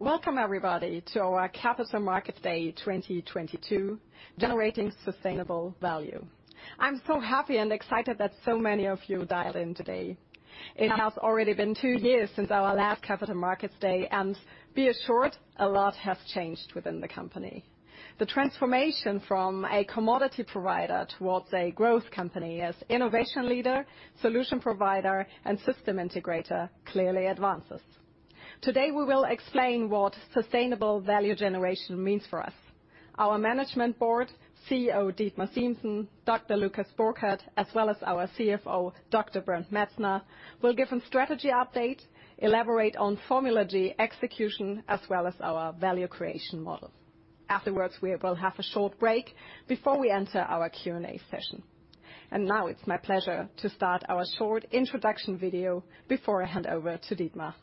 Welcome everybody to our Capital Markets Day 2022, Generating Sustainable Value. I'm so happy and excited that so many of you dialed in today. It has already been two years since our last Capital Markets Day. Be assured, a lot has changed within the company. The transformation from a commodity provider towards a growth company as innovation leader, solution provider, and system integrator clearly advances. Today, we will explain what sustainable value generation means for us. Our management board, CEO Dietmar Siemssen, Dr. Lukas Burkhardt, as well as our CFO, Dr. Bernd Metzner, will give a strategy update, elaborate on formula g execution, as well as our value creation model. Afterwards, we will have a short break before we enter our Q&A session. Now it's my pleasure to start our short introduction video before I hand over to Dietmar.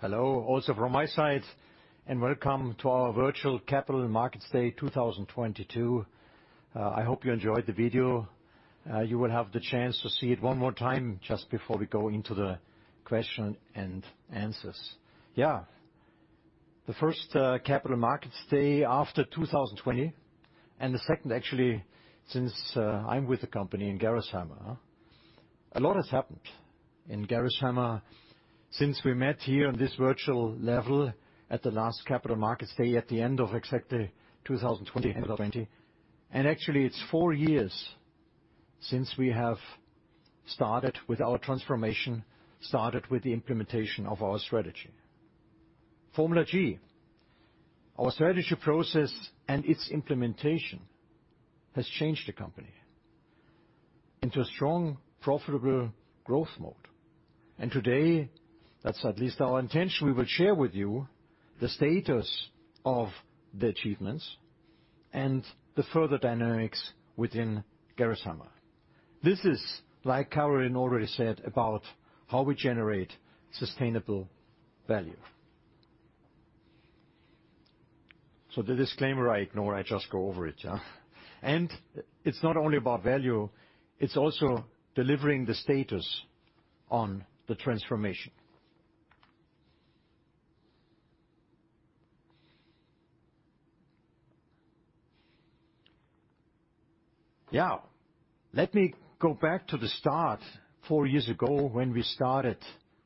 Yeah. Hello, also from my side, welcome to our virtual Capital Markets Day 2022. I hope you enjoyed the video. You will have the chance to see it one more time just before we go into the question and answers. Yeah. The first Capital Markets Day after 2020, and the second actually since I'm with the company in Gerresheimer. A lot has happened in Gerresheimer since we met here on this virtual level at the last Capital Markets Day at the end of exactly 2020. Actually, it's four years since we have started with our transformation, started with the implementation of our strategy, formula g. Our strategy process and its implementation has changed the company into a strong, profitable growth mode. Today, that's at least our intention, we will share with you the status of the achievements and the further dynamics within Gerresheimer. This is, like Carolin already said, about how we generate sustainable value. The disclaimer I ignore, I just go over it, yeah. It's not only about value, it's also delivering the status on the transformation. Yeah. Let me go back to the start four years ago when we started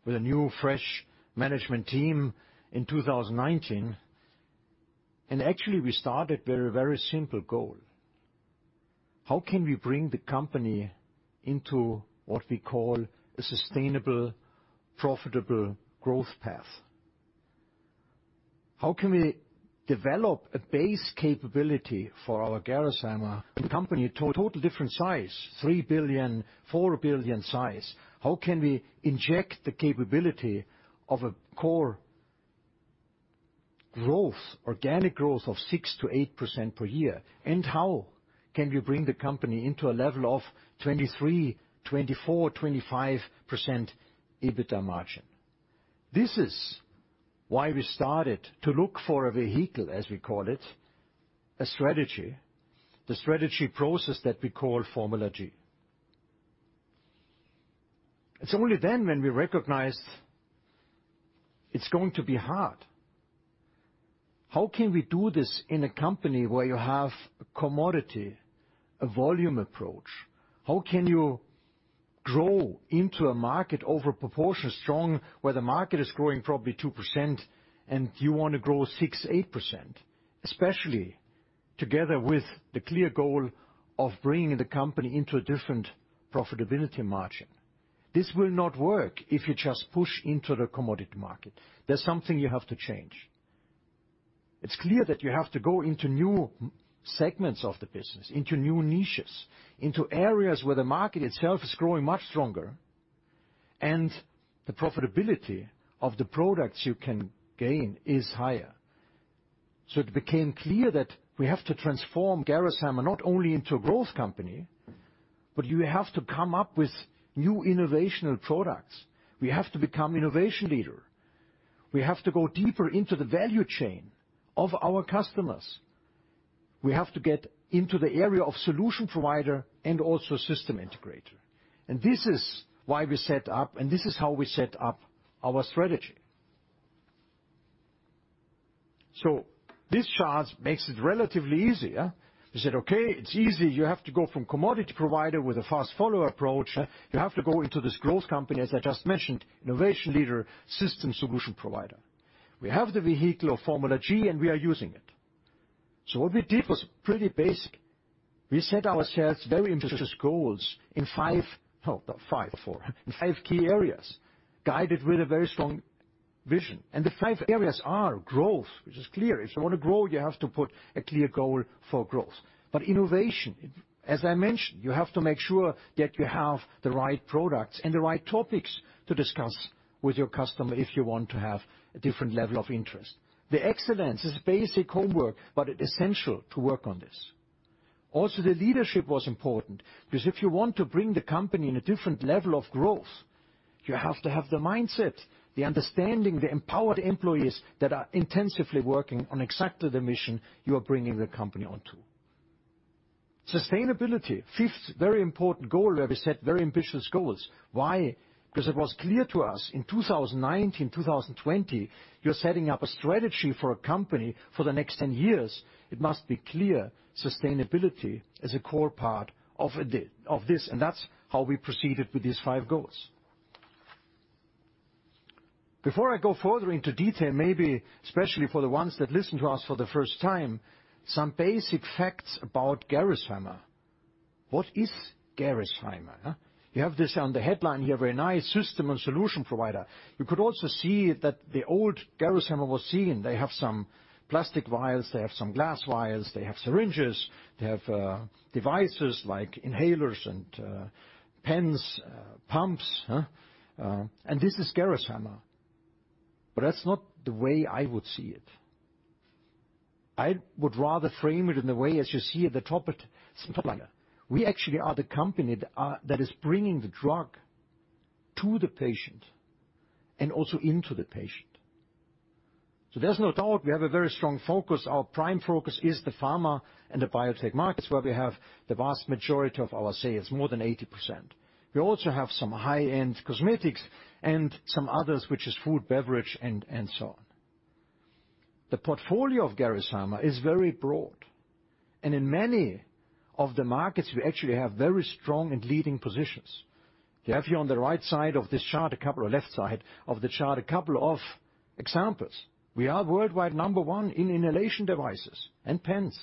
with a new fresh management team in 2019. Actually, we started with a very simple goal. How can we bring the company into what we call a sustainable, profitable growth path? How can we develop a base capability for our Gerresheimer company to a total different size, 3 billion, 4 billion size? How can we inject the capability of a core growth, organic growth of 6%-8% per year? How can we bring the company into a level of 23%, 24%, 25% EBITDA margin? This is why we started to look for a vehicle, as we call it, a strategy, the strategy process that we call formula g. It's only then when we recognized it's going to be hard. How can we do this in a company where you have a commodity, a volume approach? How can you grow into a market over proportion strong, where the market is growing probably 2% and you want to grow 6%, 8%? Especially together with the clear goal of bringing the company into a different profitability margin. This will not work if you just push into the commodity market. There's something you have to change. It's clear that you have to go into new segments of the business, into new niches, into areas where the market itself is growing much stronger, and the profitability of the products you can gain is higher. It became clear that we have to transform Gerresheimer not only into a growth company, but you have to come up with new innovational products. We have to become innovation leader. We have to go deeper into the value chain of our customers. We have to get into the area of solution provider and also system integrator. This is why we set up, and this is how we set up our strategy. This chart makes it relatively easy. We said, okay, it's easy. You have to go from commodity provider with a fast follower approach. You have to go into this growth company, as I just mentioned, innovation leader, system solution provider. We have the vehicle of formula g, and we are using it. What we did was pretty basic. We set ourselves very ambitious goals in four in five key areas, guided with a very strong vision. The five areas are growth, which is clear. If you want to grow, you have to put a clear goal for growth. Innovation, as I mentioned, you have to make sure that you have the right products and the right topics to discuss with your customer if you want to have a different level of interest. The excellence is basic homework, but essential to work on this. Also, the leadership was important because if you want to bring the company in a different level of growth, you have to have the mindset, the understanding, the empowered employees that are intensively working on exactly the mission you are bringing the company onto. Sustainability, fifth very important goal where we set very ambitious goals. Why? Because it was clear to us in 2019, 2020, you're setting up a strategy for a company for the next 10 years. It must be clear sustainability is a core part of this, and that's how we proceeded with these five goals. Before I go further into detail, maybe especially for the ones that listen to us for the first time, some basic facts about Gerresheimer. What is Gerresheimer? You have this on the headline here, very nice system and solution provider. You could also see that the old Gerresheimer was seen. They have some plastic vials. They have some glass vials. They have syringes. They have devices like inhalers and pens, pumps. This is Gerresheimer. That's not the way I would see it. I would rather frame it in the way as you see at the top it, supplier. We actually are the company that is bringing the drug to the patient and also into the patient. There's no doubt we have a very strong focus. Our prime focus is the pharma and the biotech markets, where we have the vast majority of our sales, more than 80%. We also have some high-end cosmetics and some others, which is food, beverage, and so on. The portfolio of Gerresheimer is very broad. In many of the markets, we actually have very strong and leading positions. You have here on the right side of this chart, left side of the chart, a couple of examples. We are worldwide number one in inhalation devices and pens.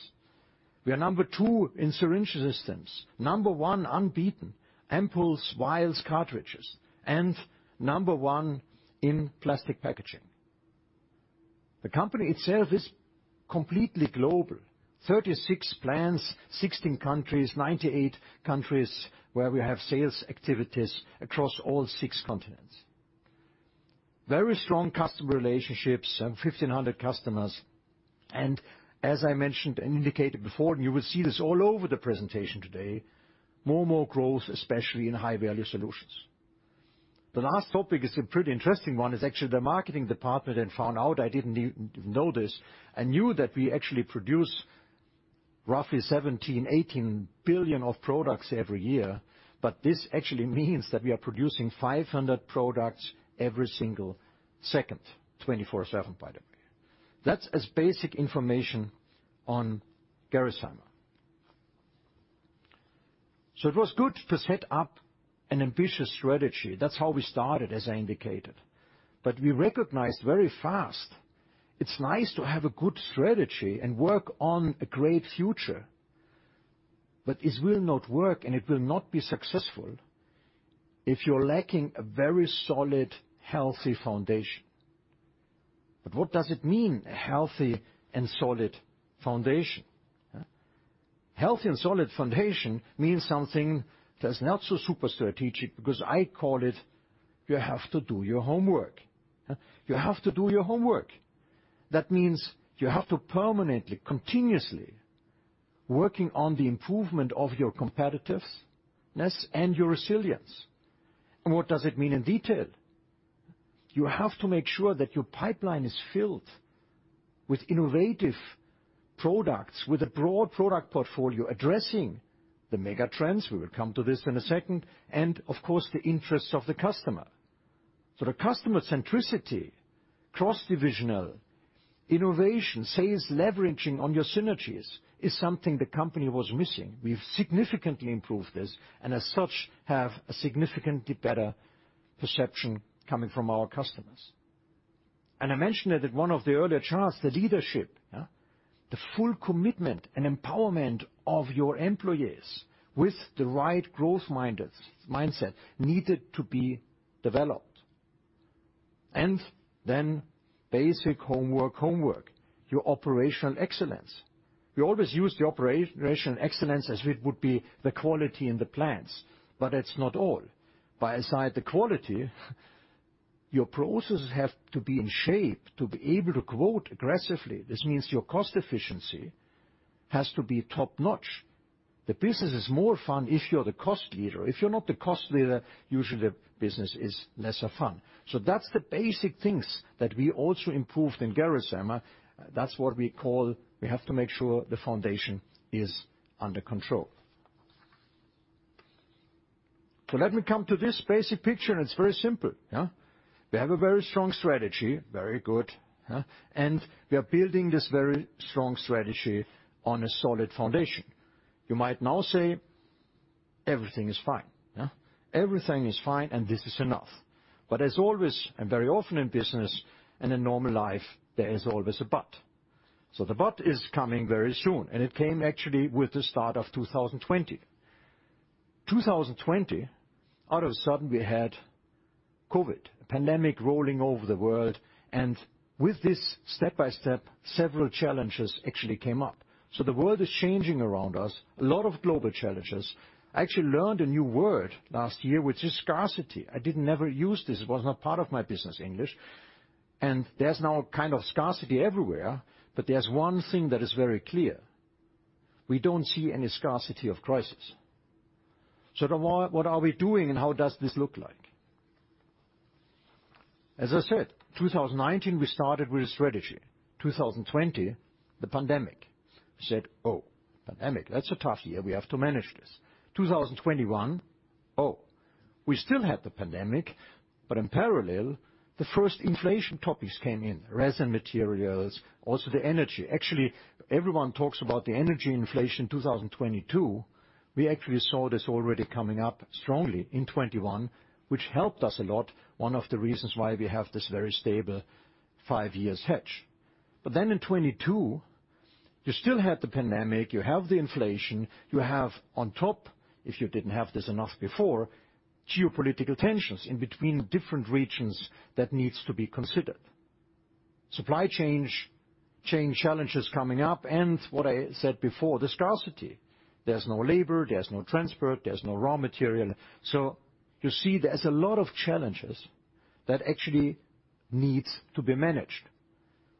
We are number two in syringe systems. Number one unbeaten, ampoules, vials, cartridges, and number one in plastic packaging. The company itself is completely global. 36 plants, 16 countries, 98 countries where we have sales activities across all six continents. Very strong customer relationships, some 1,500 customers. As I mentioned and indicated before, and you will see this all over the presentation today, more and more growth, especially in high-value solutions. The last topic is a pretty interesting one. It's actually the marketing department had found out. I didn't even know this. I knew that we actually produce roughly 17, 18 billion of products every year. This actually means that we are producing 500 products every single second, 24/7, by the way. That's as basic information on Gerresheimer. It was good to set up an ambitious strategy. That's how we started, as I indicated. We recognized very fast it's nice to have a good strategy and work on a great future, but it will not work, and it will not be successful if you're lacking a very solid, healthy foundation. What does it mean, a healthy and solid foundation, huh? Healthy and solid foundation means something that's not so super strategic because I call it you have to do your homework. You have to do your homework. That means you have to permanently, continuously working on the improvement of your competitiveness and your resilience. What does it mean in detail? You have to make sure that your pipeline is filled with innovative products, with a broad product portfolio addressing the mega trends, we will come to this in a second, and of course, the interests of the customer. The customer centricity, cross-divisional innovation, sales leveraging on your synergies is something the company was missing. We've significantly improved this and as such, have a significantly better perception coming from our customers. I mentioned it at one of the earlier charts, the leadership, yeah. The full commitment and empowerment of your employees with the right growth mindset needed to be developed. Basic homework, your operational excellence. We always use operational excellence as it would be the quality in the plants, but that's not all. By aside the quality, your processes have to be in shape to be able to quote aggressively. This means your cost efficiency has to be top-notch. The business is more fun if you're the cost leader. If you're not the cost leader, usually the business is lesser fun. That's the basic things that we also improved in Gerresheimer. That's what we call, we have to make sure the foundation is under control. Let me come to this basic picture, and it's very simple, yeah. We have a very strong strategy. Very good, And we are building this very strong strategy on a solid foundation. You might now say, everything is fine, yeah. Everything is fine and this is enough. As always, and very often in business and in normal life, there is always a but. The but is coming very soon, and it came actually with the start of 2020. 2020, all of a sudden we had COVID, a pandemic rolling over the world. With this, step by step, several challenges actually came up. The world is changing around us. A lot of global challenges. I actually learned a new word last year, which is scarcity. I didn't ever use this. It was not part of my business English. And there's now a kind of scarcity everywhere. There's one thing that is very clear. We don't see any scarcity of crisis. What are we doing and how does this look like? As I said, 2019, we started with a strategy. 2020, the pandemic. We said, "Oh, pandemic. That's a tough year. We have to manage this. 2021, we still had the pandemic, in parallel, the first inflation topics came in. Resin materials, also the energy. Actually, everyone talks about the energy inflation in 2022. We actually saw this already coming up strongly in 2021, which helped us a lot. One of the reasons why we have this very stable five years hedge. In 2022, you still had the pandemic, you have the inflation, you have on top, if you didn't have this enough before, geopolitical tensions in between different regions that needs to be considered. Supply chain challenges coming up. What I said before, the scarcity. There's no labor, there's no transport, there's no raw material. You see, there's a lot of challenges that actually needs to be managed.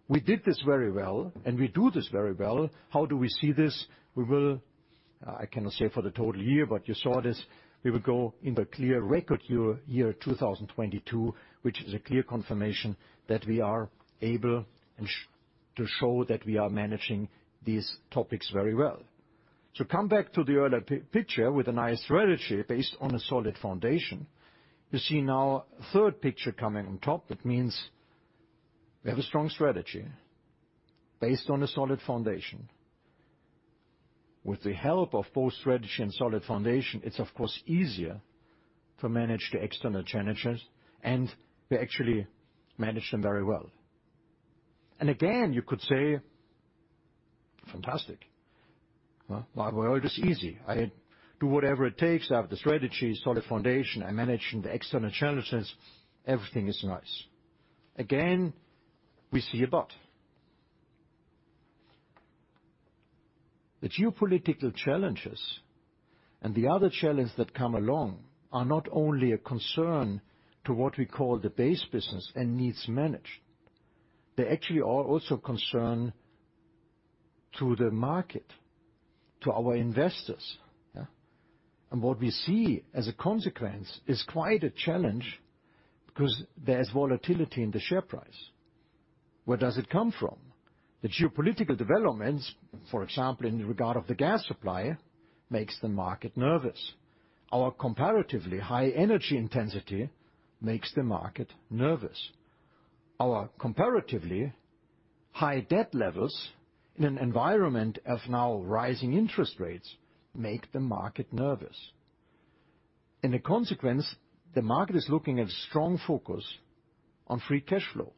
We did this very well. We do this very well. How do we see this? We will, I cannot say for the total year, but you saw this. We will go in the clear record year, 2022, which is a clear confirmation that we are able to show that we are managing these topics very well. Come back to the earlier picture with a nice strategy based on a solid foundation. You see now a third picture coming on top. That means we have a strong strategy based on a solid foundation. With the help of both strategy and solid foundation, it's of course easier to manage the external challenges, and we actually manage them very well. And again, you could say, fantastic, huh. Why, well, it is easy. I do whatever it takes. I have the strategy, solid foundation. I'm managing the external challenges. Everything is nice. Again, we see a but. The geopolitical challenges and the other challenge that come along are not only a concern to what we call the base business and needs managed. They actually are also concern to the market, to our investors, yeah. What we see as a consequence is quite a challenge because there's volatility in the share price. Where does it come from? The geopolitical developments, for example, in regard of the gas supply, makes the market nervous. Our comparatively high energy intensity makes the market nervous. Our comparatively high debt levels in an environment of now rising interest rates make the market nervous. The consequence, the market is looking at strong focus on free cash flow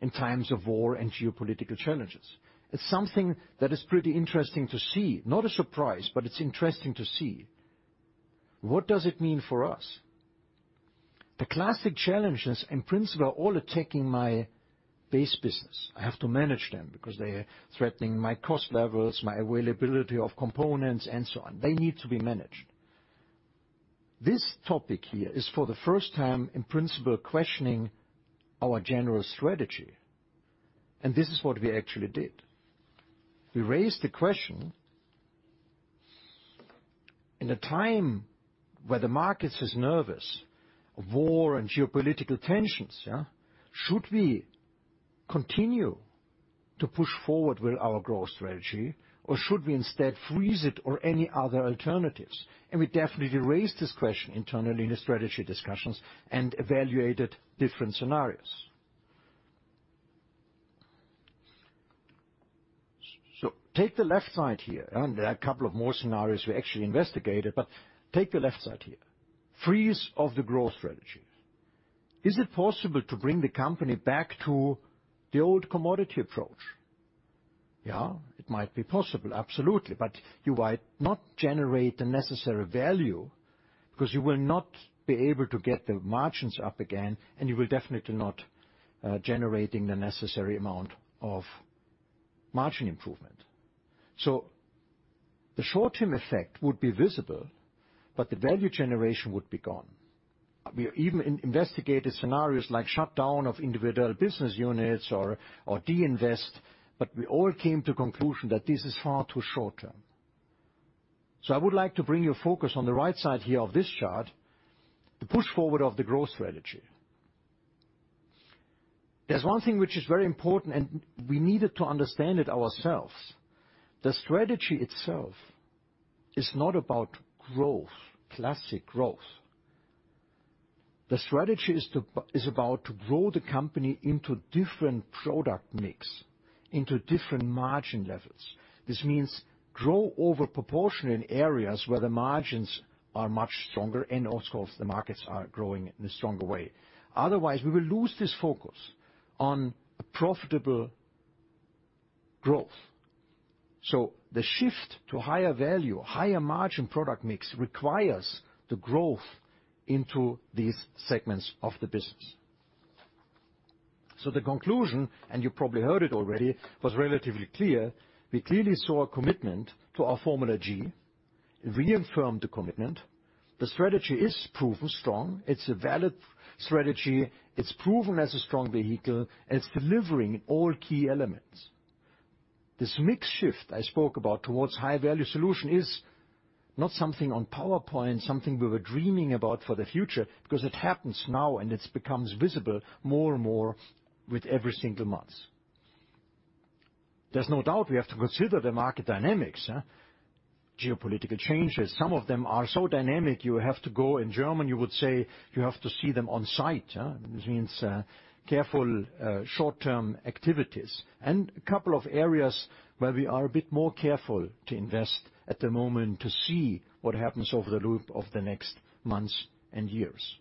in times of war and geopolitical challenges. It's something that is pretty interesting to see. Not a surprise, but it's interesting to see. What does it mean for us? The classic challenges in principle are all attacking my base business. I have to manage them because they are threatening my cost levels, my availability of components, and so on. They need to be managed. This topic here is for the first time in principle questioning our general strategy. This is what we actually did. We raised the question, in a time where the markets is nervous, war and geopolitical tensions, yeah, should we continue to push forward with our growth strategy or should we instead freeze it or any other alternatives? We definitely raised this question internally in the strategy discussions and evaluated different scenarios. Take the left side here, and there are a couple of more scenarios we actually investigated, but take the left side here. Freeze of the growth strategy. Is it possible to bring the company back to the old commodity approach? Yeah, it might be possible. Absolutely. You might not generate the necessary value because you will not be able to get the margins up again, and you will definitely not generating the necessary amount of margin improvement. The short-term effect would be visible, but the value generation would be gone. We even investigated scenarios like shutdown of individual business units or de-invest, we all came to conclusion that this is far too short-term. I would like to bring your focus on the right side here of this chart, the push forward of the growth strategy. There's one thing which is very important, we needed to understand it ourselves. The strategy itself is not about growth, classic growth. The strategy is about to grow the company into different product mix, into different margin levels. This means grow over proportion in areas where the margins are much stronger and also the markets are growing in a stronger way. Otherwise, we will lose this focus on profitable growth. The shift to higher value, higher margin product mix requires the growth into these segments of the business. The conclusion, and you probably heard it already, was relatively clear. We clearly saw a commitment to our formula g. It reaffirmed the commitment. The strategy is proven strong. It's a valid strategy. It's proven as a strong vehicle, and it's delivering in all key elements. This mix shift I spoke about towards high-value solution is not something on PowerPoint, something we were dreaming about for the future, because it happens now, and it's becomes visible more and more with every single month. There's no doubt we have to consider the market dynamics. Geopolitical changes. Some of them are so dynamic you have to go, in German you would say, "You have to see them on site," Which means, careful, short-term activities. A couple of areas where we are a bit more careful to invest at the moment to see what happens over the loop of the next months and years.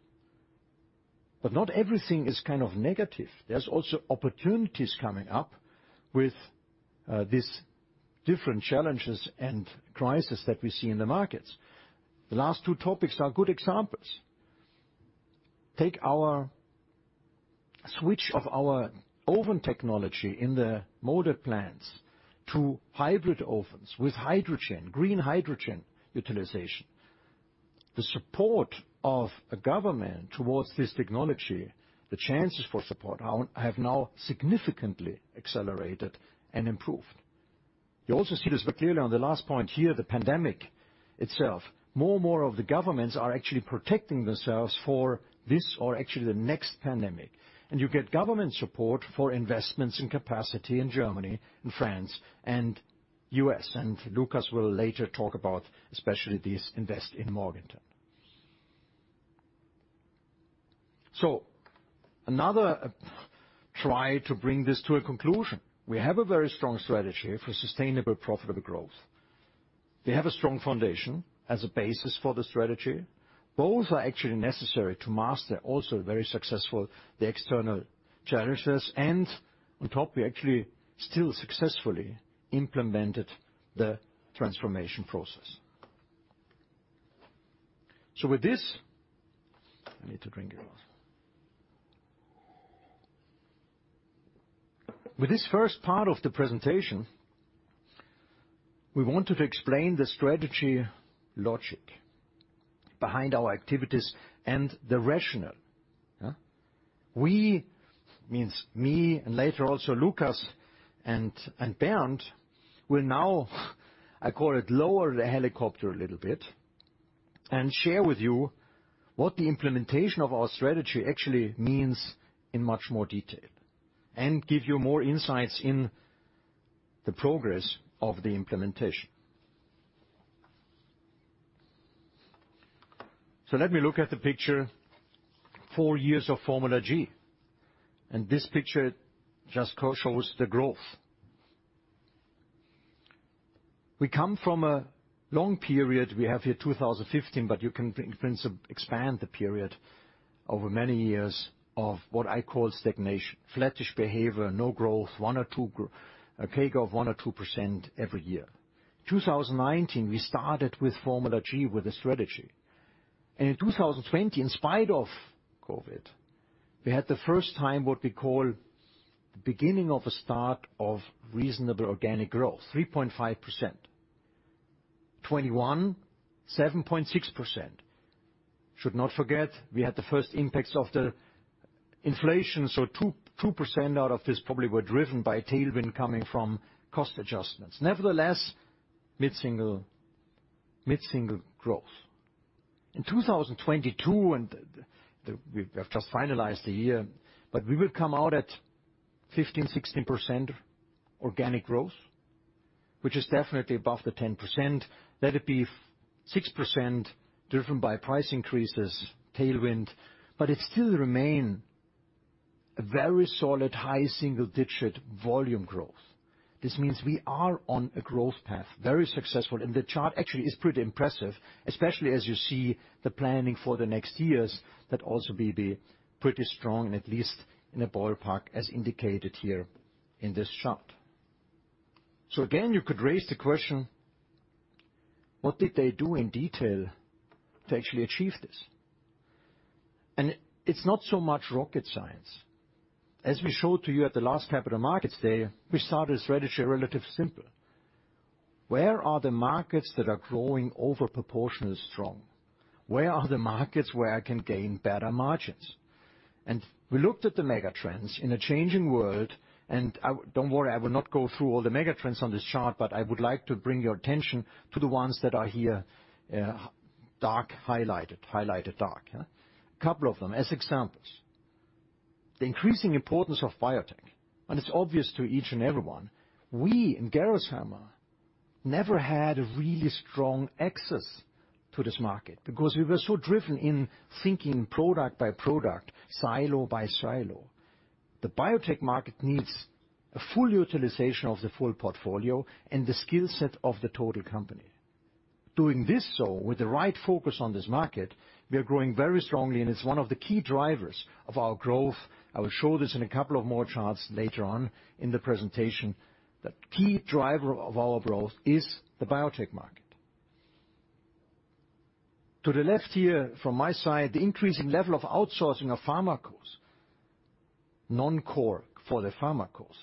Not everything is kind of negative. There's also opportunities coming up with these different challenges and crisis that we see in the markets. The last two topics are good examples. Take our switch of our oven technology in the molded plants to hybrid ovens with hydrogen, green hydrogen utilization. The support of a government towards this technology, the chances for support now have now significantly accelerated and improved. You also see this very clearly on the last point here, the pandemic itself. More and more of the governments are actually protecting themselves for this or actually the next pandemic. You get government support for investments in capacity in Germany and France and U.S. Lukas will later talk about especially this invest in Morganton. Another try to bring this to a conclusion. We have a very strong strategy for sustainable, profitable growth. We have a strong foundation as a basis for the strategy. Both are actually necessary to master, also very successful, the external challenges. And on top, we actually still successfully implemented the transformation process. So with this. I need to drink it also. With this first part of the presentation, we wanted to explain the strategy logic behind our activities and the rationale. We, means me and later also Lukas and Bernd, will now, I call it, lower the helicopter a little bit and share with you what the implementation of our strategy actually means in much more detail and give you more insights in the progress of the implementation. Let me look at the picture, four years of formula g. This picture just shows the growth. We come from a long period, we have here 2015, but you can in principle expand the period over many years of what I call stagnation, flattish behavior, no growth, a cake of one or 2% every year. 2019, we started with formula g with a strategy. In 2020, in spite of COVID, we had the first time what we call the beginning of a start of reasonable organic growth, 3.5%. 2021, 7.6%. Should not forget, we had the first impacts of the inflation, so 2% out of this probably were driven by a tailwind coming from cost adjustments. Nevertheless, mid-single growth. In 2022, we have just finalized the year, but we will come out at 15%-16% organic growth, which is definitely above the 10%. Let it be 6% driven by price increases, tailwind, but it still remains a very solid high single-digit volume growth. This means we are on a growth path, very successful. The chart actually is pretty impressive, especially as you see the planning for the next years that also will be pretty strong and at least in a ballpark, as indicated here in this chart. Again, you could raise the question, what did they do in detail to actually achieve this? It's not so much rocket science. As we showed to you at the last Capital Markets Day, we started the strategy relatively simple. Where are the markets that are growing over proportionally strong? Where are the markets where I can gain better margins? And we looked at the mega trends in a changing world, and don't worry, I will not go through all the mega trends on this chart, but I would like to bring your attention to the ones that are here, dark highlighted dark. A couple of them as examples. The increasing importance of biotech, and it's obvious to each and everyone. We in Gerresheimer never had a really strong access to this market because we were so driven in thinking product by product, silo by silo. The biotech market needs a full utilization of the full portfolio and the skill set of the total company. Doing this so, with the right focus on this market, we are growing very strongly, and it's one of the key drivers of our growth. I will show this in a couple of more charts later on in the presentation. The key driver of our growth is the biotech market. To the left here, from my side, the increasing level of outsourcing of pharma costs, non-core for the pharma costs.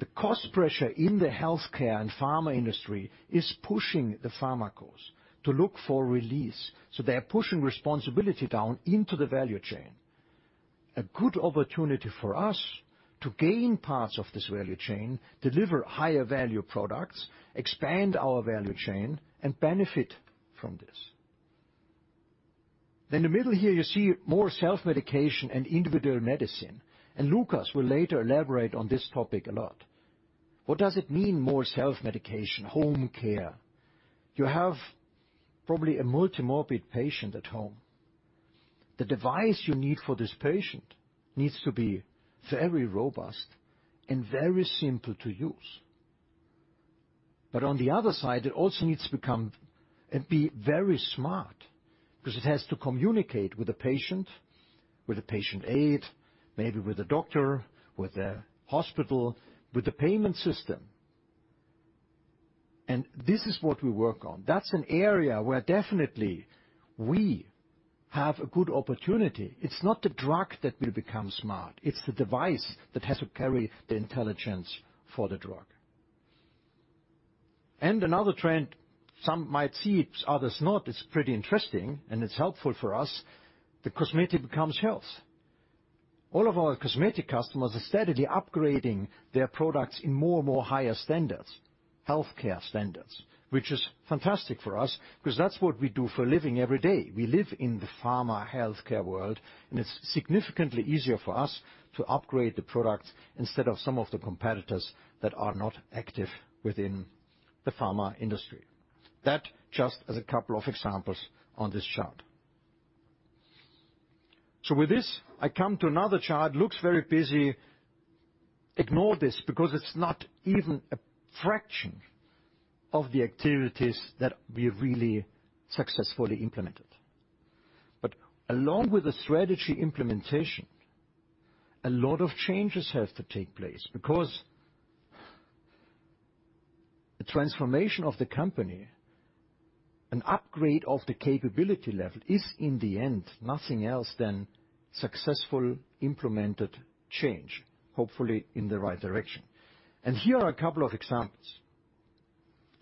The cost pressure in the healthcare and pharma industry is pushing the pharma costs to look for release, so they are pushing responsibility down into the value chain. A good opportunity for us to gain parts of this value chain, deliver higher value products, expand our value chain, and benefit from this. In the middle here, you see more self-medication and individual medicine, and Lukas will later elaborate on this topic a lot. What does it mean, more self-medication, home care? You have probably a multimorbid patient at home. The device you need for this patient needs to be very robust and very simple to use. But on the other side, it also needs to become and be very smart because it has to communicate with the patient, with the patient aid, maybe with the doctor, with the hospital, with the payment system. This is what we work on. That's an area where definitely we have a good opportunity. It's not the drug that will become smart. It's the device that has to carry the intelligence for the drug. Another trend some might see, others not, it's pretty interesting, and it's helpful for us, the cosmetic becomes health. All of our cosmetic customers are steadily upgrading their products in more and more higher standards, healthcare standards, which is fantastic for us because that's what we do for a living every day. We live in the pharma healthcare world, and it's significantly easier for us to upgrade the product instead of some of the competitors that are not active within the pharma industry. That just as a couple of examples on this chart. With this, I come to another chart. Looks very busy. Ignore this because it's not even a fraction of the activities that we really successfully implemented. Along with the strategy implementation, a lot of changes have to take place because the transformation of the company, an upgrade of the capability level, is in the end nothing else than successful implemented change, hopefully in the right direction. Here are a couple of examples.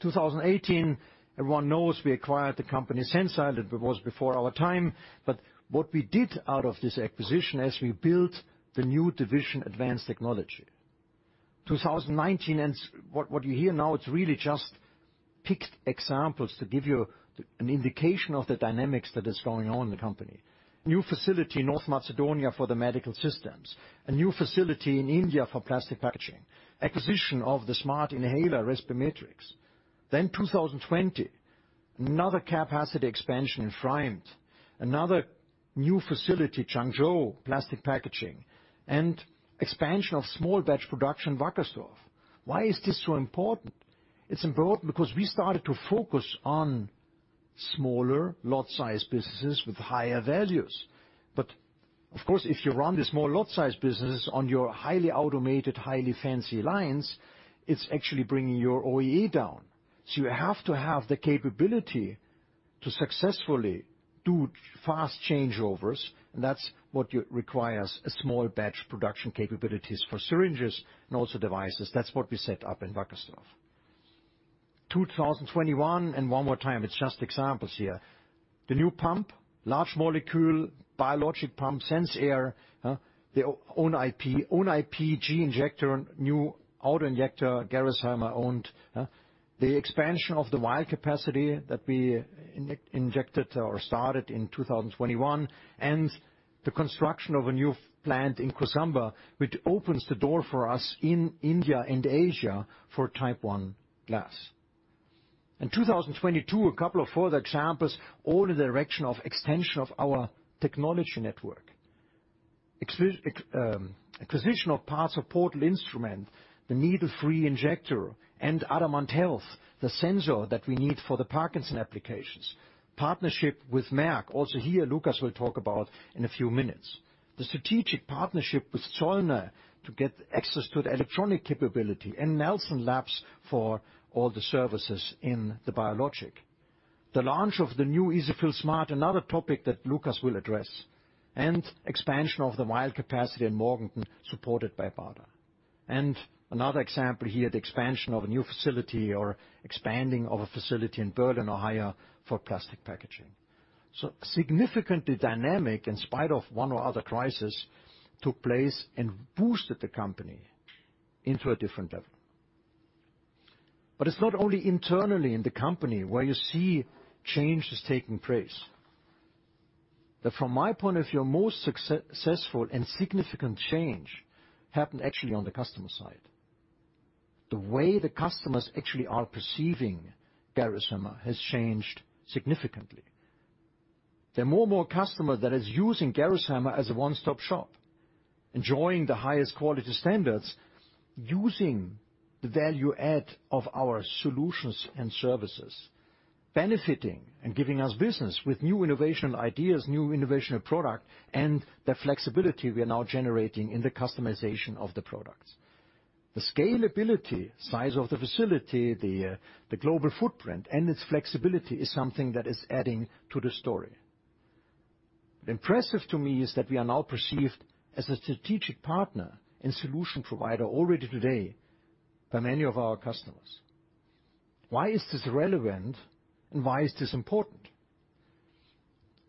2018, everyone knows we acquired the company Sensile Medical. It was before our time. What we did out of this acquisition is we built the new division, Advanced Technologies. What you hear now, it's really just picked examples to give you an indication of the dynamics that is going on in the company. New facility, North Macedonia, for the medical systems. A new facility in India for plastic packaging. Acquisition of the smart inhaler respimetrix. 2020, another capacity expansion in Pfreimd. Another new facility, Changzhou, plastic packaging. Expansion of small batch production, Wackersdorf. Why is this so important? It's important because we started to focus on smaller lot size businesses with higher values. Of course, if you run the small lot size businesses on your highly automated, highly fancy lines, it's actually bringing your OEE down. You have to have the capability to successfully do fast changeovers, and that's what you requires a small batch production capabilities for syringes and also devices. That's what we set up in Wackersdorf. 2021, one more time, it's just examples here. The new pump, large molecule, biologic pump, SensAIR, the own IP, own IPG injector, new autoinjector, Gerresheimer-owned. The expansion of the vial capacity that we injected or started in 2021. The construction of a new plant in Kosamba, which opens the door for us in India and Asia for Type I glass. In 2022, a couple of further examples, all in the direction of extension of our technology network. Acquisition of parts of Portal Instruments, the needle-free injector, and Adamant Health, the sensor that we need for the Parkinson's applications. Partnership with Merck, also here, Lukas will talk about in a few minutes. The strategic partnership with Zollner to get access to the electronic capability and Nelson Labs for all the services in the biologic. The launch of the new EZ-fill Smart, another topic that Lukas will address, expansion of the vial capacity in Morganton, supported by BARDA. Another example here, the expansion of a new facility or expanding of a facility in Berlin, Ohio, for plastic packaging. Significantly dynamic, in spite of one or other crisis, took place and boosted the company into a different level. It's not only internally in the company where you see change is taking place. From my point of view, a more successful and significant change happened actually on the customer side. The way the customers actually are perceiving Gerresheimer has changed significantly. There are more and more customers that is using Gerresheimer as a one-stop shop, enjoying the highest quality standards, using the value add of our solutions and services, benefiting and giving us business with new innovation ideas, new innovational product, and the flexibility we are now generating in the customization of the products. The scalability, size of the facility, the global footprint, and its flexibility is something that is adding to the story. Impressive to me is that we are now perceived as a strategic partner and solution provider already today by many of our customers. Why is this relevant, and why is this important?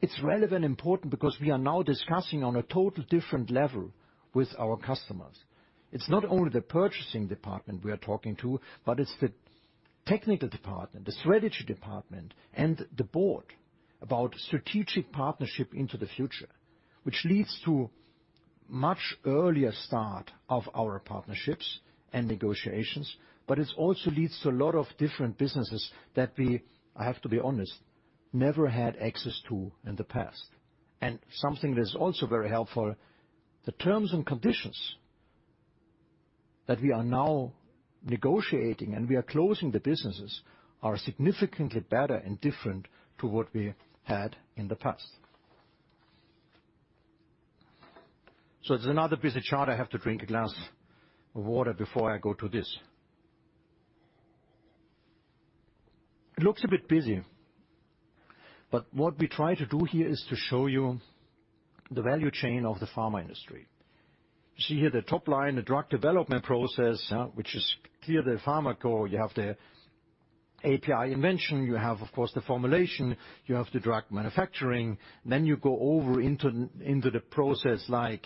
It's relevant and important because we are now discussing on a total different level with our customers. It's not only the purchasing department we are talking to, but it's the technical department, the strategy department, and the board about strategic partnership into the future, which leads to much earlier start of our partnerships and negotiations, but it also leads to a lot of different businesses that we, I have to be honest, never had access to in the past. Something that is also very helpful, the terms and conditions that we are now negotiating and we are closing the businesses are significantly better and different to what we had in the past. It's another busy chart. I have to drink a glass of water before I go to this. It looks a bit busy, but what we try to do here is to show you the value chain of the pharma industry. You see here the top line, the drug development process, which is clear the pharma core. You have the API invention. You have, of course, the formulation. You have the drug manufacturing. You go over into the process like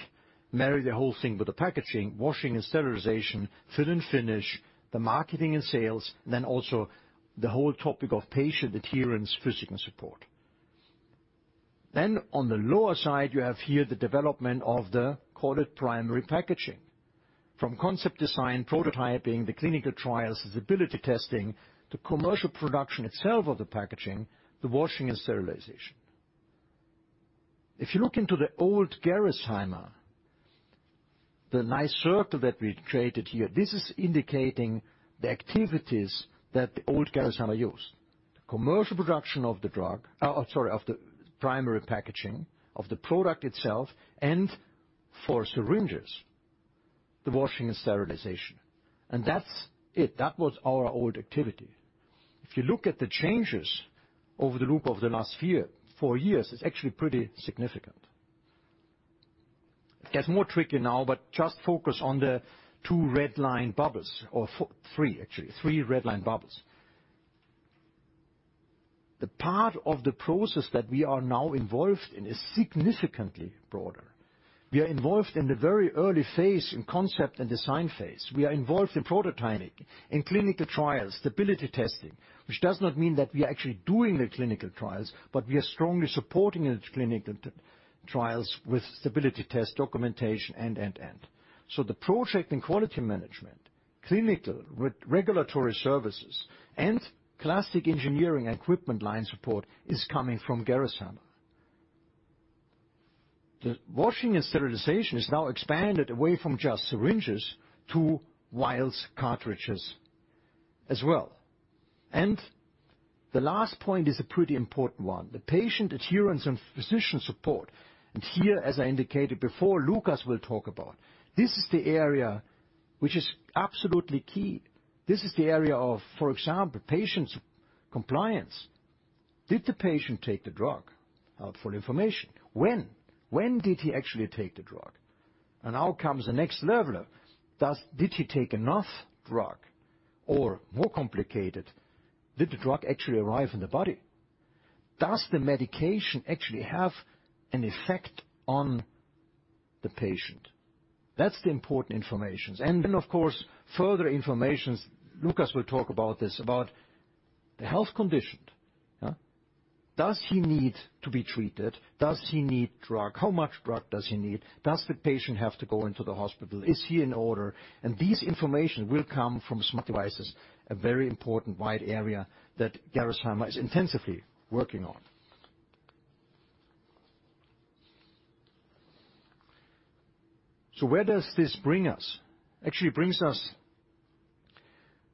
marry the whole thing with the packaging, washing and sterilization, fill and finish, the marketing and sales, also the whole topic of patient adherence, physician support. On the lower side, you have here the development of the, call it, primary packaging. From concept design, prototyping, the clinical trials, the stability testing, the commercial production itself of the packaging, the washing and sterilization. If you look into the old Gerresheimer, the nice circle that we created here, this is indicating the activities that the old Gerresheimer used. Commercial production of the drug. Sorry, of the primary packaging of the product itself and for syringes, the washing and sterilization. That's it. That was our old activity. If you look at the changes over the loop of the last year, four years, it's actually pretty significant. It gets more tricky now, but just focus on the two red line bubbles or three, actually, three red line bubbles. The part of the process that we are now involved in is significantly broader. We are involved in the very early phase, in concept and design phase. We are involved in prototyping, in clinical trials, stability testing, which does not mean that we are actually doing the clinical trials, but we are strongly supporting the clinical trials with stability test documentation, and, and. The project and quality management, clinical with regulatory services, and plastic engineering equipment line support is coming from Gerresheimer. The washing and sterilization is now expanded away from just syringes to vials, cartridges as well. The last point is a pretty important one. The patient adherence and physician support, and here, as I indicated before, Lukas will talk about. This is the area which is absolutely key. This is the area of, for example, patient compliance. Did the patient take the drug? Helpful information. When? When did he actually take the drug? Now comes the next level. Did he take enough drug? Or more complicated, did the drug actually arrive in the body? Does the medication actually have an effect on the patient? That's the important information. Of course, further information, Lukas will talk about this, about the health condition, yeah. Does he need to be treated? Does he need drug? How much drug does he need? Does the patient have to go into the hospital? Is he in order? This information will come from smart devices, a very important wide area that Gerresheimer is intensively working on. Where does this bring us? Actually brings us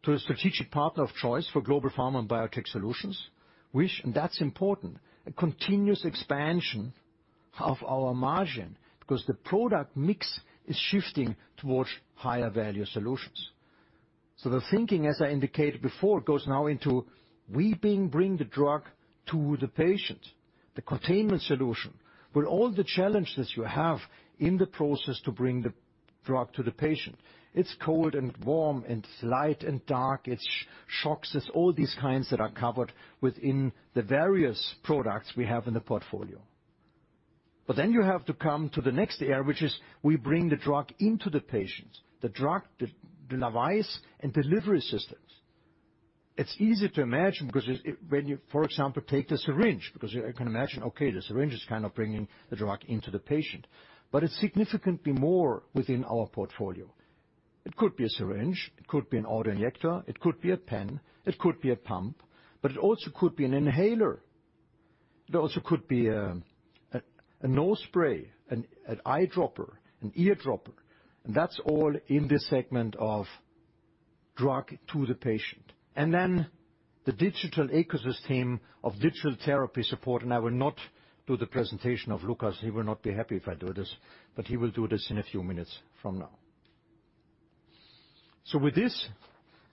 to a strategic partner of choice for global pharma and biotech solutions, which, and that's important, a continuous expansion of our margin, because the product mix is shifting towards higher value solutions. The thinking, as I indicated before, goes now into we bring the drug to the patient. The containment solution, with all the challenges you have in the process to bring the drug to the patient. It's cold and warm and light and dark. It's shocks. It's all these kinds that are covered within the various products we have in the portfolio. You have to come to the next area, which is we bring the drug into the patients. The drug, the device and delivery systems. It's easy to imagine because when you, for example, take the syringe, because you can imagine, okay, the syringe is kind of bringing the drug into the patient, but it's significantly more within our portfolio. It could be a syringe, it could be an autoinjector, it could be a pen, it could be a pump, but it also could be an inhaler. It also could be a nose spray, an eye dropper, an ear dropper. That's all in this segment of drug to the patient. The digital ecosystem of digital therapy support. I will not do the presentation of Lukas. He will not be happy if I do this, but he will do this in a few minutes from now. With this,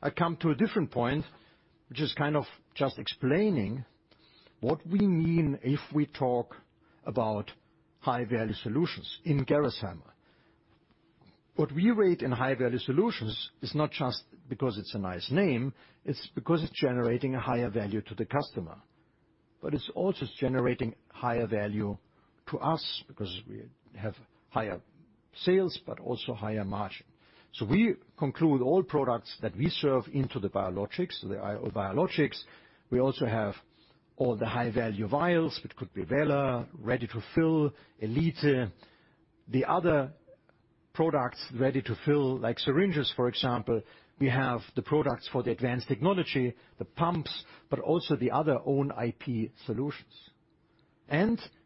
I come to a different point, which is kind of just explaining what we mean if we talk about high-value solutions in Gerresheimer. What we rate in high-value solutions is not just because it's a nice name, it's because it's generating a higher value to the customer. It's also generating higher value to us because we have higher sales, but also higher margin. We conclude all products that we serve into the biologics. The IO biologics. We also have all the high-value vials, which could be Value, ready to fill, Elite. The other products ready to fill, like syringes, for example, we have the products for the Advanced Technologies, the pumps, but also the other own IP solutions.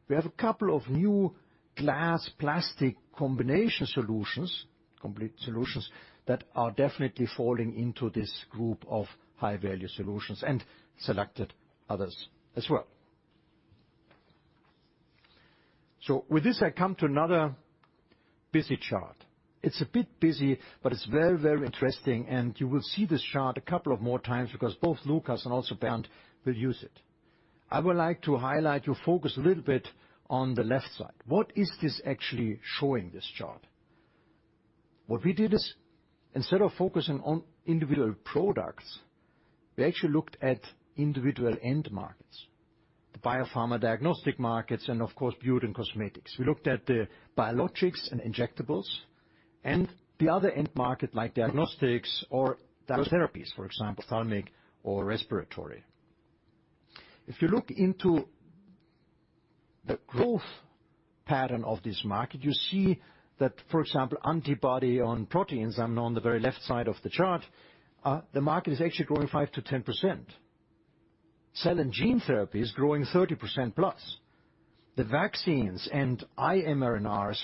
We have a couple of new glass plastic combination solutions, complete solutions, that are definitely falling into this group of high-value solutions and selected others as well. With this, I come to another busy chart. It's a bit busy, but it's very, very interesting, and you will see this chart a couple of more times because both Lukas and also Bernd will use it. I would like to highlight your focus a little bit on the left side. What is this actually showing, this chart? What we did is, instead of focusing on individual products, we actually looked at individual end markets, the biopharma diagnostic markets and of course beauty and cosmetics. We looked at the biologics and injectables and the other end market like diagnostics or diatherapies, for example, ophthalmic or respiratory. If you look into the growth pattern of this market, you see that, for example, antibody on proteins are on the very left side of the chart, the market is actually growing 5%-10%. Cell and gene therapy is growing 30%+. The vaccines and mRNAs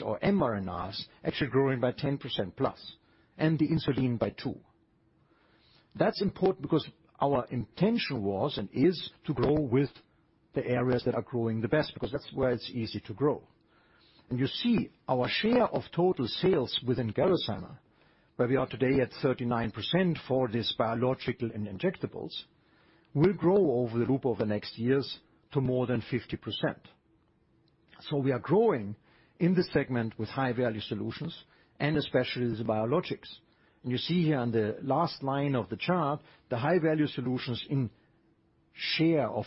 actually growing by 10%+, and the insulin by 2%. That's important because our intention was and is to grow with the areas that are growing the best, because that's where it's easy to grow. You see our share of total sales within Gerresheimer, where we are today at 39% for this biological and injectables, will grow over the group of the next years to more than 50%. So we are growing in this segment with high-value solutions and especially the biologics. You see here on the last line of the chart, the high-value solutions in share of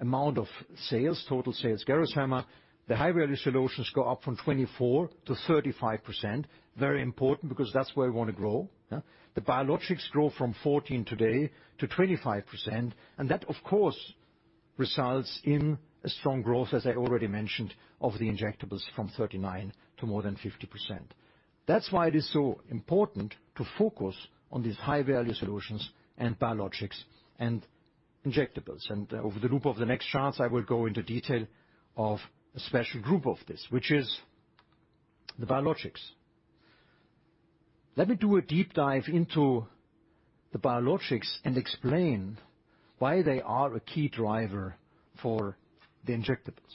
amount of sales, total sales Gerresheimer, the high-value solutions go up from 24 to 35%. Very important, because that's where we wanna grow. Yeah. The biologics grow from 14 today to 25%, that of course results in a strong growth, as I already mentioned, of the injectables from 39 to more than 50%. That's why it is so important to focus on these high-value solutions and biologics and injectables. Over the loop of the next charts, I will go into detail of a special group of this, which is the biologics. Let me do a deep dive into the biologics and explain why they are a key driver for the injectables.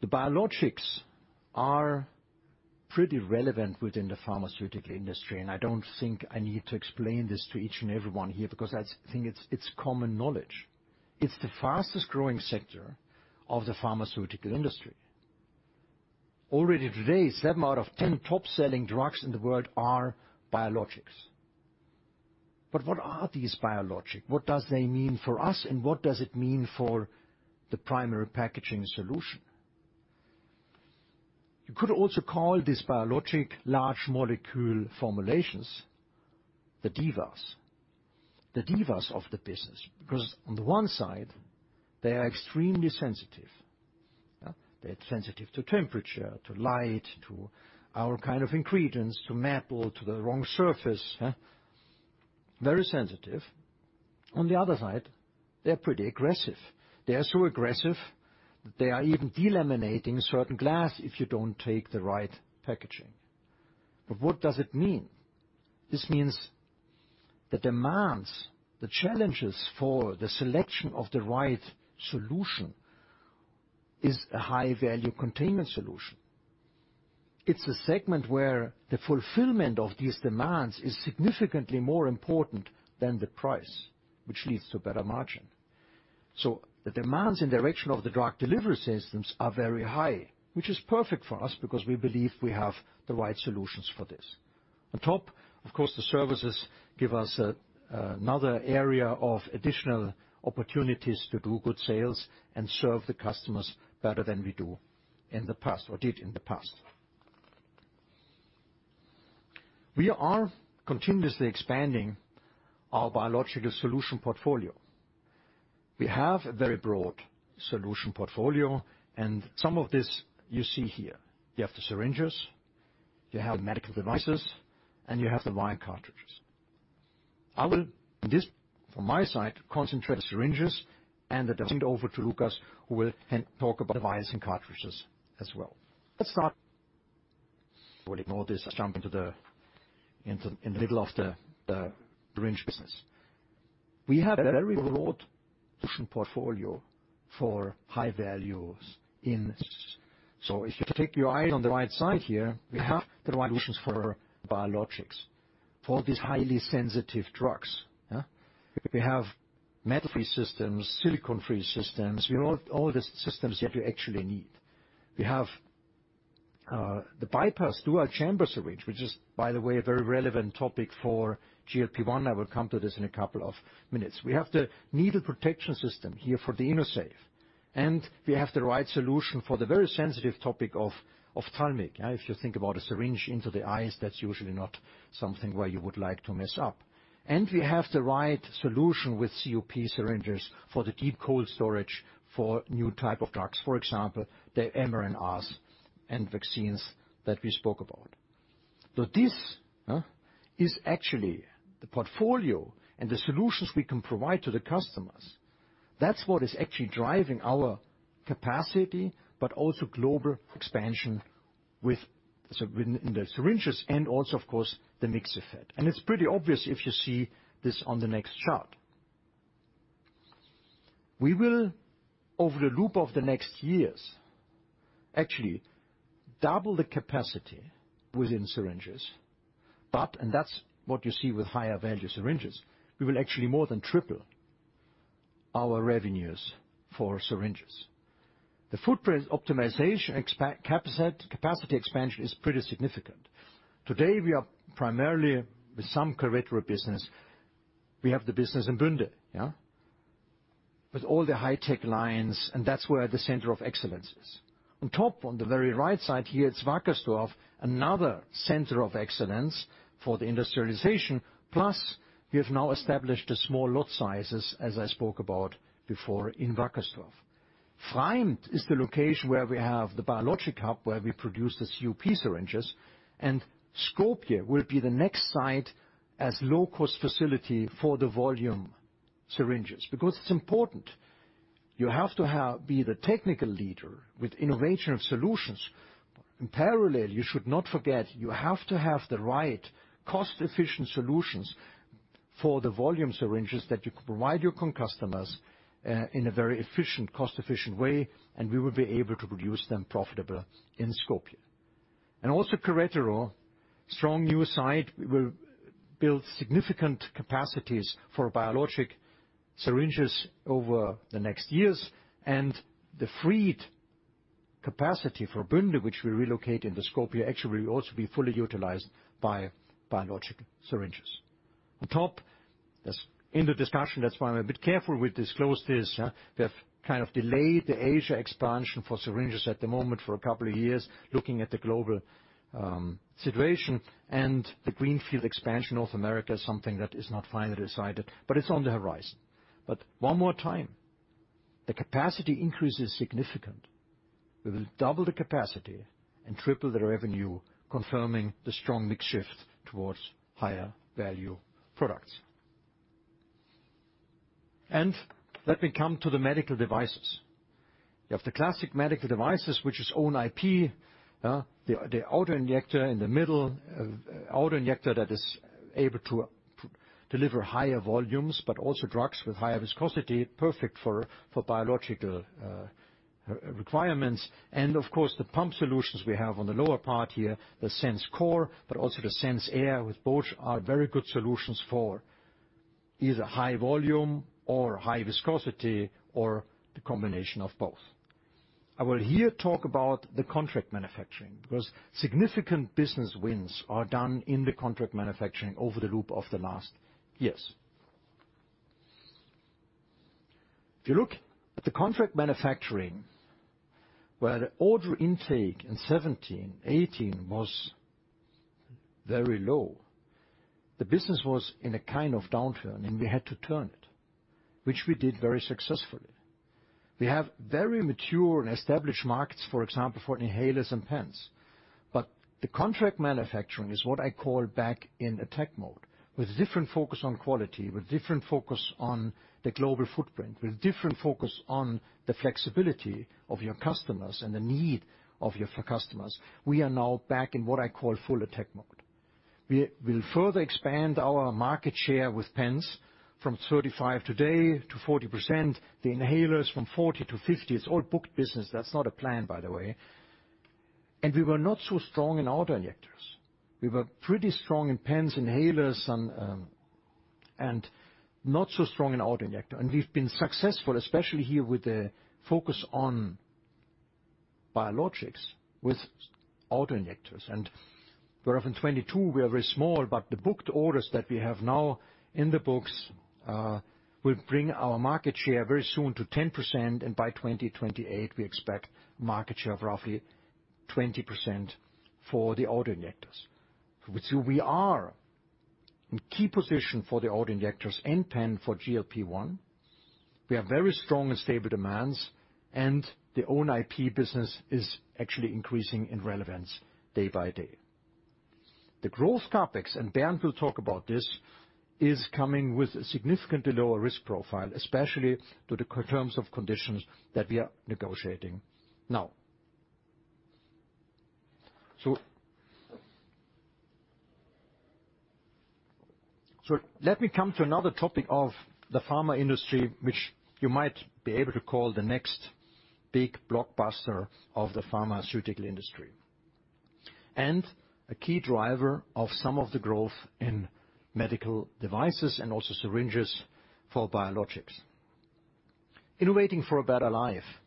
The biologics are pretty relevant within the pharmaceutical industry. I don't think I need to explain this to each and everyone here, because I think it's common knowledge. It's the fastest growing sector of the pharmaceutical industry. Already today, seven out of 10 top-selling drugs in the world are biologics. What are these biologics? What do they mean for us? What does it mean for the primary packaging solution? You could also call this biologics large molecule formulations, the divas of the business. On the one side, they are extremely sensitive. Yeah. They're sensitive to temperature, to light, to our kind of ingredients, to metal, to the wrong surface, yeah. Very sensitive. On the other side, they're pretty aggressive. They are so aggressive that they are even delaminating certain glass if you don't take the right packaging. What does it mean? This means the demands, the challenges for the selection of the right solution is a high value containment solution. It's a segment where the fulfillment of these demands is significantly more important than the price, which leads to better margin. The demands and direction of the drug delivery systems are very high, which is perfect for us because we believe we have the right solutions for this. On top, of course, the services give us another area of additional opportunities to do good sales and serve the customers better than we do in the past or did in the past. We are continuously expanding our biological solution portfolio. We have a very broad solution portfolio, and some of this you see here. You have the syringes, you have medical devices, and you have the vial cartridges. I will just from my side concentrate on syringes and then hand over to Lukas, who will then talk about the vials and cartridges as well. Let's start. We'll ignore this and jump into the middle of the syringe business. We have a very broad solution portfolio for high values in this. If you take your eye on the right side here, we have the right solutions for biologics, for these highly sensitive drugs. Yeah. We have metal-free systems, silicone-free systems. We have all the systems that you actually need. We have the bypass dual chamber syringe, which is, by the way, a very relevant topic for GLP-1. I will come to this in a couple of minutes. We have the needle protection system here for the InnoSafe, and we have the right solution for the very sensitive topic of ophthalmic. If you think about a syringe into the eyes, that's usually not something where you would like to mess up. We have the right solution with COP syringes for the deep cold storage for new type of drugs, for example, the mRNAs and vaccines that we spoke about. This is actually the portfolio and the solutions we can provide to the customers. That's what is actually driving our capacity, but also global expansion with, within, in the syringes and also of course the mixer fed. It's pretty obvious if you see this on the next chart. We will over the loop of the next years actually double the capacity within syringes. That's what you see with higher value syringes, we will actually more than triple our revenues for syringes. The footprint optimization capacity expansion is pretty significant. Today, we are primarily with some Querétaro business. We have the business in Bünde, yeah, with all the high-tech lines, and that's where the center of excellence is. On top, on the very right side here, it's Wackersdorf, another center of excellence for the industrialization. We have now established the small lot sizes, as I spoke about before in Wackersdorf. Pfreimd is the location where we have the biologic hub, where we produce the COP syringes. Skopje will be the next site as low cost facility for the volume syringes, because it's important. You have to have, be the technical leader with innovation of solutions. In parallel, you should not forget, you have to have the right cost-efficient solutions for the volume syringes that you can provide your con customers, in a very efficient, cost-efficient way, and we will be able to produce them profitable in Skopje. Also Querétaro, strong new site, we will build significant capacities for biologic syringes over the next years. The freed capacity for Bünde, which we relocate into Skopje, actually will also be fully utilized by biologic syringes. On top, that's in the discussion, that's why I'm a bit careful with disclose this, huh. We have kind of delayed the Asia expansion for syringes at the moment for a couple of years, looking at the global situation. The greenfield expansion North America is something that is not finally decided, but it's on the horizon. One more time, the capacity increase is significant. We will double the capacity and triple the revenue, confirming the strong mix shift towards higher value products. Let me come to the medical devices. You have the classic medical devices, which is own IP, huh, the auto-injector in the middle. Autoinjector that is able to deliver higher volumes, but also drugs with higher viscosity, perfect for biological re-requirements. Of course, the pump solutions we have on the lower part here, the SensCore, but also the SensAIR, with both are very good solutions for either high volume or high viscosity or the combination of both. I will here talk about the contract manufacturing, because significant business wins are done in the contract manufacturing over the loop of the last years. If you look at the contract manufacturing, where the order intake in 2017, 2018 was very low, the business was in a kind of downturn, and we had to turn it, which we did very successfully. We have very mature and established markets, for example, for inhalers and pens. The contract manufacturing is what I call back in attack mode, with different focus on quality, with different focus on the global footprint, with different focus on the flexibility of your customers and the need of your customers. We are now back in what I call full attack mode. We'll further expand our market share with pens from 35% today to 40%. The inhalers from 40-50. It's all booked business. That's not a plan, by the way. We were not so strong in autoinjectors. We were pretty strong in pens, inhalers, and not so strong in autoinjector. We've been successful, especially here with the focus on biologics with autoinjectors. We're up in 2022, we are very small, but the booked orders that we have now in the books will bring our market share very soon to 10%, and by 2028, we expect market share of roughly 20% for the autoinjectors. We are in key position for the autoinjectors and pen for GLP-1. We are very strong and stable demands, and the own IP business is actually increasing in relevance day by day. The growth topics, and Bernd will talk about this, is coming with a significantly lower risk profile, especially to the co-terms of conditions that we are negotiating now. Let me come to another topic of the pharma industry, which you might be able to call the next big blockbuster of the pharmaceutical industry. And a key driver of some of the growth in medical devices and also syringes for biologics. Innovating for a better life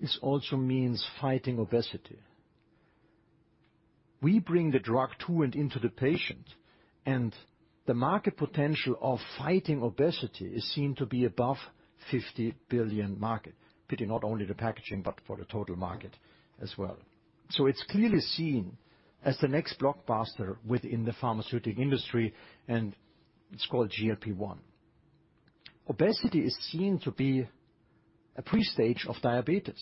is also means fighting obesity. We bring the drug to and into the patient, and the market potential of fighting obesity is seen to be above $50 billion market. Pretty not only the packaging, but for the total market as well. It's clearly seen as the next blockbuster within the pharmaceutical industry, and it's called GLP-1. Obesity is seen to be a pre-stage of diabetes.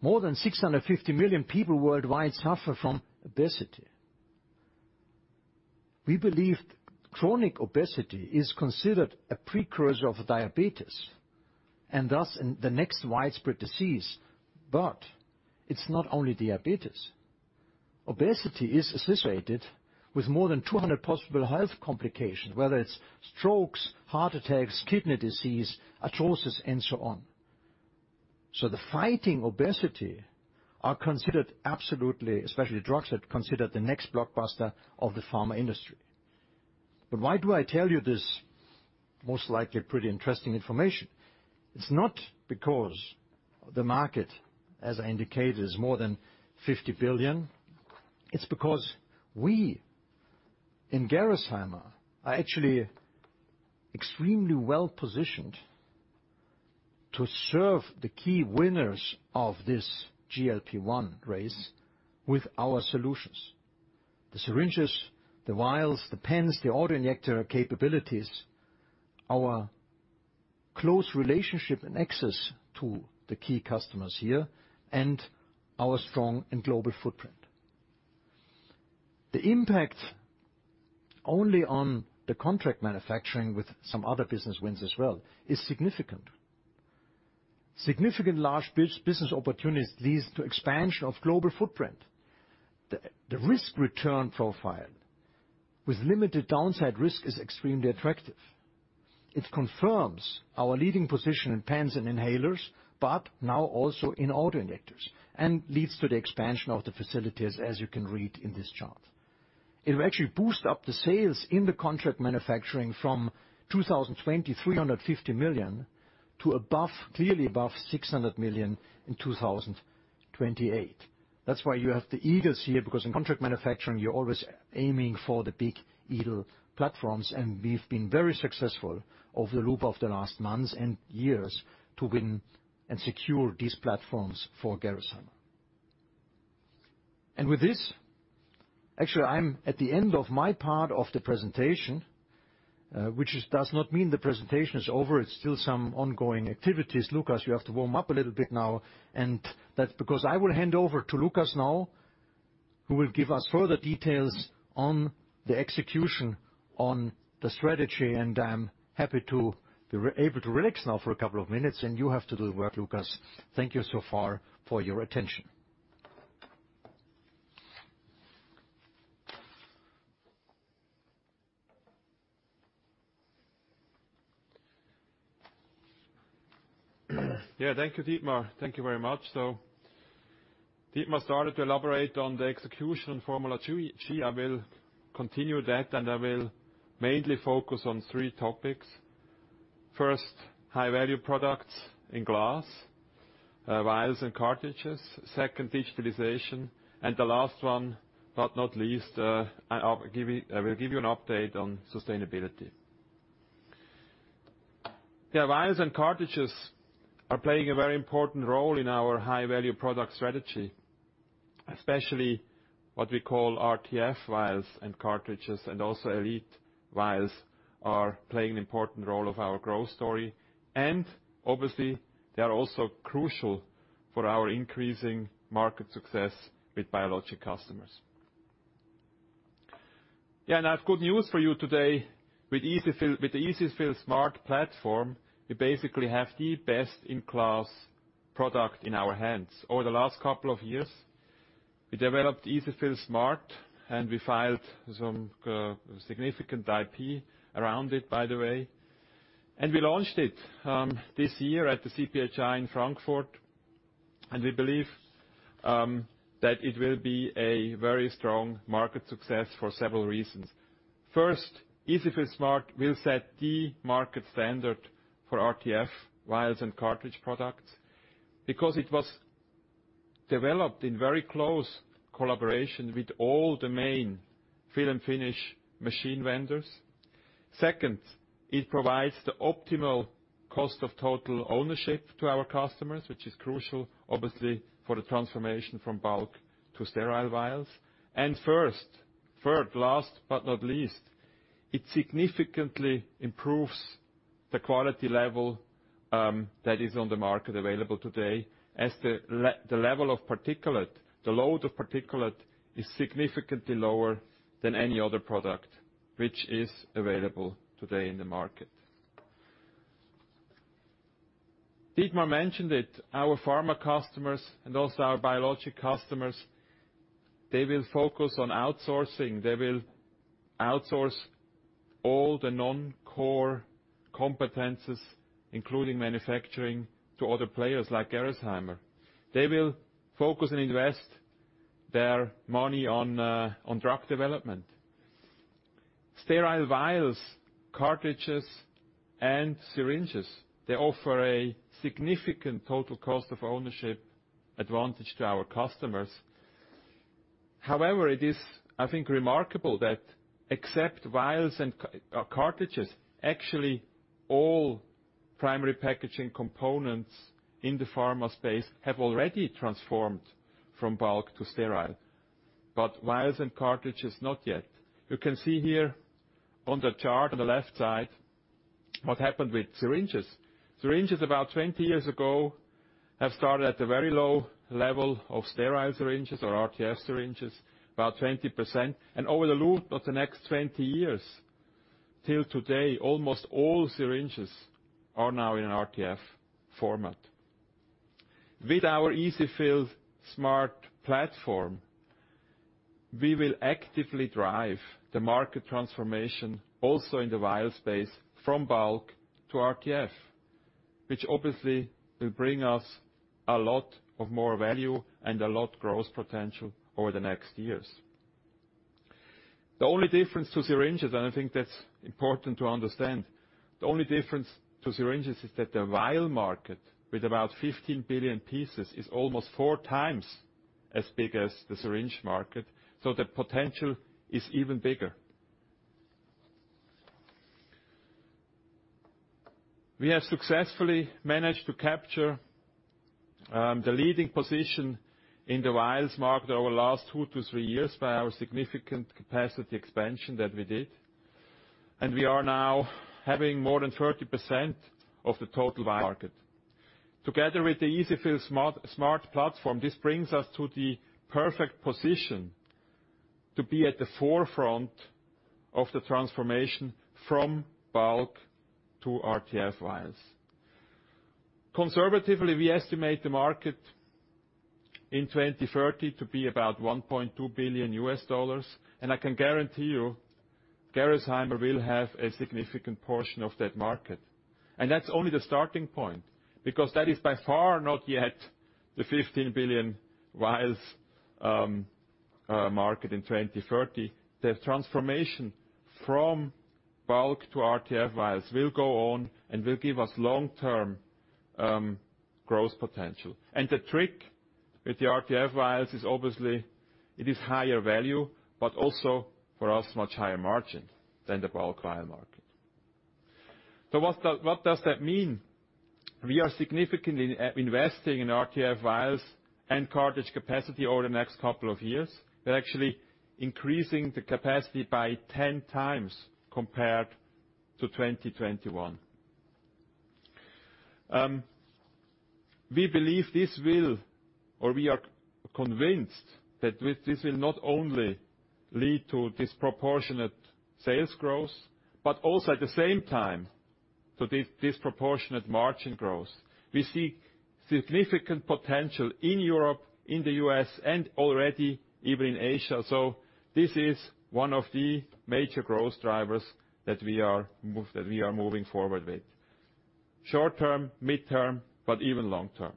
More than 650 million people worldwide suffer from obesity. We believe chronic obesity is considered a precursor of diabetes, and thus the next widespread disease. It's not only diabetes. Obesity is associated with more than 200 possible health complications, whether it's strokes, heart attacks, kidney disease, arthrosis, and so on. So the fighting obesity are considered absolutely, especially drugs that are considered the next blockbuster of the pharma industry. Why do I tell you this most likely pretty interesting information? It's not because the market, as I indicated, is more than 50 billion. It's because we in Gerresheimer are actually extremely well-positioned to serve the key winners of this GLP-1 race with our solutions. The syringes, the vials, the pens, the autoinjector capabilities, our close relationship and access to the key customers here, and our strong and global footprint. The impact only on the contract manufacturing with some other business wins as well, is significant. Significant large business opportunities leads to expansion of global footprint. The risk-return profile with limited downside risk is extremely attractive. It confirms our leading position in pens and inhalers, but now also in autoinjectors, and leads to the expansion of the facilities, as you can read in this chart. It will actually boost up the sales in the contract manufacturing from 2020, 350 million to above, clearly above 600 million in 2028. That's why you have the eagles here, because in contract manufacturing, you're always aiming for the big eagle platforms. We've been very successful over the loop of the last months and years to win and secure these platforms for Gerresheimer. With this, actually, I'm at the end of my part of the presentation, which does not mean the presentation is over. It's still some ongoing activities. Lukas, you have to warm up a little bit now. That's because I will hand over to Lukas now, who will give us further details on the execution on the strategy. I'm happy to be able to relax now for a couple of minutes. You have to do the work, Lukas. Thank you so far for your attention. Thank you, Dietmar. Thank you very much. Dietmar started to elaborate on the execution formula g. I will continue that, and I will mainly focus on three topics. First, high-value products in glass. Vials and cartridges. Second, digitalization. The last one, but not least, I will give you an update on sustainability. The vials and cartridges are playing a very important role in our high-value product strategy, especially what we call RTF vials and cartridges, and also Gx Elite vials are playing an important role of our growth story. Obviously, they are also crucial for our increasing market success with biologic customers. Yeah, I have good news for you today. With the EZ-fill Smart platform, we basically have the best-in-class product in our hands. Over the last couple of years, we developed EZ-fill Smart, and we filed some significant IP around it, by the way. We launched it this year at the CPhI in Frankfurt, and we believe that it will be a very strong market success for several reasons. First, EZ-fill Smart will set the market standard for RTF vials and cartridge products because it was developed in very close collaboration with all the main fill and finish machine vendors. Second, it provides the optimal cost of total ownership to our customers, which is crucial obviously for the transformation from bulk to sterile vials. Third, last but not least, it significantly improves the quality level that is on the market available today as the level of particulate, the load of particulate is significantly lower than any other product which is available today in the market. Dietmar mentioned it, our pharma customers and also our biologic customers, they will focus on outsourcing. They will outsource all the non-core competencies, including manufacturing, to other players like Gerresheimer. They will focus and invest their money on drug development. Sterile vials, cartridges, and syringes, they offer a significant total cost of ownership advantage to our customers. However, it is, I think, remarkable that except vials and cartridges, actually all primary packaging components in the pharma space have already transformed from bulk to sterile. Vials and cartridges, not yet. You can see here on the chart on the left side what happened with syringes. Syringes about 20 years ago have started at a very low level of sterile syringes or RTF syringes, about 20%. Over the loop of the next 20 years till today, almost all syringes are now in an RTF format. With our EZ-fill Smart platform, we will actively drive the market transformation also in the vial space from bulk to RTF, which obviously will bring us a lot of more value and a lot growth potential over the next years. The only difference to syringes, and I think that's important to understand, the only difference to syringes is that the vial market with about 15 billion pieces is almost four times as big as the syringe market, so the potential is even bigger. We have successfully managed to capture the leading position in the vials market over the last two-three years by our significant capacity expansion that we did, and we are now having more than 30% of the total vial market. Together with the EZ-fill Smart platform, this brings us to the perfect position to be at the forefront of the transformation from bulk to RTF vials. Conservatively, we estimate the market in 2030 to be about $1.2 billion. I can guarantee you, Gerresheimer will have a significant portion of that market. That's only the starting point, because that is by far not yet the 15 billion vials market in 2030. The transformation from bulk to RTF vials will go on and will give us long-term growth potential. The trick with the RTF vials is obviously it is higher value, but also for us, much higher margin than the bulk vial market. What does that mean? We are significantly investing in RTF vials and cartridge capacity over the next couple of years. We're actually increasing the capacity by 10x compared to 2021. We are convinced that with this will not only lead to disproportionate sales growth, but also at the same time to disproportionate margin growth. We see significant potential in Europe, in the U.S., and already even in Asia. This is one of the major growth drivers that we are moving forward with short-term, midterm, but even long term.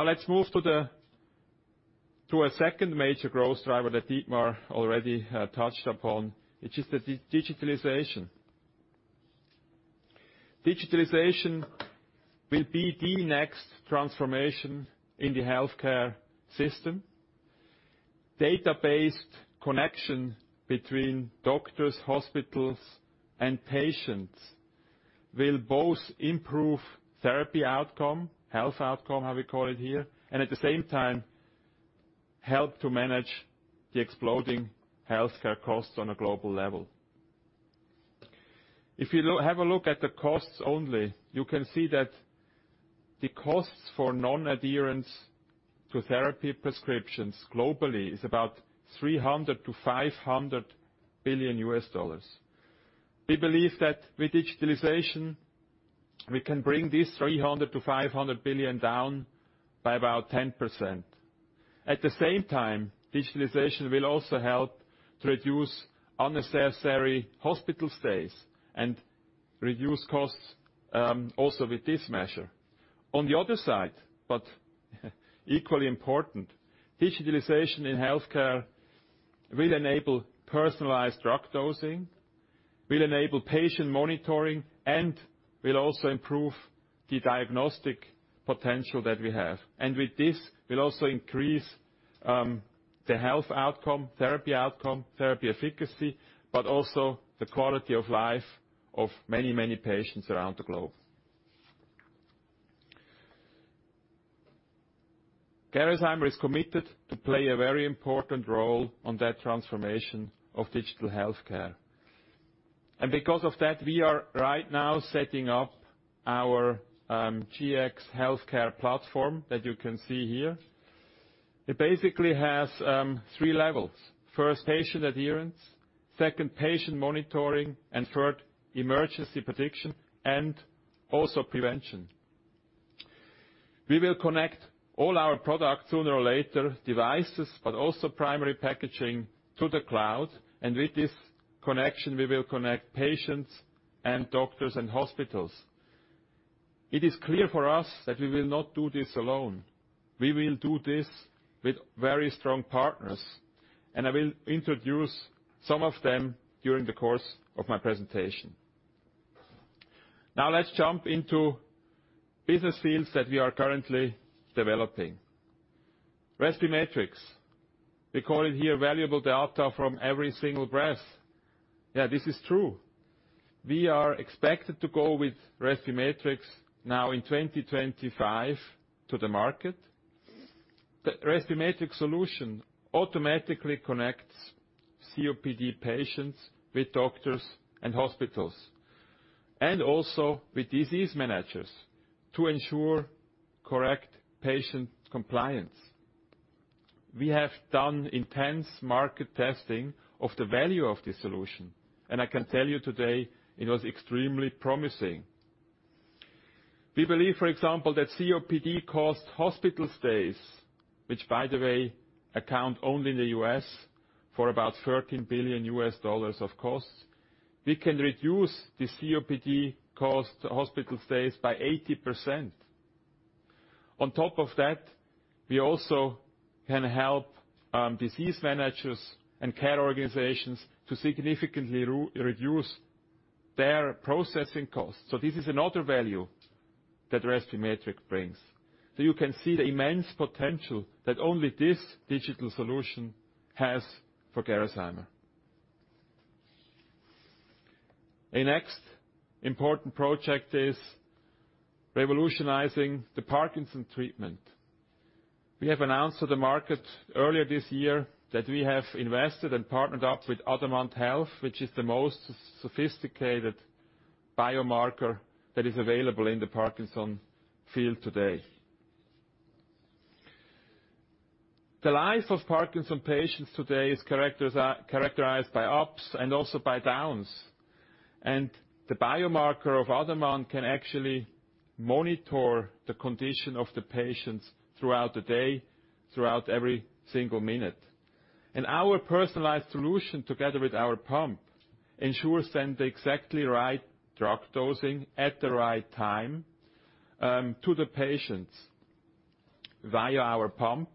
Let's move to a second major growth driver that Dietmar already touched upon, which is the digitalization. Digitalization will be the next transformation in the healthcare system. Data-based connection between doctors, hospitals, and patients will both improve therapy outcome, health outcome, how we call it here, and at the same time, help to manage the exploding healthcare costs on a global level. If you have a look at the costs only, you can see that the costs for non-adherence to therapy prescriptions globally is about $300 billion-$500 billion. We believe that with digitalization, we can bring this $300 billion-$500 billion down by about 10%. At the same time, digitalization will also help to reduce unnecessary hospital stays and reduce costs, also with this measure. On the other side, but equally important, digitalization in healthcare will enable personalized drug dosing, will enable patient monitoring, and will also improve the diagnostic potential that we have. With this, we'll also increase the health outcome, therapy outcome, therapy efficacy, but also the quality of life of many, many patients around the globe. Gerresheimer is committed to play a very important role on that transformation of digital healthcare. Because of that, we are right now setting up our Gx healthcare platform that you can see here. It basically has three levels. First, patient adherence, second, patient monitoring, and third, emergency prediction and also prevention. We will connect all our products sooner or later, devices, but also primary packaging to the cloud. With this connection, we will connect patients and doctors and hospitals. It is clear for us that we will not do this alone. We will do this with very strong partners. I will introduce some of them during the course of my presentation. Let's jump into business fields that we are currently developing. respimetrix. We call it here valuable data from every single breath. Yeah, this is true. We are expected to go with respimetrix now in 2025 to the market. The respimetrix solution automatically connects COPD patients with doctors and hospitals, also with disease managers to ensure correct patient compliance. We have done intense market testing of the value of this solution, I can tell you today it was extremely promising. We believe, for example, that COPD cost hospital stays, which by the way, account only in the U.S. for about $13 billion of costs. We can reduce the COPD cost hospital stays by 80%. On top of that, we also can help disease managers and care organizations to significantly reduce their processing costs. This is another value that respimetrix brings. You can see the immense potential that only this digital solution has for Gerresheimer. A next important project is revolutionizing the Parkinson's treatment. We have announced to the market earlier this year that we have invested and partnered up with Adamant Health, which is the most sophisticated biomarker that is available in the Parkinson's field today. The life of Parkinson's patients today is characterized by ups and also by downs. The biomarker of Adamant can actually monitor the condition of the patients throughout the day, throughout every single minute. Our personalized solution, together with our pump, ensures send the exactly right drug dosing at the right time to the patients via our pump.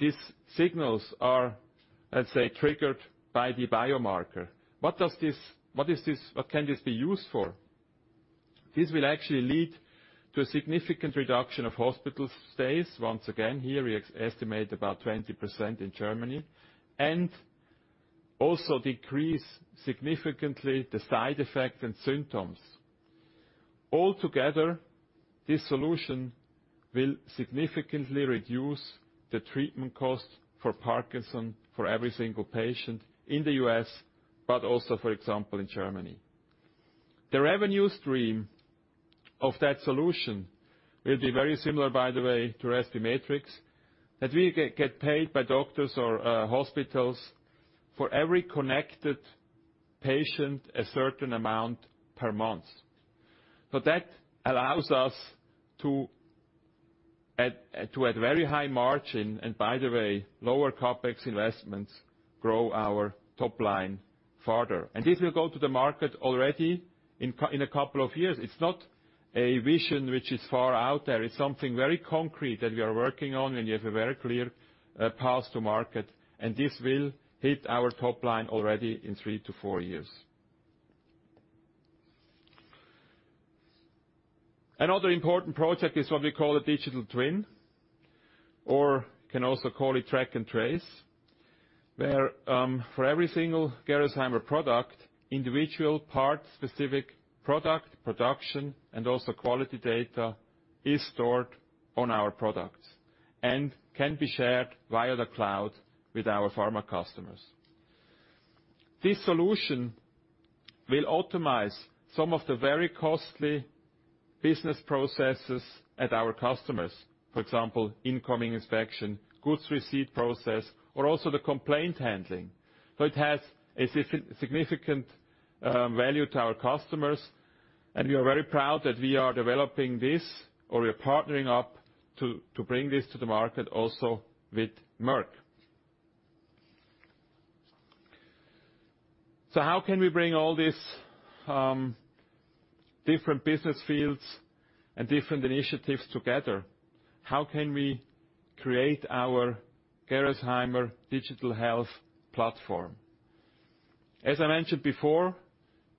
These signals are, let's say, triggered by the biomarker. What does this, what is this, what can this be used for? This will actually lead to a significant reduction of hospital stays. Once again, here we estimate about 20% in Germany and also decrease significantly the side effects and symptoms. All together, this solution will significantly reduce the treatment cost for Parkinson's for every single patient in the U.S., but also, for example, in Germany. The revenue stream of that solution will be very similar, by the way, to respimetrix, that we get paid by doctors or hospitals for every connected patient, a certain amount per month. That allows us to at very high margin, and by the way, lower CapEx investments grow our top line further. This will go to the market already in a couple of years. It's not a vision which is far out there is something very concrete that we are working on, and we have a very clear path to market, and this will hit our top line already in three-four years. Another important project is what we call a digital twin, or you can also call it track and trace, where, for every single Gerresheimer product, individual part-specific product, production, and also quality data is stored on our products and can be shared via the cloud with our pharma customers. This solution will optimize some of the very costly business processes at our customers. For example, incoming inspection, goods receipt process, or also the complaint handling. It has a significant value to our customers, and we are very proud that we are developing this, or we are partnering up to bring this to the market also with Merck. How can we bring all these different business fields and different initiatives together? How can we create our Gerresheimer digital health platform? As I mentioned before,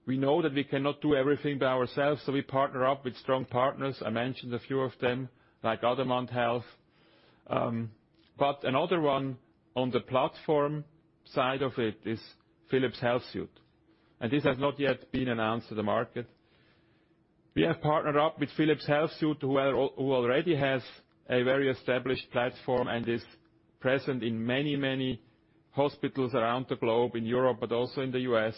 we know that we cannot do everything by ourselves, so we partner up with strong partners. I mentioned a few of them, like Omed Health. Another one on the platform side of it is Philips HealthSuite, and this has not yet been announced to the market. We have partnered up with Philips HealthSuite, who already has a very established platform and is present in many, many hospitals around the globe, in Europe, but also in the U.S.,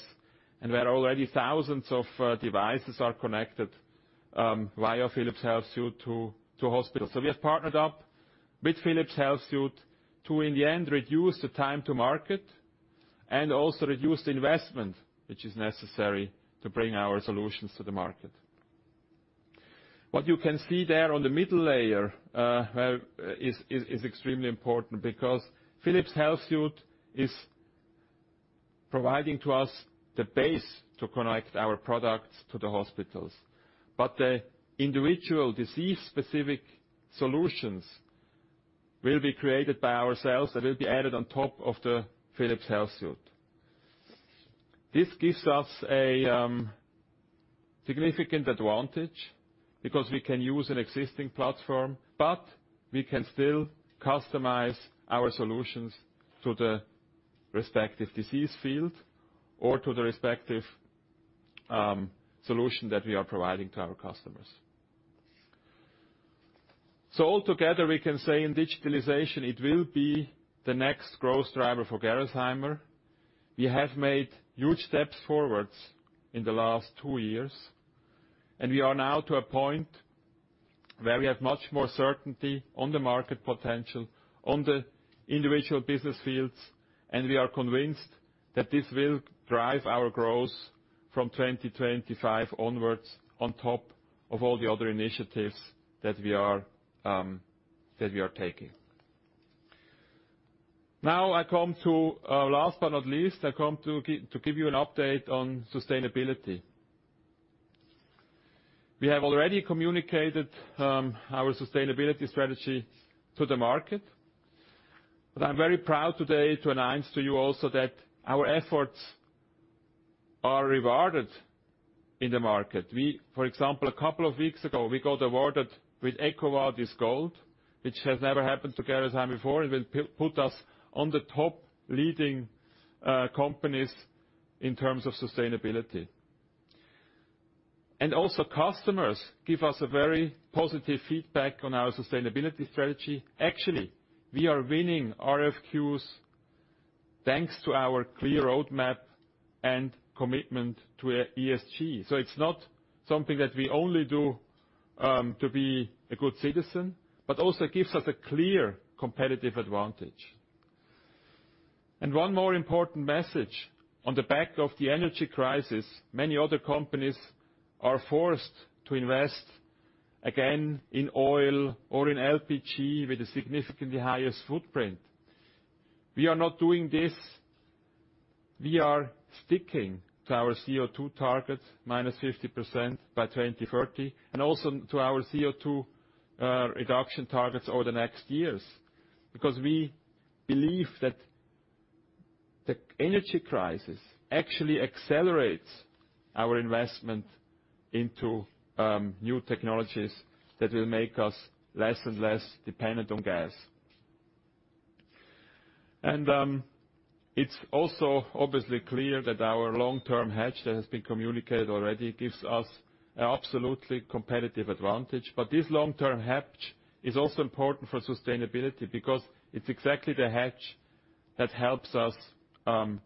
and where already thousands of devices are connected via Philips HealthSuite to hospitals. We have partnered up with Philips HealthSuite to, in the end, reduce the time to market and also reduce the investment which is necessary to bring our solutions to the market. What you can see there on the middle layer, where is extremely important because Philips HealthSuite is providing to us the base to connect our products to the hospitals. The individual disease-specific solutions will be created by ourselves and will be added on top of the Philips HealthSuite. This gives us a significant advantage because we can use an existing platform, but we can still customize our solutions to the respective disease field or to the respective solution that we are providing to our customers. Altogether, we can say in digitalization, it will be the next growth driver for Gerresheimer. We have made huge steps forward in the last two years. We are now to a point where we have much more certainty on the market potential, on the individual business fields, and we are convinced that this will drive our growth from 2025 onwards, on top of all the other initiatives that we are taking. I come to last but not least, I come to give you an update on sustainability. We have already communicated our sustainability strategy to the market. I'm very proud today to announce to you also that our efforts are rewarded in the market. For example, a couple of weeks ago, we got awarded with EcoVadis Gold, which has never happened to Gerresheimer before. It will put us on the top leading companies in terms of sustainability. Also customers give us a very positive feedback on our sustainability strategy. Actually, we are winning RFQs thanks to our clear roadmap and commitment to ESG. It's not something that we only do to be a good citizen, but also gives us a clear competitive advantage. One more important message. On the back of the energy crisis, many other companies are forced to invest again in oil or in LPG with a significantly highest footprint. We are not doing this. We are sticking to our CO2 targets, minus 50% by 2030, and also to our CO2 reduction targets over the next years. We believe that the energy crisis actually accelerates our investment into new technologies that will make us less and less dependent on gas. And it's also obviously clear that our long-term hedge that has been communicated already gives us a absolutely competitive advantage. This long-term hedge is also important for sustainability because it's exactly the hedge that helps us to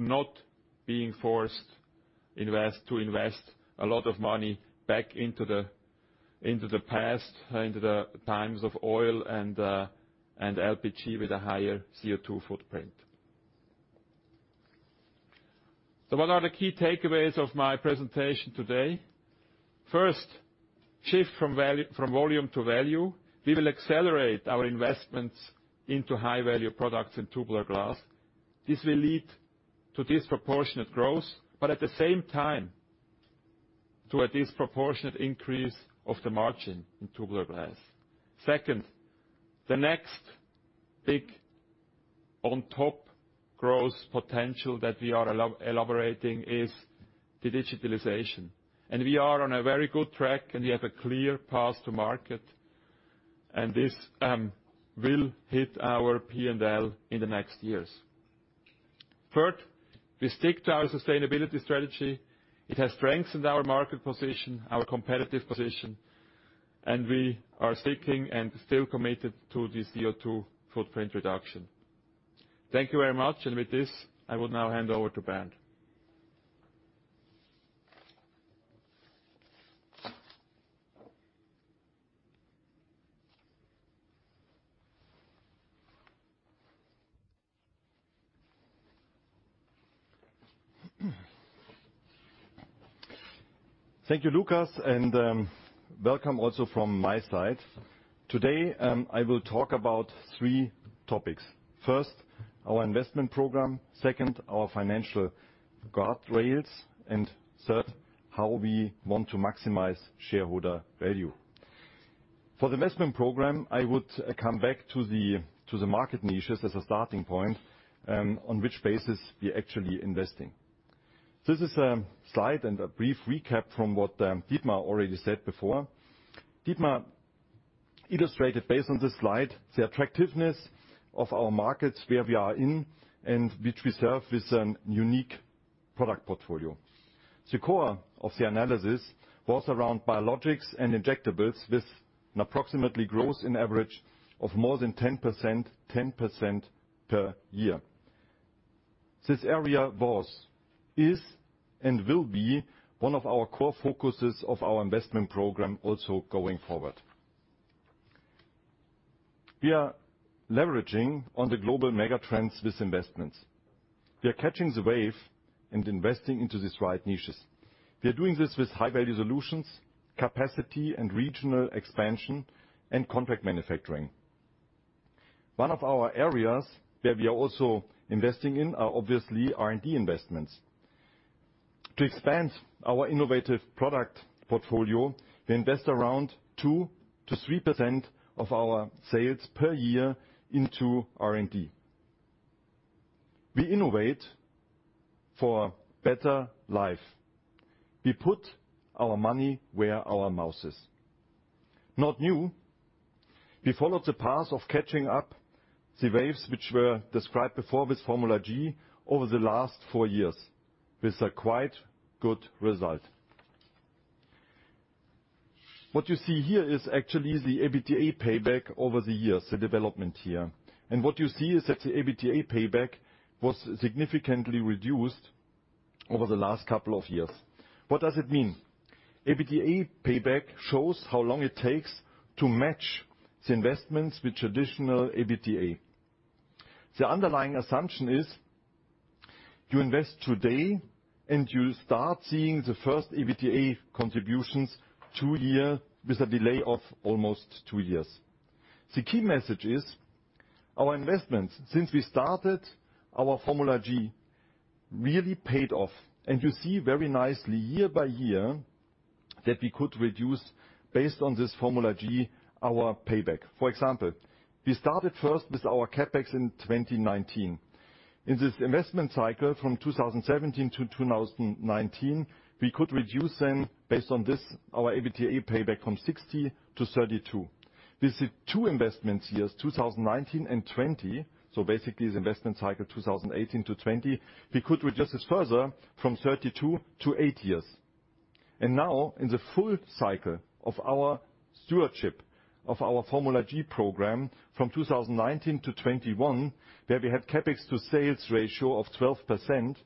not being forced to invest a lot of money back into the past, into the times of oil and LPG with a higher CO2 footprint. What are the key takeaways of my presentation today? First, shift from volume to value. We will accelerate our investments into high-value products in tubular glass. This will lead to disproportionate growth, but at the same time, to a disproportionate increase of the margin in tubular glass. Second, the next big on top growth potential that we are elaborating is the digitalization. We are on a very good track, and we have a clear path to market, and this will hit our P&L in the next years. Third, we stick to our sustainability strategy. It has strengthened our market position, our competitive position, and we are sticking and still committed to this CO2 footprint reduction. Thank you very much, and with this, I will now hand over to Bernd. Thank you, Lukas, welcome also from my side. Today, I will talk about three topics. First, our investment program. Second, our financial guardrails. Third, how we want to maximize shareholder value. For the investment program, I would come back to the market niches as a starting point, on which basis we're actually investing. This is a slide and a brief recap from what Dietmar already said before. Dietmar illustrated, based on this slide, the attractiveness of our markets where we are in, and which we serve with a unique product portfolio. The core of the analysis was around biologics and injectables with an approximately growth in average of more than 10% per year. This area was, is, and will be one of our core focuses of our investment program also going forward. We are leveraging on the global mega trends with investments. We are catching the wave and investing into these right niches. We are doing this with high-value solutions, capacity, and regional expansion, and contract manufacturing. One of our areas where we are also investing in are obviously R&D investments. To expand our innovative product portfolio, we invest around 2%-3% of our sales per year into R&D. We innovate for better life. We put our money where our mouth is. Not new. We followed the path of catching up the waves which were described before with formula g over the last four years with a quite good result. What you see here is actually the EBITDA payback over the years, the development here. What you see is that the EBITDA payback was significantly reduced over the last couple of years. What does it mean? EBITDA payback shows how long it takes to match the investments with traditional EBITDA. The underlying assumption is you invest today. You start seeing the first EBITDA contributions two years, with a delay of almost two years. The key message is our investments since we started our formula g really paid off. You see very nicely year by year that we could reduce, based on this formula g, our payback. For example, we started first with our CapEx in 2019. In this investment cycle from 2017 to 2019, we could reduce then, based on this, our EBITDA payback from 60 to 32. With the two investment years, 2019 and 2020, so basically it's investment cycle 2018 to 2020, we could reduce it further from 32 to 8 years. Now, in the full cycle of our stewardship of our formula g program from 2019 to 2021, where we had CapEx to sales ratio of 12%,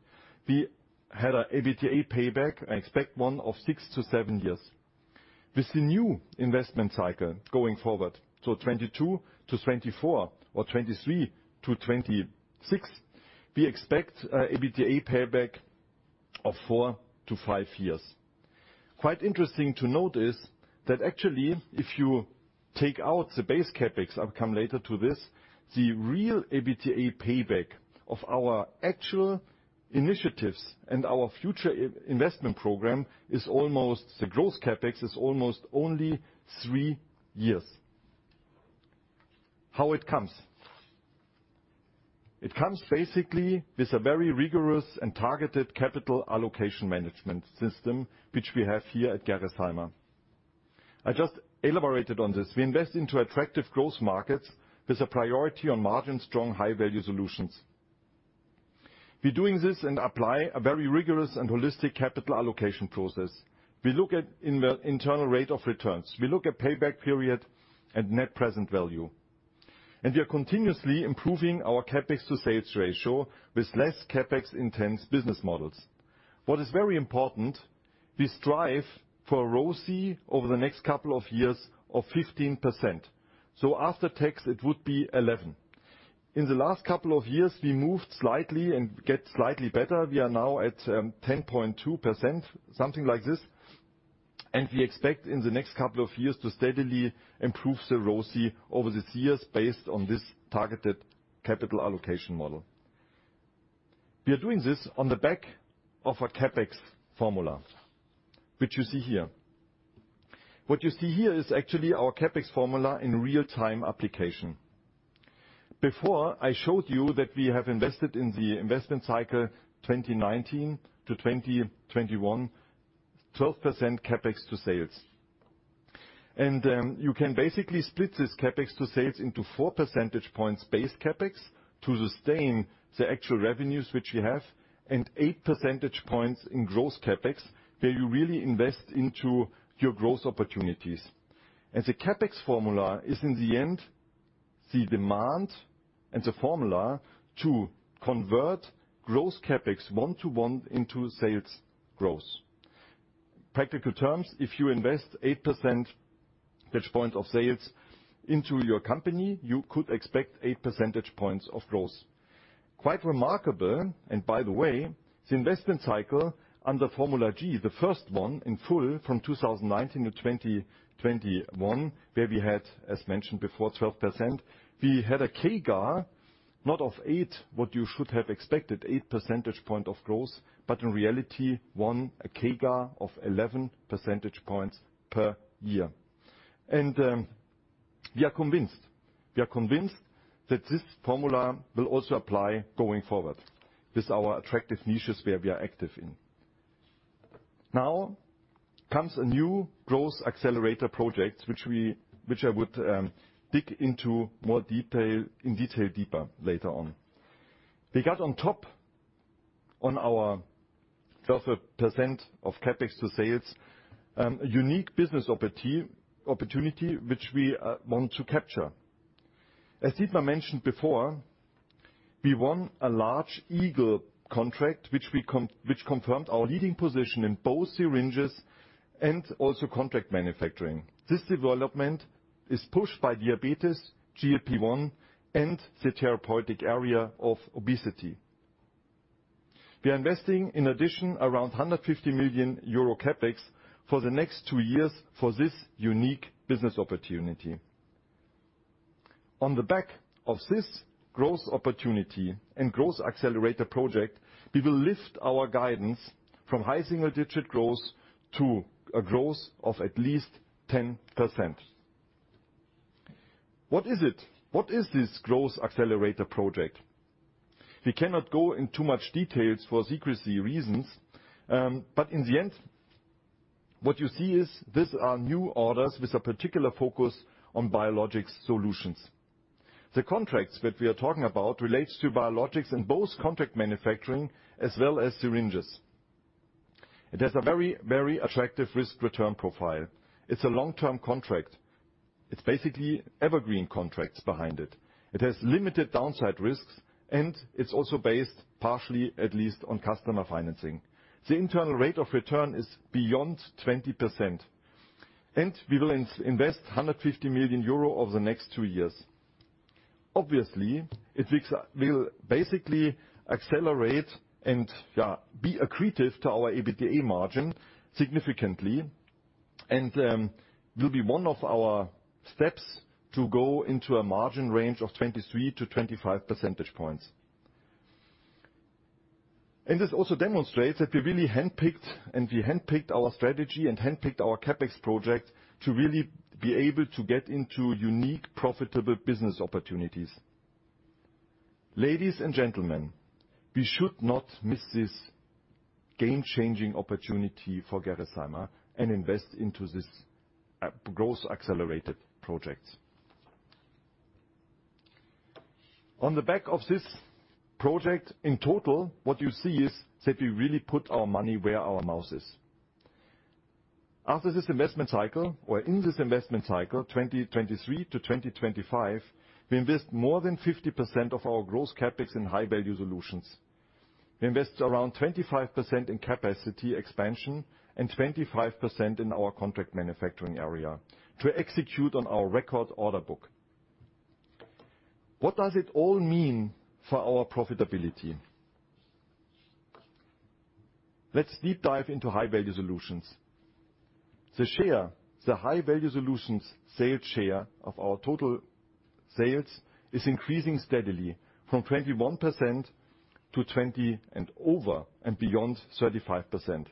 we had a EBITDA payback, I expect one, of six-seven years. The new investment cycle going forward, so 2022 to 2024 or 2023 to 2026, we expect a EBITDA payback of four-five years. Quite interesting to notice that actually if you take out the base CapEx, I'll come later to this, the real EBITDA payback of our actual initiatives and our future in-investment program is the growth CapEx is almost only three years. It comes. It comes basically with a very rigorous and targeted capital allocation management system, which we have here at Gerresheimer. I just elaborated on this. We invest into attractive growth markets with a priority on margin-strong, high-value solutions. We're doing this and apply a very rigorous and holistic capital allocation process. We look at internal rate of returns. We look at payback period and net present value. We are continuously improving our CapEx to sales ratio with less CapEx-intense business models. What is very important, we strive for a ROCE over the next couple of years of 15%. After tax, it would be 11. In the last couple of years, we moved slightly and get slightly better. We are now at 10.2%, something like this. We expect in the next couple of years to steadily improve the ROCE over the years based on this targeted capital allocation model. We are doing this on the back of a CapEx formula, which you see here. What you see here is actually our CapEx formula in real-time application. Before I showed you that we have invested in the investment cycle 2019 to 2021, 12% CapEx to sales. You can basically split this CapEx to sales into 4 percentage points base CapEx to sustain the actual revenues which you have and 8 percentage points in gross CapEx, where you really invest into your growth opportunities. The CapEx formula is in the end, the demand and the formula to convert gross CapEx one-one into sales growth. Practical terms, if you invest 8 percentage point of sales into your company, you could expect 8 percentage points of growth. Quite remarkable. By the way, the investment cycle under formula g, the first one in full from 2019 to 2021, where we had, as mentioned before, 12%. We had a CAGR, not of eight, what you should have expected, 8 percentage point of growth, but in reality, One, a CAGR of 11 percentage points per year. We are convinced that this formula will also apply going forward with our attractive niches where we are active in. Now comes a new growth accelerator project, which I would dig into detail deeper later on. We got on top on our 12% of CapEx to sales, a unique business opportunity which we want to capture. As Dietmar Siemssen mentioned before, we won a large Gx Elite contract, which confirmed our leading position in both syringes and also contract manufacturing. This development is pushed by diabetes, GLP-1, and the therapeutic area of obesity. We are investing in addition around 150 million euro CapEx for the next two years for this unique business opportunity. On the back of this growth opportunity and growth accelerator project, we will lift our guidance from high single-digit growth to a growth of at least 10%. What is it? What is this growth accelerator project? We cannot go in too much details for secrecy reasons. In the end, what you see is these are new orders with a particular focus on biologics solutions. The contracts that we are talking about relates to biologics in both contract manufacturing as well as syringes. It has a very, very attractive risk-return profile. It's a long-term contract. It's basically evergreen contracts behind it. It has limited downside risks. It's also based partially, at least on customer financing. The internal rate of return is beyond 20%. We will invest 150 million euro over the next two years. Obviously, it will basically accelerate and be accretive to our EBITDA margin significantly, and will be one of our steps to go into a margin range of 23-25 percentage points. This also demonstrates that we really handpicked our strategy and handpicked our CapEx project to really be able to get into unique, profitable business opportunities. Ladies and gentlemen, we should not miss this game-changing opportunity for Gerresheimer and invest into this growth accelerated project. On the back of this project, in total, what you see is that we really put our money where our mouth is. After this investment cycle or in this investment cycle, 2023-2025, we invest more than 50% of our gross CapEx in high-value solutions. We invest around 25% in capacity expansion and 25% in our contract manufacturing area to execute on our record order book. What does it all mean for our profitability? Let's deep dive into high-value solutions. The high-value solutions sales share of our total sales is increasing steadily from 21% to 20 and over and beyond 35%.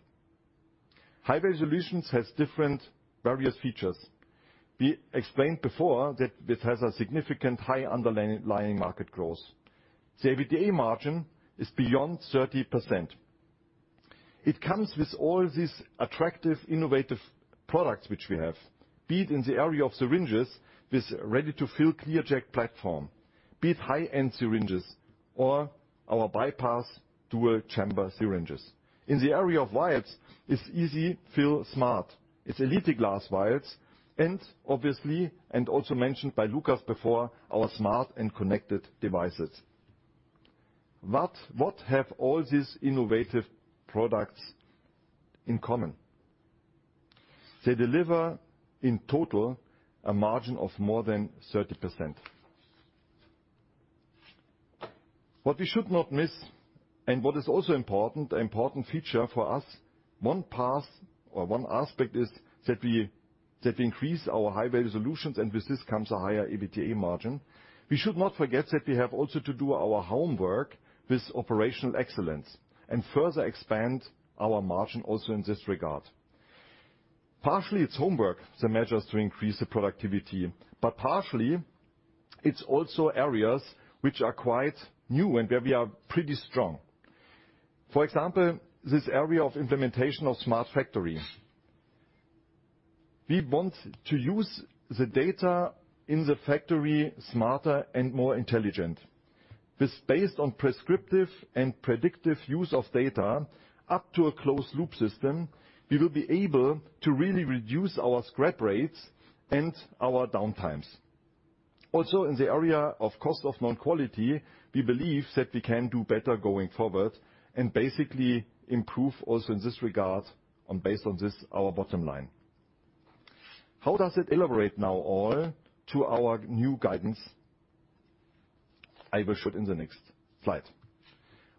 High-value solutions has different various features. We explained before that it has a significant high underlying market growth. The EBITDA margin is beyond 30%. It comes with all these attractive, innovative products which we have. Be it in the area of syringes with ready-to-fill ClearJect platform. Be it high-end syringes or our bypass dual chamber syringes. In the area of vials, it's EZ-fill Smart. It's Gx Elite vials, and obviously, also mentioned by Lukas before, our smart and connected devices. What have all these innovative products in common? They deliver in total a margin of more than 30%. What we should not miss and what is also important feature for us, one path or one aspect is that we increase our high-value solutions, and with this comes a higher EBITDA margin. We should not forget that we have also to do our homework with operational excellence and further expand our margin also in this regard. Partially, it's homework, the measures to increase the productivity, but partially, it's also areas which are quite new and where we are pretty strong. For example, this area of implementation of smart factory. We want to use the data in the factory smarter and more intelligent. This based on prescriptive and predictive use of data up to a closed loop system, we will be able to really reduce our scrap rates and our downtimes. Also, in the area of cost of non-quality, we believe that we can do better going forward and basically improve also in this regard and based on this, our bottom line. How does it elaborate now all to our new guidance? I will show it in the next slide.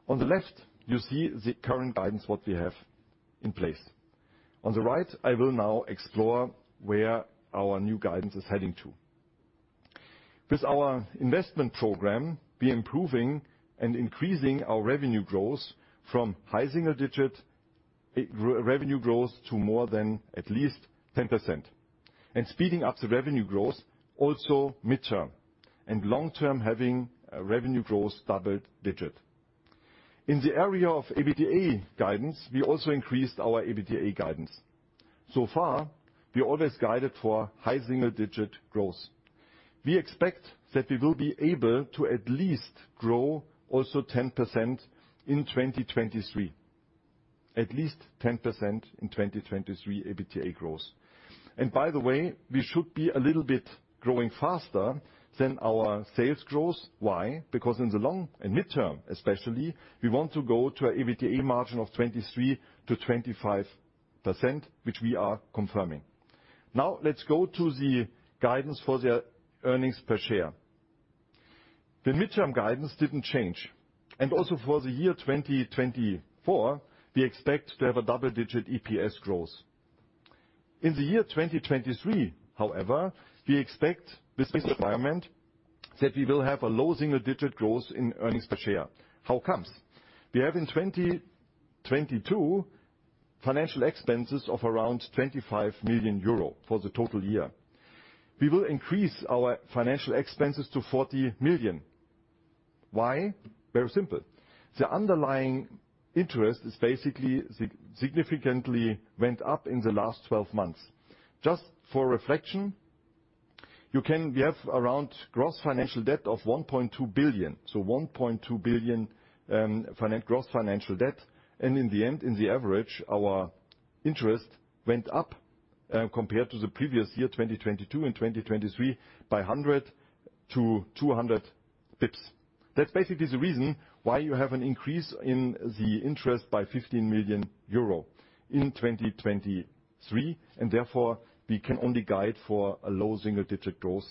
On the left, you see the current guidance, what we have in place. On the right, I will now explore where our new guidance is heading to. With our investment program, we're improving and increasing our revenue growth from high single-digit revenue growth to more than at least 10%. Speeding up the revenue growth also midterm. Long-term, having a revenue growth double-digit. In the area of EBITDA guidance, we also increased our EBITDA guidance. So far, we always guided for high single-digit growth. We expect that we will be able to at least grow also 10% in 2023. At least 10% in 2023 EBITDA growth. By the way, we should be a little bit growing faster than our sales growth. Why? Because in the long and midterm especially, we want to go to a EBITDA margin of 23%-25%, which we are confirming. Now let's go to the guidance for the earnings per share. The midterm guidance didn't change. Also for the year 2024, we expect to have a double-digit EPS growth. In the year 2023, however, we expect with this environment that we will have a low single-digit growth in earnings per share. How comes? We have in 2022 financial expenses of around 25 million euro for the total year. We will increase our financial expenses to 40 million. Why? Very simple. The underlying interest is basically significantly went up in the last 12 months. Just for reflection, we have around gross financial debt of 1.2 billion. 1.2 billion gross financial debt. In the end, in the average, our interest went up compared to the previous year, 2022 and 2023, by 100 to 200 basis points. That's basically the reason why you have an increase in the interest by 15 million euro in 2023, therefore we can only guide for a low single-digit growth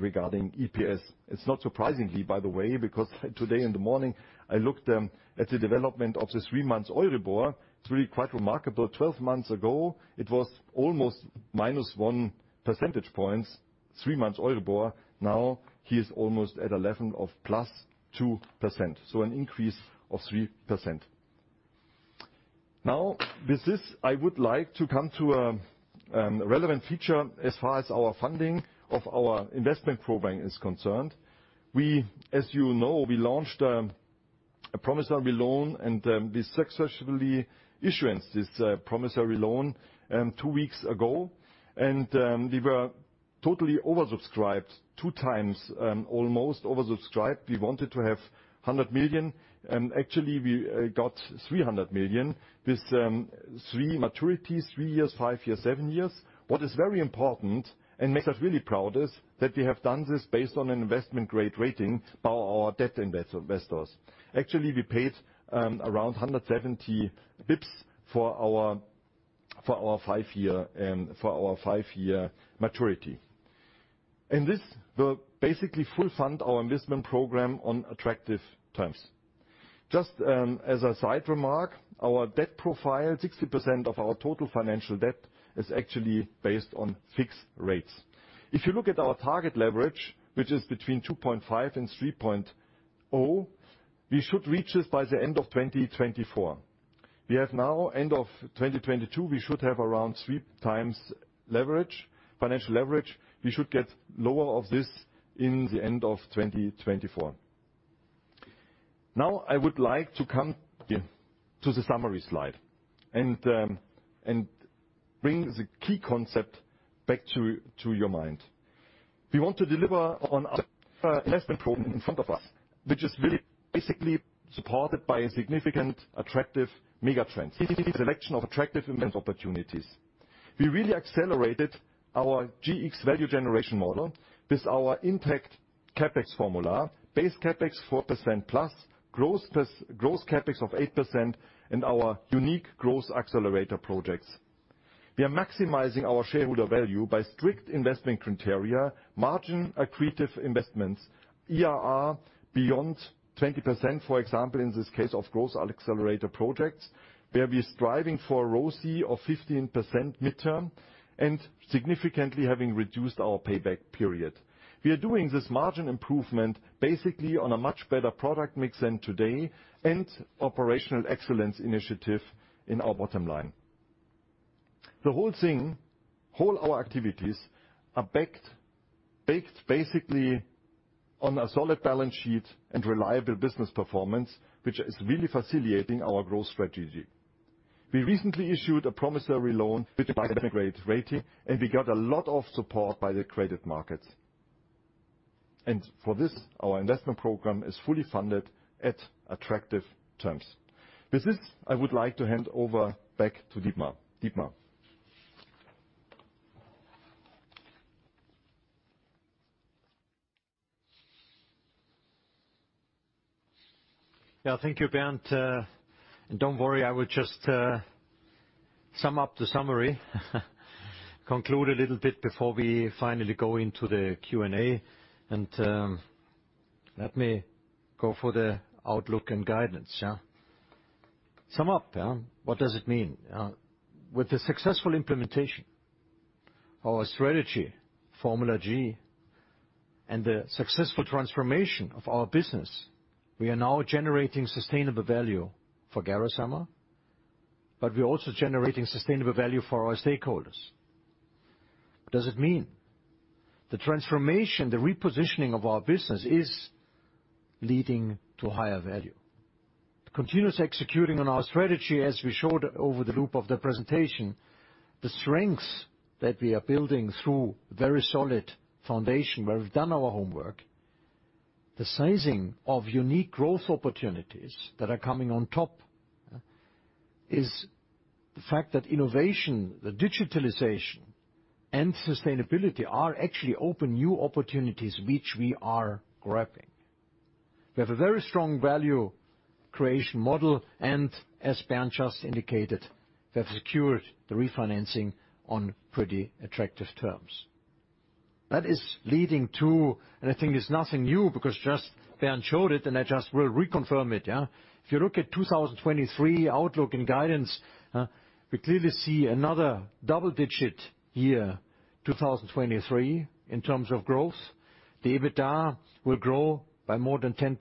regarding EPS. It's not surprisingly, by the way, because today in the morning, I looked at the development of the three-month Euribor. It's really quite remarkable. 12 months ago, it was almost minus 1 percentage point, three months Euribor. Now he is almost at a level of +2%, so an increase of 3%. With this, I would like to come to relevant feature as far as our funding of our investment program is concerned. We, as you know, we launched a promissory loan, and we successfully issuance this promissory loan two weeks ago. We were totally oversubscribed, two times, almost oversubscribed. We wanted to have 100 million. Actually, we got 300 million. This three maturities, three years, five years, seven years. What is very important and makes us really proud is that we have done this based on an investment-grade rating by our debt investors. Actually, we paid, around 170 basis points for our five-year maturity. This will basically full fund our investment program on attractive terms. Just, as a side remark, our debt profile, 60% of our total financial debt is actually based on fixed rates. If you look at our target leverage, which is between 2.5 and 3.0, we should reach this by the end of 2024. We have now end of 2022, we should have around 3x leverage, financial leverage. We should get lower of this in the end of 2024. Now I would like to come to the summary slide and bring the key concept back to your mind. We want to deliver on our investment program in front of us, which is really basically supported by a significant attractive mega trends. Selection of attractive investment opportunities. We really accelerated our Gx Value generation model with our impact CapEx formula, base CapEx 4% plus, growth CapEx of 8% and our unique growth accelerator projects. We are maximizing our shareholder value by strict investment criteria, margin accretive investments, IRR beyond 20%, for example, in this case of growth accelerator projects, where we're striving for a ROCE of 15% midterm and significantly having reduced our payback period. We are doing this margin improvement basically on a much better product mix than today and operational excellence initiative in our bottom line. The whole thing, our activities, are backed, based basically on a solid balance sheet and reliable business performance, which is really facilitating our growth strategy. We recently issued a promissory loan with a bank grade rating, and we got a lot of support by the credit markets. For this, our investment program is fully funded at attractive terms. With this, I would like to hand over back to Dietmar. Dietmar. Yeah. Thank you, Bernd. Don't worry, I will just sum up the summary. Conclude a little bit before we finally go into the Q&A, and let me go for the outlook and guidance, yeah. Sum up, yeah. What does it mean? With the successful implementation, our strategy, formula g, and the successful transformation of our business, we are now generating sustainable value for Gerresheimer, but we're also generating sustainable value for our stakeholders. What does it mean? The transformation, the repositioning of our business is leading to higher value. Continuous executing on our strategy, as we showed over the loop of the presentation, the strengths that we are building through very solid foundation, where we've done our homework. The sizing of unique growth opportunities that are coming on top, is the fact that innovation, the digitalization, and sustainability are actually open new opportunities which we are grabbing. We have a very strong value creation model and, as Bernd just indicated, we have secured the refinancing on pretty attractive terms. That is leading to. I think it's nothing new because just Bernd showed it, I just will reconfirm it. If you look at 2023 outlook and guidance, we clearly see another double-digit year, 2023, in terms of growth. The EBITDA will grow by more than 10%.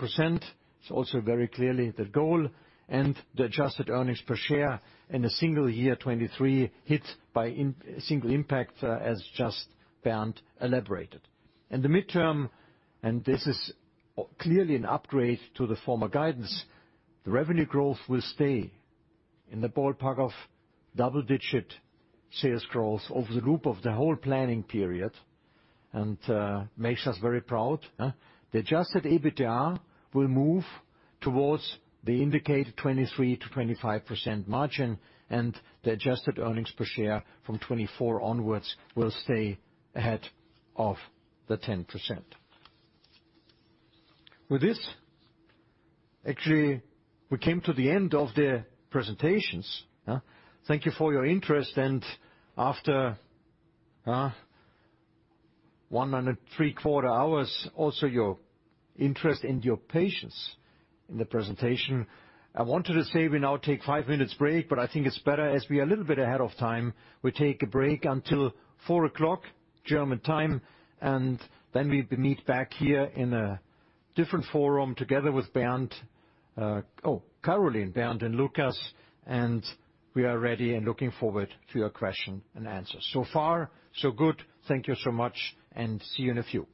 It's also very clearly the goal. The adjusted earnings per share in a single year, 23, hit by a single impact, as just Bernd elaborated. In the midterm, this is clearly an upgrade to the former guidance, the revenue growth will stay in the ballpark of double-digit sales growth over the group of the whole planning period, makes us very proud. The adjusted EBITDA will move towards the indicated 23%-25% margin, and the adjusted earnings per share from 2024 onwards will stay ahead of the 10%. With this, actually, we came to the end of the presentations. Thank you for your interest and after 100 three quarter hours, also your interest and your patience in the presentation. I wanted to say we now take 5 minutes break, but I think it's better as we are a little bit ahead of time. We take a break until 4:00 German time. Then we meet back here in a different forum together with Bernd, Carolin, Bernd, and Lukas. We are ready and looking forward to your question and answer. So far, so good. Thank you so much. See you in a few.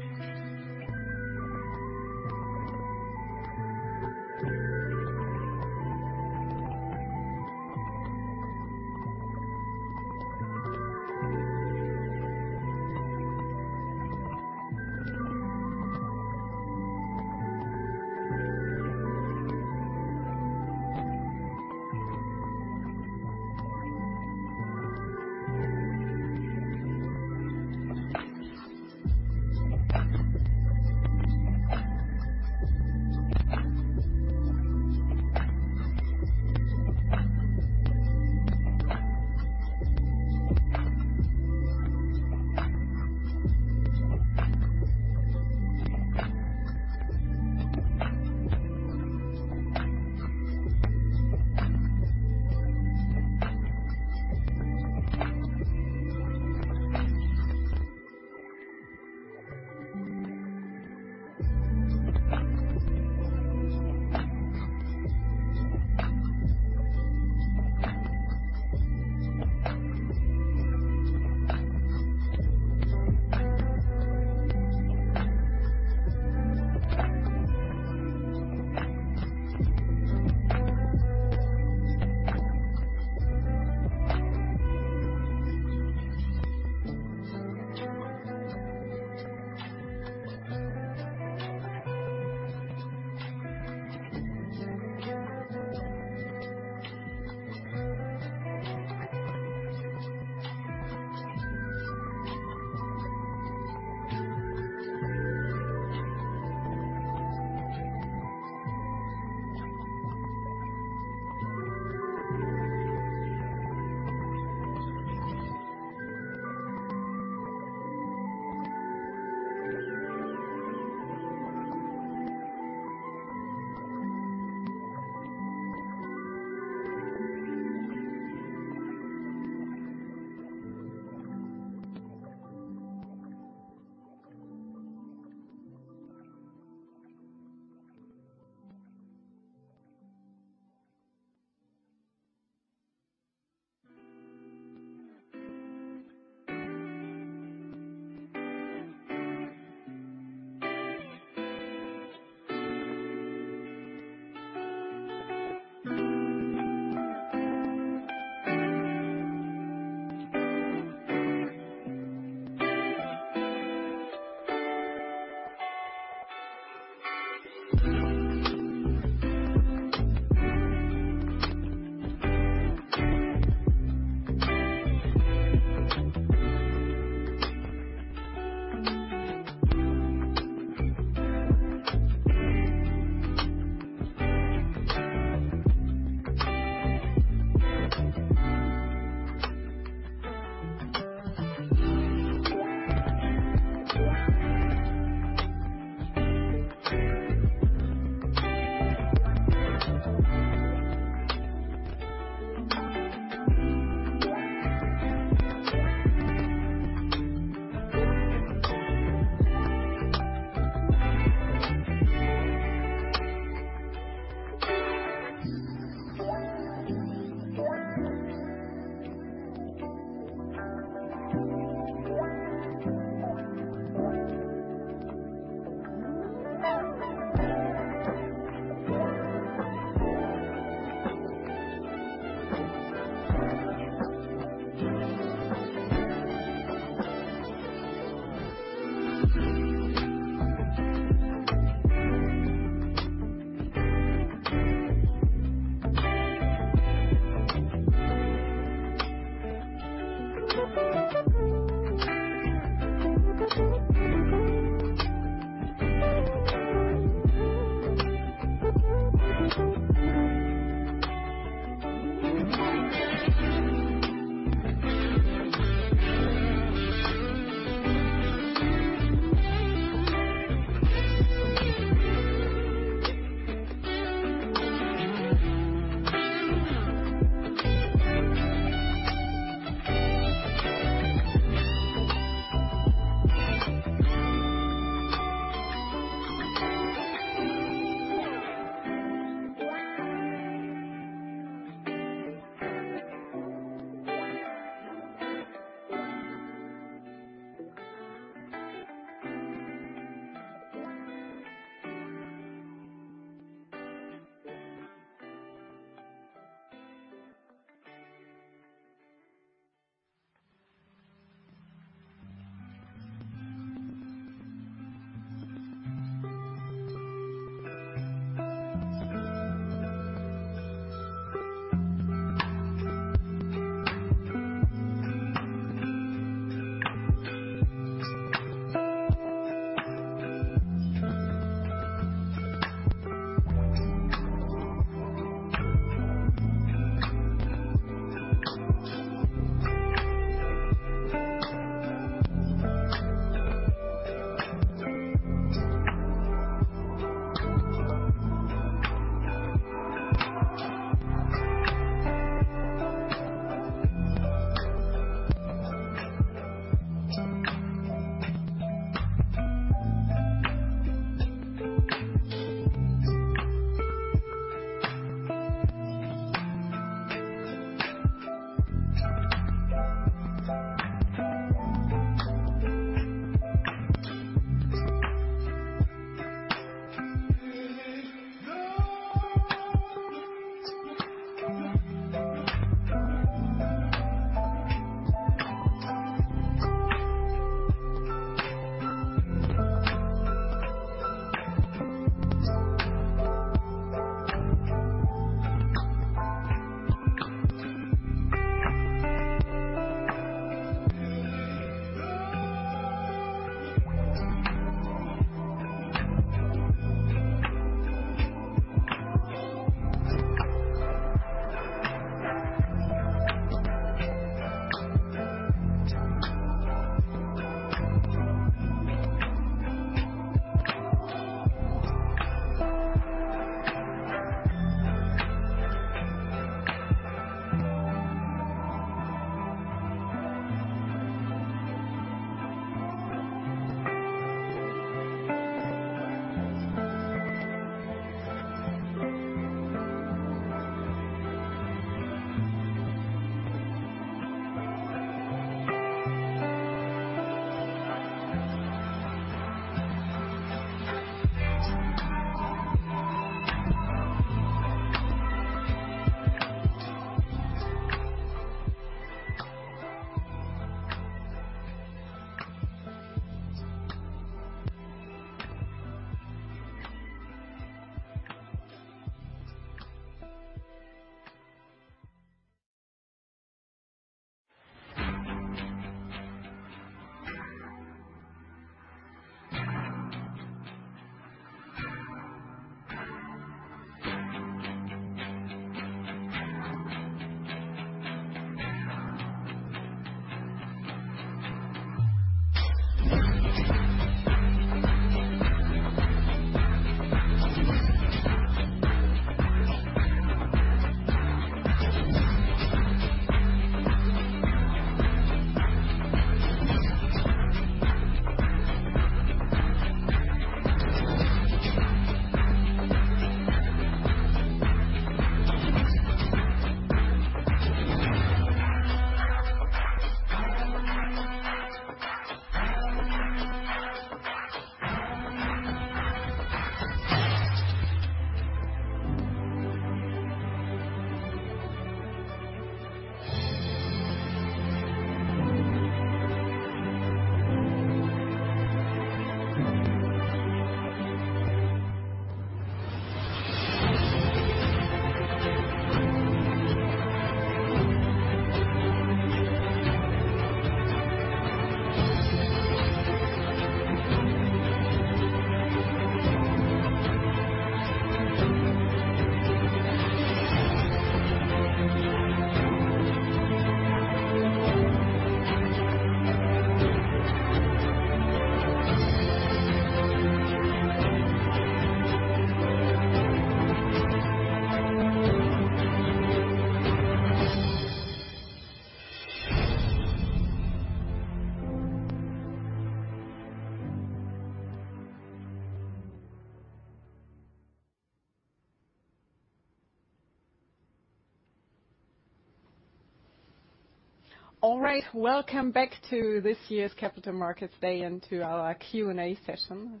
All right. Welcome back to this year's Capital Markets Day and to our Q&A session.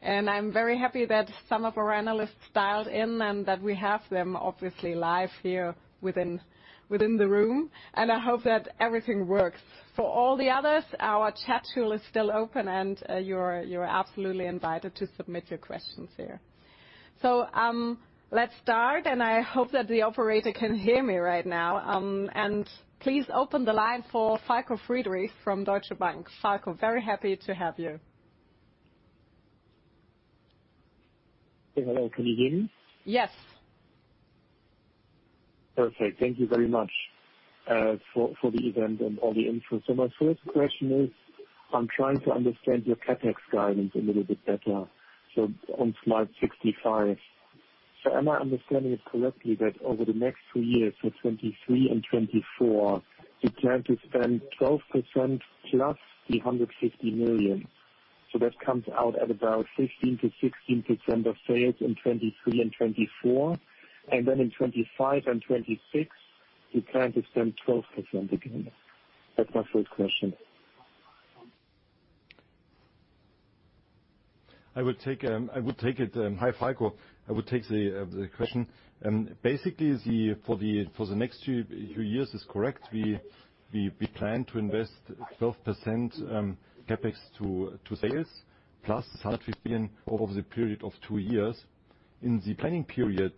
I'm very happy that some of our analysts dialed in and that we have them obviously live here within the room, and I hope that everything works. For all the others, our chat tool is still open, and you're absolutely invited to submit your questions here. Let's start, and I hope that the operator can hear me right now. Please open the line for Falko Friedrichs from Deutsche Bank. Falco, very happy to have you. Hello. Can we begin? Yes. Perfect. Thank you very much for the event and all the info. My first question is, I'm trying to understand your CapEx guidance a little bit better. On slide 65. Am I understanding it correctly that over the next two years, 2023 and 2024, you plan to spend 12% plus 150 million? That comes out at about 15%-16% of sales in 2023 and 2024. In 2025 and 2026, you plan to spend 12% again. That's my first question. I would take it. Hi, Falko. I would take the question. Basically for the next two years is correct. We plan to invest 12% CapEx to sales plus 150 million over the period of two years. In the planning period,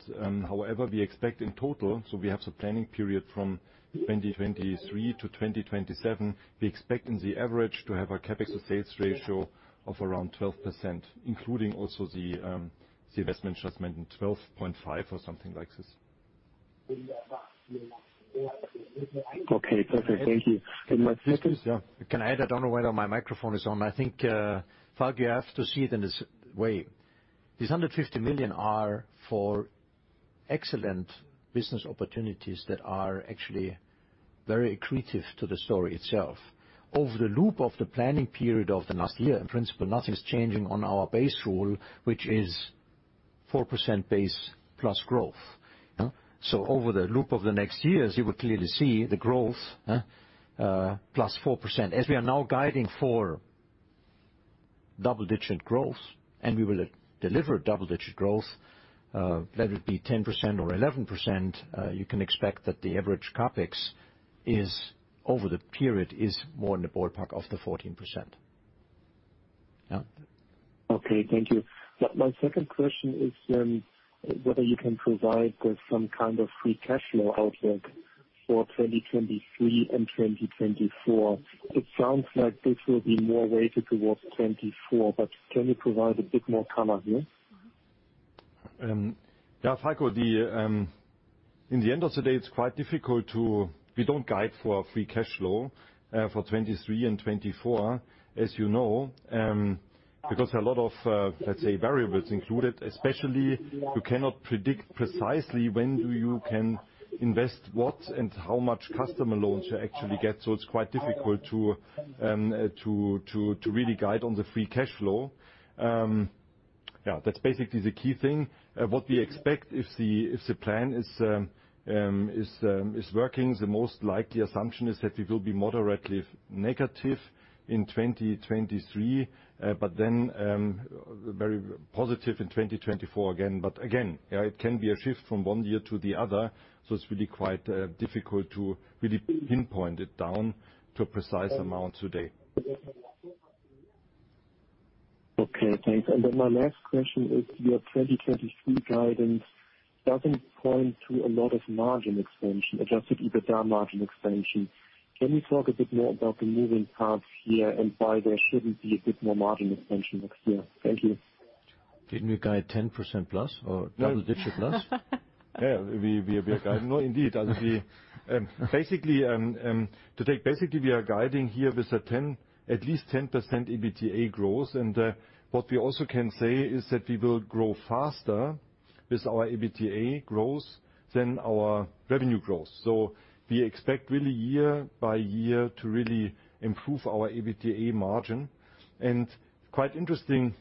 however, we expect in total, so we have the planning period from 2023 to 2027. We expect in the average to have a CapEx to sales ratio of around 12%, including also the investment adjustment, 12.5 or something like this. Okay. Perfect. Thank you. Can I add? I don't know whether my microphone is on. I think, Falko, you have to see it in this way. These 150 million are for excellent business opportunities that are actually very accretive to the story itself. Over the loop of the planning period of the last year, in principle, nothing's changing on our base rule, which is 4% base plus growth. Over the loop of the next years, you will clearly see the growth, plus 4%. As we are now guiding for double-digit growth, and we will deliver double-digit growth, whether it be 10% or 11%, you can expect that the average CapEx is over the period is more in the ballpark of the 14%. Yeah. Okay, thank you. My second question is whether you can provide some kind of free cash flow outlook for 2023 and 2024. It sounds like this will be more weighted towards 2024, but can you provide a bit more color here? Yeah, Franco, in the end of the day, it's quite difficult. We don't guide for free cash flow for 2023 and 2024, as you know. Because a lot of, let's say, variables included, especially you cannot predict precisely when do you can invest what and how much customer loans you actually get. It's quite difficult to really guide on the free cash flow. Yeah, that's basically the key thing. What we expect if the plan is working, the most likely assumption is that it will be moderately negative in 2023, then very positive in 2024 again. But again, yeah, it can be a shift from one year to the other, so it's really quite difficult to really pinpoint it down to a precise amount today. Okay, thanks. My last question is, your 2023 guidance doesn't point to a lot of margin expansion, adjusted EBITDA margin expansion. Can you talk a bit more about the moving parts here and why there shouldn't be a bit more margin expansion next year? Thank you. Didn't we guide 10% plus or double-digit plus? Yeah, we are guiding. No, indeed. I see. Basically, we are guiding here with a 10, at least 10% EBITDA growth. What we also can say is that we will grow faster with our EBITDA growth than our revenue growth. We expect really year by year to really improve our EBITDA margin. Quite interesting,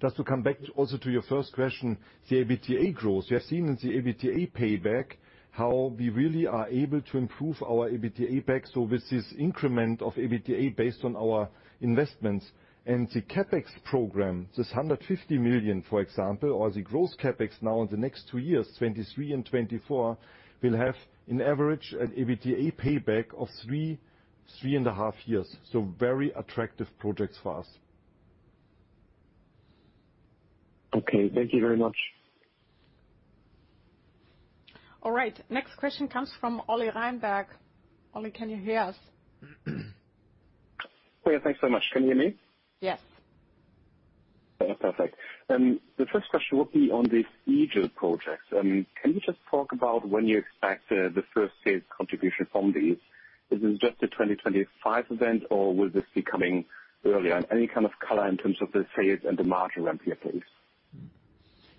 just to come back also to your first question, the EBITDA growth. We have seen in the EBITDA payback how we really are able to improve our EBITDA back. With this increment of EBITDA based on our investments and the CapEx program, this 150 million, for example, or the growth CapEx now in the next two years, 2023 and 2024, will have an average EBITDA payback of three and a half years. Very attractive projects for us. Okay, thank you very much. All right, next question comes from Oliver Reinberg. Oli, can you hear us? Thanks so much. Can you hear me? Yes. Perfect. The first question will be on the Eagle project. Can you just talk about when you expect the first phase contribution from these? Is it just a 2025 event, or will this be coming earlier? Any kind of color in terms of the phase and the margin ramp here, please?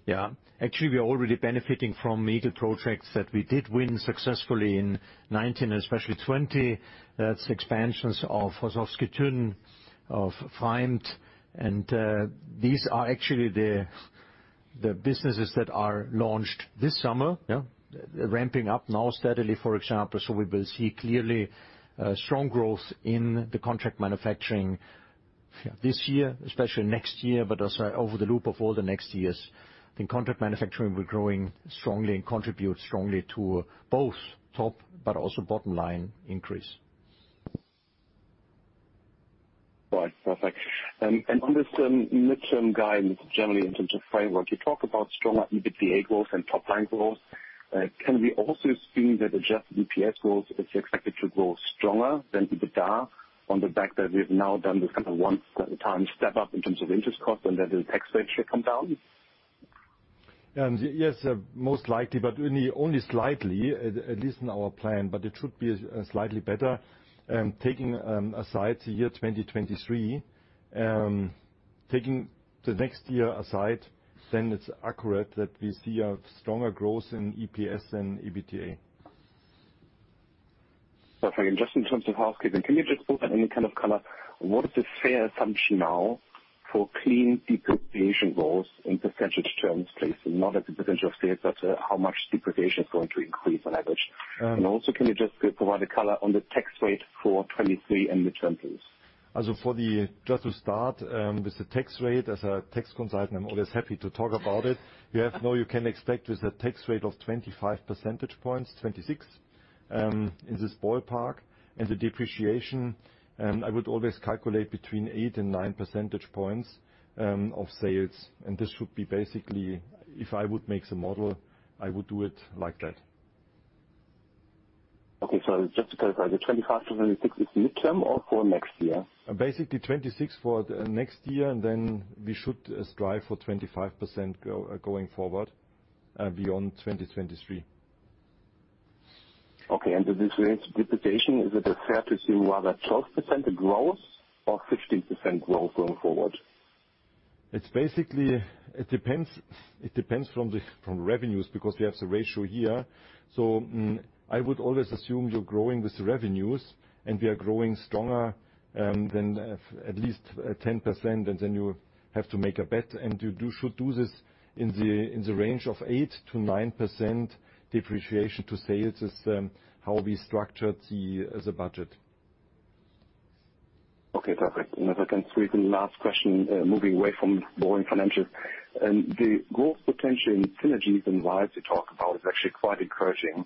Yeah. Actually, we are already benefiting from Eagle projects that we did win successfully in 2019 and especially 2020. That's expansions of resembling, of find. These are actually the businesses that are launched this summer. Yeah. Ramping up now steadily, for example. We will see clearly strong growth in the contract manufacturing this year, especially next year, but also over the loop of all the next years. The contract manufacturing will growing strongly and contribute strongly to both top but also bottom line increase. Right. Perfect. On this mid-term guidance, generally in terms of framework, you talk about stronger EBITDA goals and top line goals. Can we also assume that adjusted EPS goals is expected to grow stronger than EBITDA on the back that we've now done this kind of one-time step up in terms of interest cost and that the tax rate should come down? Yes, most likely, but only slightly, at least in our plan. It should be slightly better. Taking aside the year 2023, taking the next year aside, it's accurate that we see a stronger growth in EPS than EBITDA. Perfect. Just in terms of housekeeping, can you just put any kind of color, what is the fair assumption now for clean depreciation growth in percentage terms, please? Not at the percentage of sales, but, how much depreciation is going to increase on average. And alsocan you just provide a color on the tax rate for 2023 and mid-term, please? As for the Just to start with the tax rate. As a tax consultant, I'm always happy to talk about it. No, you can expect with a tax rate of 25 percentage points, 26 in this ballpark. The depreciation, I would always calculate between 8 and 9 percentage points of sales. This should be basically if I would make the model, I would do it like that. Just to clarify, the 25, 26 is mid-term or for next year? Basically 26 for next year, and then we should strive for 25% going forward, beyond 2023. Okay. To this rate depreciation, is it fair to assume rather 12% growth or 15% growth going forward? It's basically. It depends. It depends from the revenues because we have the ratio here. I would always assume you're growing with the revenues and we are growing stronger than at least 10%. Then you have to make a bet. You should do this in the range of 8%-9% depreciation to sales is how we structured the budget. Okay, perfect. If I can squeeze in the last question, moving away from boring financials. The growth potential in synergies and why we talk about is actually quite encouraging.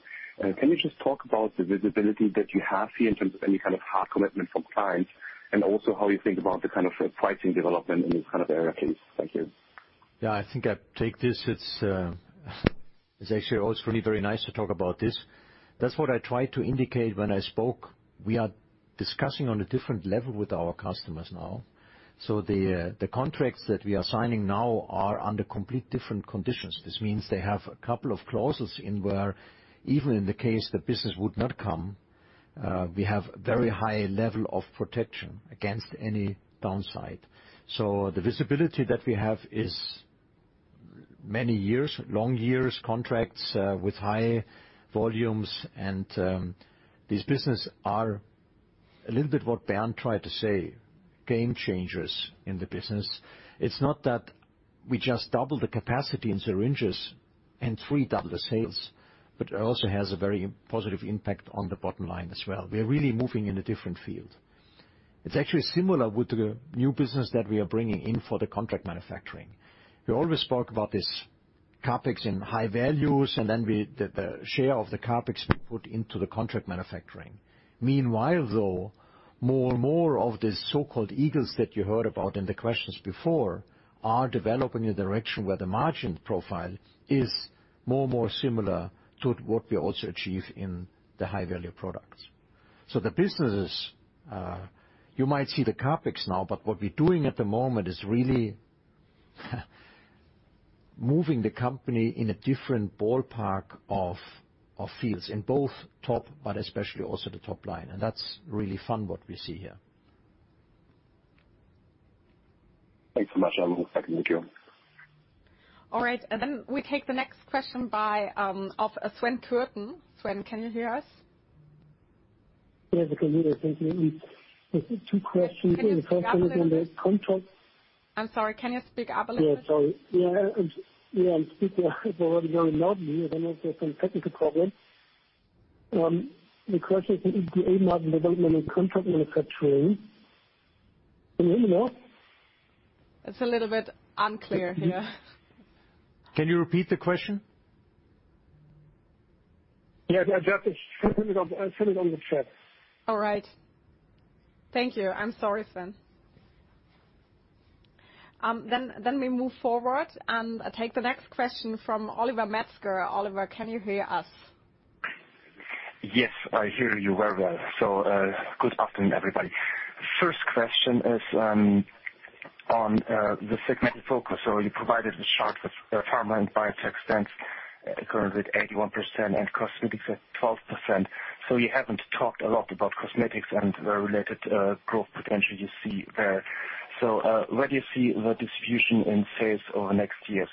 Can you just talk about the visibility that you have here in terms of any kind of hard commitment from clients, and also how you think about the kind of pricing development in this kind of area, please? Thank you. Yeah, I think I take this. It's actually also really very nice to talk about this. That's what I tried to indicate when I spoke. We are discussing on a different level with our customers now. The contracts that we are signing now are under complete different conditions. This means they have a couple of clauses in where even in the case the business would not come, we have very high level of protection against any downside. The visibility that we have is many years, long years contracts, with high volumes. This business are a little bit what Bernd tried to say, game changers in the business. It's not that we just double the capacity in syringes and triple the sales, but it also has a very positive impact on the bottom line as well. We are really moving in a different field. It's actually similar with the new business that we are bringing in for the contract manufacturing. We always talk about this CapEx in high values, and then we the share of the CapEx we put into the contract manufacturing. Meanwhile, though, more and more of the so-called eagles that you heard about in the questions before are developing a direction where the margin profile is more and more similar to what we also achieve in the high-value products. The businesses, you might see the CapEx now, but what we're doing at the moment is really moving the company in a different ballpark of fields in both top, but especially also the top line. That's really fun, what we see here. Thanks so much. I'm expecting the queue. All right. We take the next question by Sven Borho. Sven, can you hear us? Yes, I can hear you. Thank you. It's two questions. Can you speak up a little bit? The first one is on the contract. I'm sorry, can you speak up a little bit? Sorry. I'm speaking already very loudly. I don't know if there's some technical problem. The question is the aim of development in contract manufacturing. Can you hear me now? It's a little bit unclear, yeah. Can you repeat the question? Yes. Yeah, just send it on, I'll send it on the chat. All right. Thank you. I'm sorry, Sven. We move forward and take the next question from Oliver Metzger. Oliver, can you hear us? Yes, I hear you very well. Good afternoon, everybody. First question is on the segmented focus. You provided the chart with pharma and biotech spends currently at 81% and cosmetics at 12%. You haven't talked a lot about cosmetics and the related growth potential you see there. Where do you see the distribution in sales over the next years?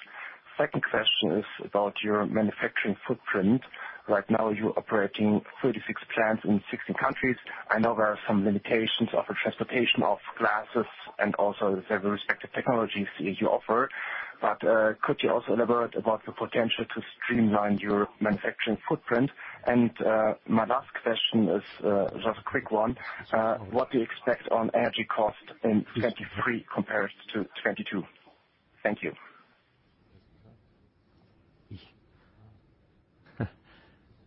Second question is about your manufacturing footprint. Right now, you're operating 36 plants in 16 countries. I know there are some limitations of the transportation of glasses and also the respective technologies you offer. Could you also elaborate about the potential to streamline your manufacturing footprint? My last question is just a quick one. What do you expect on energy cost in 2023 compared to 2022? Thank you.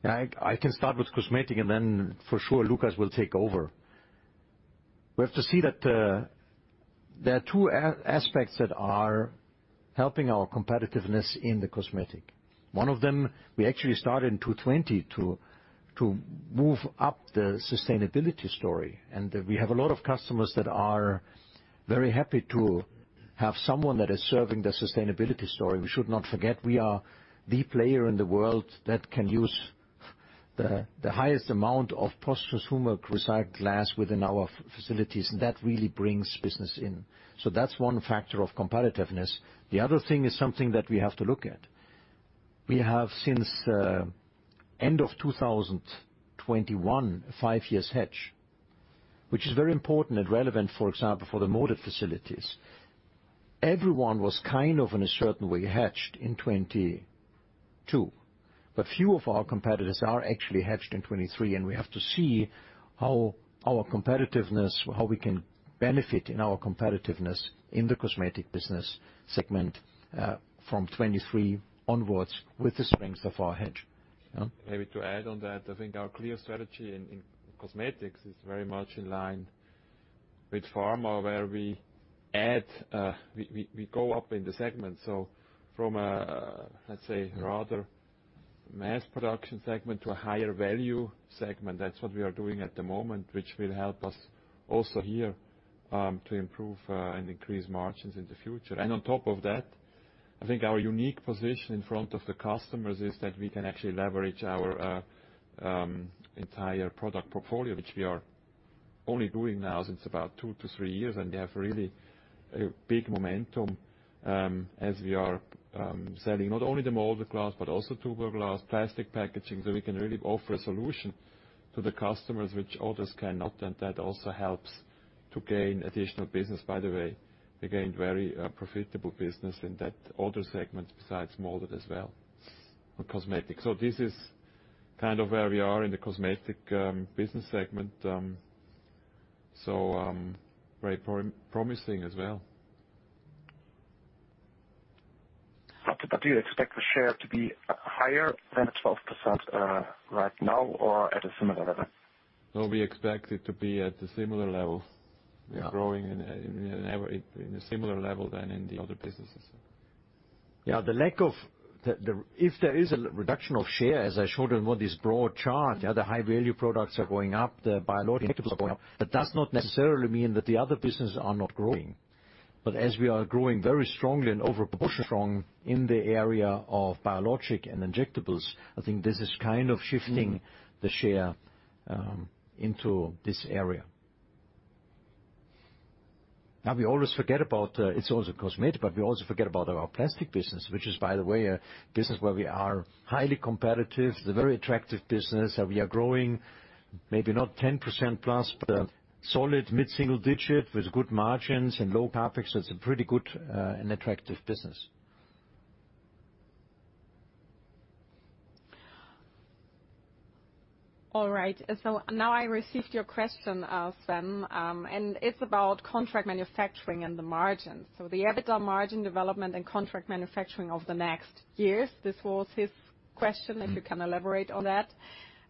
I can start with cosmetic. Then for sure Lukas will take over. We have to see that there are two aspects that are helping our competitiveness in the cosmetic. One of them, we actually started in 2020 to move up the sustainability story. We have a lot of customers that are very happy to have someone that is serving the sustainability story. We should not forget, we are the player in the world that can use the highest amount of post-consumer recycled glass within our facilities. That really brings business in. That's one factor of competitiveness. The other thing is something that we have to look at. We have, since end of 2021, a five years hedge, which is very important and relevant, for example, for the moulded facilities. Everyone was kind of in a certain way hedged in 2022, but few of our competitors are actually hedged in 2023, and we have to see how our competitiveness, how we can benefit in our competitiveness in the cosmetic business segment, from 2023 onwards with the strengths of our hedge. Lukas? Maybe to add on that, I think our clear strategy in cosmetics is very much in line with pharma, where we add, we go up in the segment. From a, let's say, rather mass production segment to a higher value segment. That's what we are doing at the moment, which will help us also here to improve and increase margins in the future. On top of that, I think our unique position in front of the customers is that we can actually leverage our entire product portfolio, which we are only doing now since about two to three years. They have really a big momentum, as we are selling not only the moulded glass but also tubular glass, plastic packaging. We can really offer a solution to the customers which others cannot, and that also helps to gain additional business. By the way, again, very profitable business in that other segment besides molded as well. On cosmetics. This is kind of where we are in the cosmetic business segment. Very promising as well. Do you expect the share to be higher than the 12% right now or at a similar level? No, we expect it to be at a similar level. We are growing in a similar level than in the other businesses. Yeah, If there is a reduction of share, as I showed on one of these broad charts. The other high-value products are going up, the biologic injectables are going up. That does not necessarily mean that the other businesses are not growing. As we are growing very strongly and over proportion strong in the area of biologic and injectables, I think this is kind of shifting the share into this area. Now, we always forget about, it's also cosmetic, we also forget about our plastic business, which is by the way a business where we are highly competitive. It's a very attractive business. We are growing maybe not 10%+, but a solid mid-single digit with good margins and low CapEx. It's a pretty good, attractive business. All right. Now I received your question, Sven, and it's about contract manufacturing and the margins. The EBITDA margin development and contract manufacturing over the next years. This was his question, if you can elaborate on that.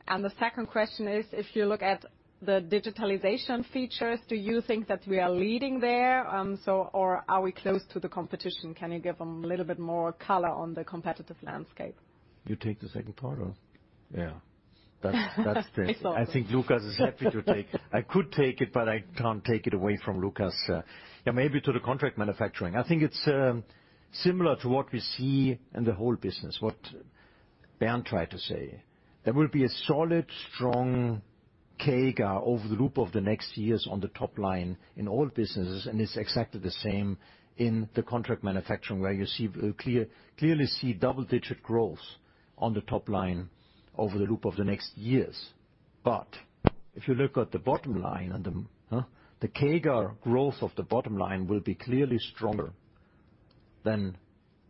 The second question is, if you look at the digitalization features, do you think that we are leading there? Are we close to the competition? Can you give them a little bit more color on the competitive landscape? You take the second part or? Yeah. That's great. It's all yours. I think Lukas is happy to take. I could take it, but I can't take it away from Lukas. Yeah, maybe to the contract manufacturing. I think it's similar to what we see in the whole business, what Bernd tried to say. There will be a solid, strong CAGR over the loop of the next years on the top line in all businesses. It's exactly the same in the contract manufacturing, where you clearly see double-digit growth on the top line over the loop of the next years. If you look at the bottom line and the CAGR growth of the bottom line will be clearly stronger than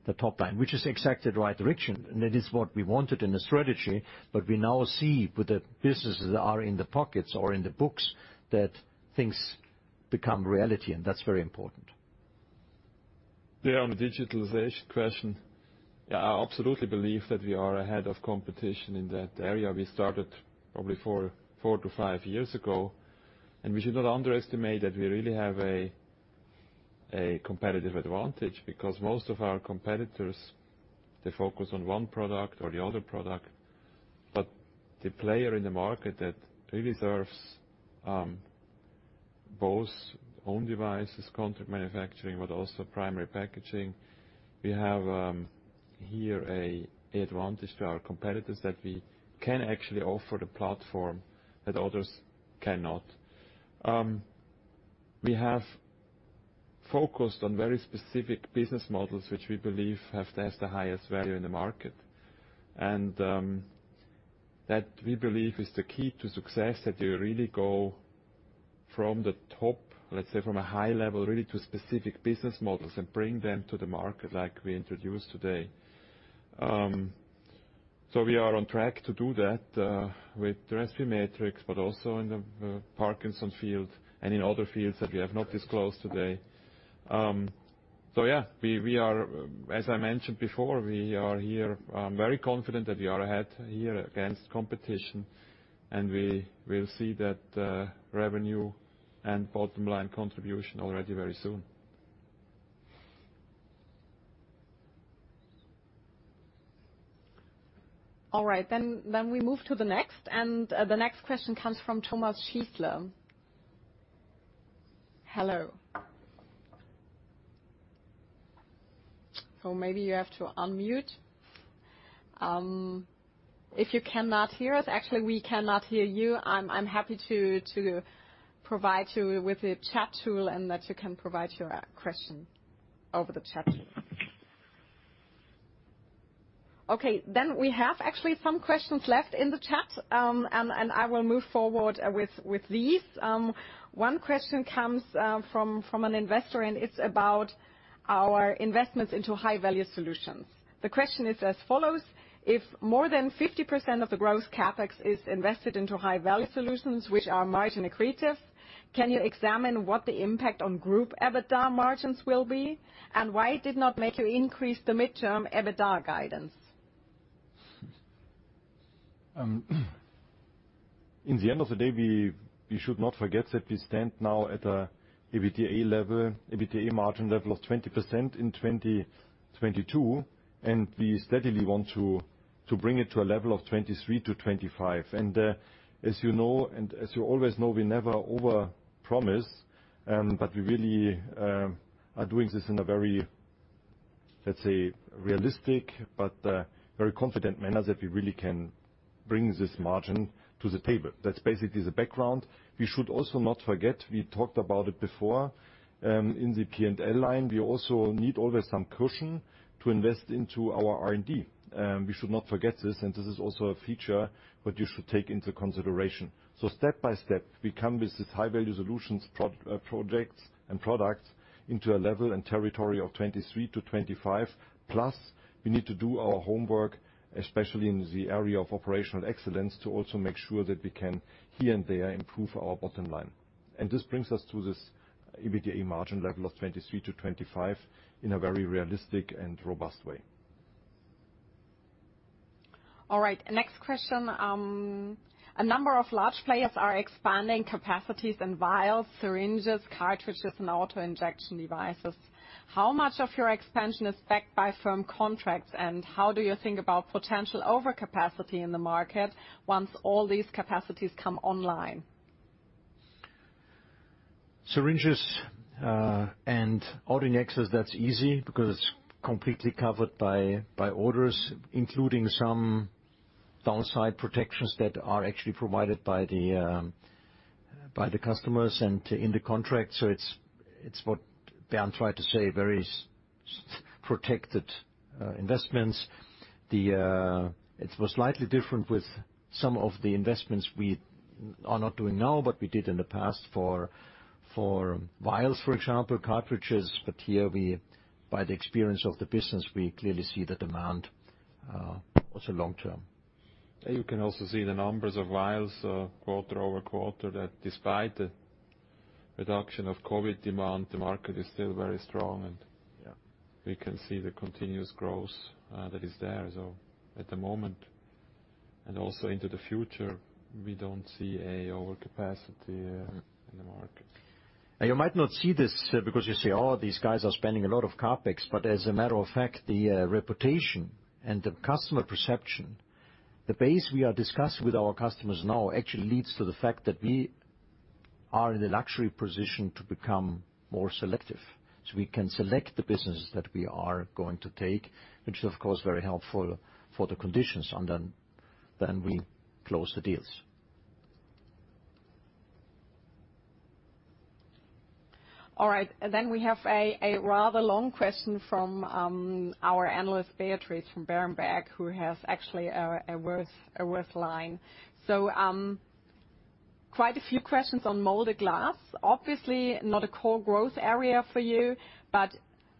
the top line, which is exactly the right direction, and it is what we wanted in the strategy. But we now see with the businesses that are in the pockets or in the books that things become reality, and that's very important. Yeah, on the digitalization question, I absolutely believe that we are ahead of competition in that area. We started probably four-five years ago. We should not underestimate that we really have a competitive advantage because most of our competitors, they focus on one product or the other product. The player in the market that really serves, both own devices, contract manufacturing, but also primary packaging, we have, here the advantage to our competitors that we can actually offer the platform that others cannot. We have focused on very specific business models which we believe has the highest value in the market. That we believe is the key to success, that they really go from the top, let's say, from a high level, really, to specific business models and bring them to the market like we introduced today. We are on track to do that with respimetrix, but also in the Parkinson's field and in other fields that we have not disclosed today. Yeah, we are, as I mentioned before, we are here very confident that we are ahead here against competition, we will see that revenue and bottom-line contribution already very soon. All right. We move to the next. The next question comes from Thomas Schießle. Hello. Maybe you have to unmute. If you cannot hear us, actually, we cannot hear you. I'm happy to provide you with a chat tool and that you can provide your question over the chat tool. Okay. We have actually some questions left in the chat. I will move forward with these. One question comes from an investor, and it's about our investments into high-value solutions. The question is as follows: If more than 50% of the gross CapEx is invested into high-value solutions which are margin accretive, can you examine what the impact on group EBITDA margins will be? Why it did not make you increase the midterm EBITDA guidance? In the end of the day, we should not forget that we stand now at a EBITDA level, EBITDA margin level of 20% in 2022, and we steadily want to bring it to a level of 23%-25%. As you know, and as you always know, we never overpromise, but we really are doing this in a very, let's say, realistic but very confident manner that we really can bring this margin to the table. That's basically the background. We should also not forget, we talked about it before, in the P&L line. We also need always some cushion to invest into our R&D. We should not forget this, and this is also a feature that you should take into consideration. Step by step, we come with these high-value solutions projects and products into a level and territory of 23%-25%. Plus, we need to do our homework, especially in the area of operational excellence, to also make sure that we can here and there improve our bottom line. This brings us to this EBITDA margin level of 23%-25% in a very realistic and robust way. All right, next question. A number of large players are expanding capacities and vials, syringes, cartridges and auto-injection devices. How much of your expansion is backed by firm contracts, and how do you think about potential overcapacity in the market once all these capacities come online? Syringes, and autoinjectors, that's easy because it's completely covered by orders, including some downside protections that are actually provided by the customers and in the contract. It's what Bernd tried to say, very protected investments. It was slightly different with some of the investments we are not doing now, but we did in the past for vials, for example, cartridges. Here we, by the experience of the business, we clearly see the demand also long-term. You can also see the numbers of vials, quarter-over-quarter, that despite the reduction of COVID demand, the market is still very strong, and. Yeah... we can see the continuous growth, that is there. At the moment, and also into the future, we don't see an overcapacity in the market. You might not see this because you say, "Oh, these guys are spending a lot of CapEx." As a matter of fact, the reputation and the customer perception, the base we are discussing with our customers now actually leads to the fact that we are in the luxury position to become more selective. We can select the businesses that we are going to take, which is of course, very helpful for the conditions and then we close the deals. All right. We have a rather long question from our analyst, Beatrice from Berenberg, who has actually a worth line. Quite a few questions on moulded glass. Obviously, not a core growth area for you, but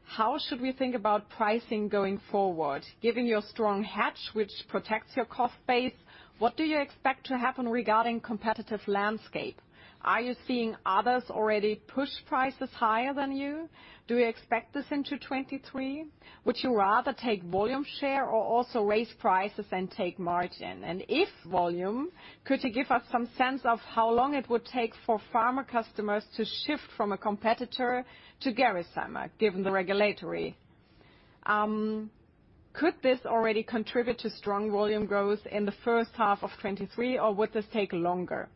how should we think about pricing going forward? Given your strong hedge, which protects your cost base, what do you expect to happen regarding competitive landscape? Are you seeing others already push prices higher than you? Do you expect this into 2023? Would you rather take volume share or also raise prices and take margin? If volume, could you give us some sense of how long it would take for pharma customers to shift from a competitor to Gerresheimer, given the regulatory? Could this already contribute to strong volume growth in the first half of 2023, or would this take longer?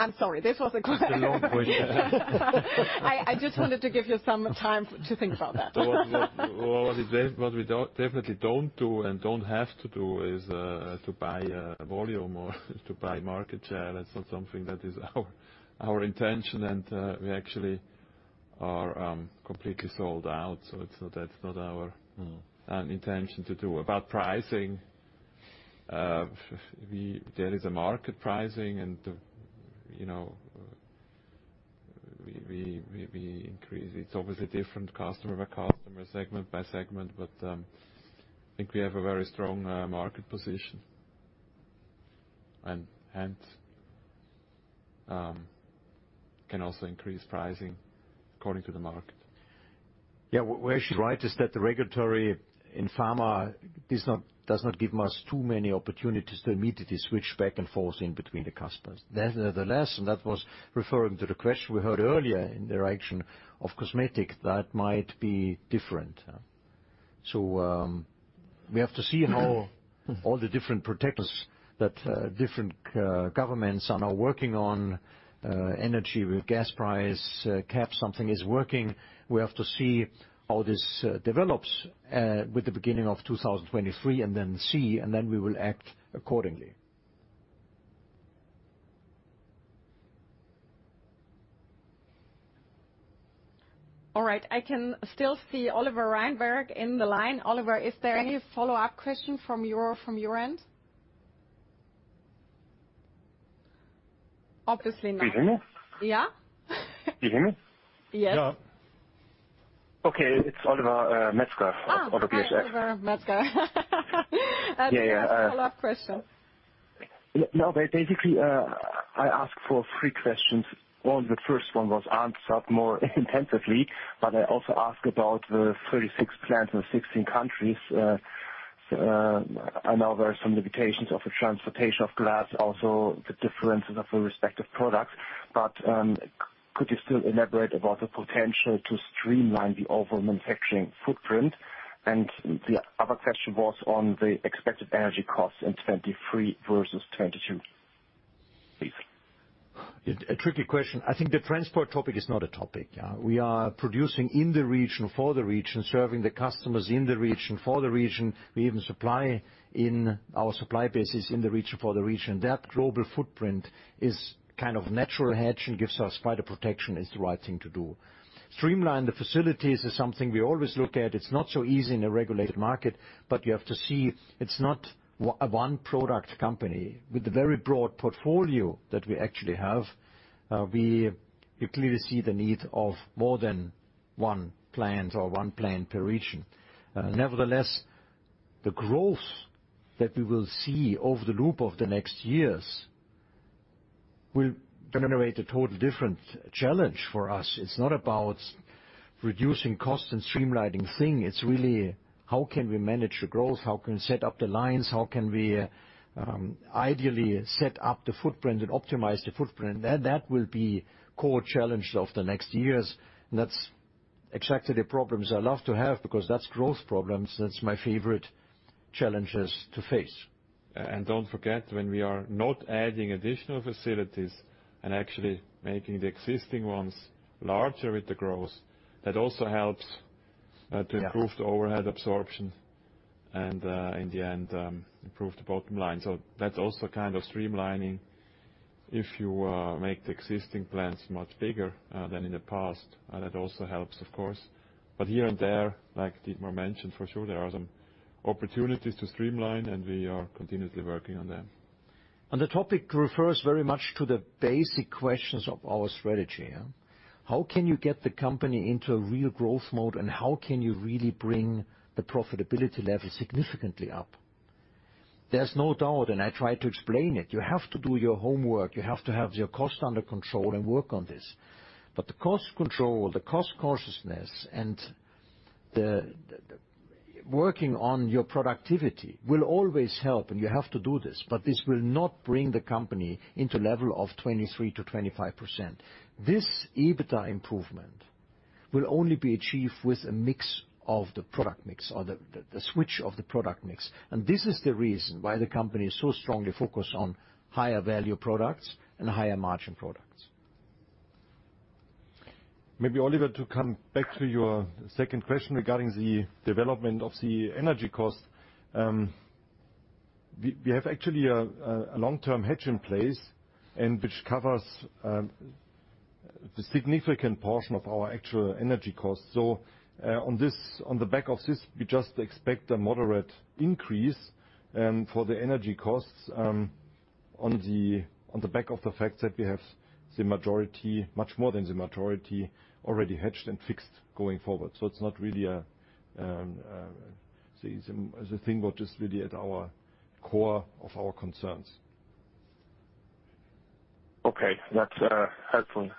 I'm sorry, this was a question. It's a long question. I just wanted to give you some time to think about that. What we, what we don't, definitely don't do and don't have to do is to buy volume or to buy market share. That's not something that is our intention, and we actually are completely sold out. That's not our intention to do. About pricing, there is a market pricing and, you know, we increase. It's obviously different customer by customer, segment by segment, but I think we have a very strong market position and can also increase pricing according to the market. Yeah. Where she's right is that the regulatory in pharma does not give us too many opportunities to immediately switch back and forth in between the customers. Nevertheless, and that was referring to the question we heard earlier in the direction of cosmetics, that might be different. We have to see how all the different protectors that different governments are now working on energy with gas price cap, something is working. We have to see how this develops with the beginning of 2023, and then see, and then we will act accordingly. All right. I can still see Oliver Reinberg in the line. Oliver, is there any follow-up question from your, from your end? Obviously not. Do you hear me? Yeah. Do you hear me? Yes. Yeah. Okay. It's Oliver Metzger of BHF. Oh. Hi, Oliver Metzger. Yeah, yeah. Do you have a follow-up question? Basically, I ask for three questions. One, the first one was answered more intensively, but I also ask about the 36 plants in 16 countries. I know there are some limitations of the transportation of glass, also the differences of the respective products, but could you still elaborate about the potential to streamline the overall manufacturing footprint? The other question was on the expected energy costs in 2023 versus 2022. Please. A tricky question. I think the transport topic is not a topic, yeah. We are producing in the region for the region, serving the customers in the region for the region. We even supply in our supply bases in the region for the region. That global footprint is kind of natural hedge and gives us quite a protection. It's the right thing to do. Streamline the facilities is something we always look at. It's not so easy in a regulated market, but you have to see, it's not a one product company. With the very broad portfolio that we actually have, we clearly see the need of more than one plant or one plant per region. Nevertheless, the growth that we will see over the loop of the next years will generate a total different challenge for us. It's not about reducing costs and streamlining thing. It's really how can we manage the growth? How can we set up the lines? How can we, ideally set up the footprint and optimize the footprint? That will be core challenge of the next years. That's exactly the problems I love to have because that's growth problems. That's my favorite challenges to face. And don't forget, when we are not adding additional facilities and actually making the existing ones larger with the growth, that also helps to improve the overhead absorption and, in the end, improve the bottom line. That's also kind of streamlining if you make the existing plants much bigger than in the past. That also helps of course. Here and there, like Dietmar mentioned, for sure there are some opportunities to streamline, and we are continuously working on them. The topic refers very much to the basic questions of our strategy, yeah. How can you get the company into a real growth mode, and how can you really bring the profitability level significantly up? There's no doubt. I tried to explain it, you have to do your homework. You have to have your cost under control and work on this. The cost control, the cost consciousness and the working on your productivity will always help, and you have to do this. This will not bring the company into level of 23%-25%. This EBITDA improvement will only be achieved with a mix of the product mix or the switch of the product mix. This is the reason why the company is so strongly focused on higher value products and higher margin products. Maybe Oliver, to come back to your second question regarding the development of the energy costs. We have actually a long-term hedge in place and which covers the significant portion of our actual energy costs. On the back of this, we just expect a moderate increase for the energy costs on the back of the fact that we have the majority, much more than the majority already hedged and fixed going forward. It's not really a, is a thing which is really at our core of our concerns. Okay. That's helpful.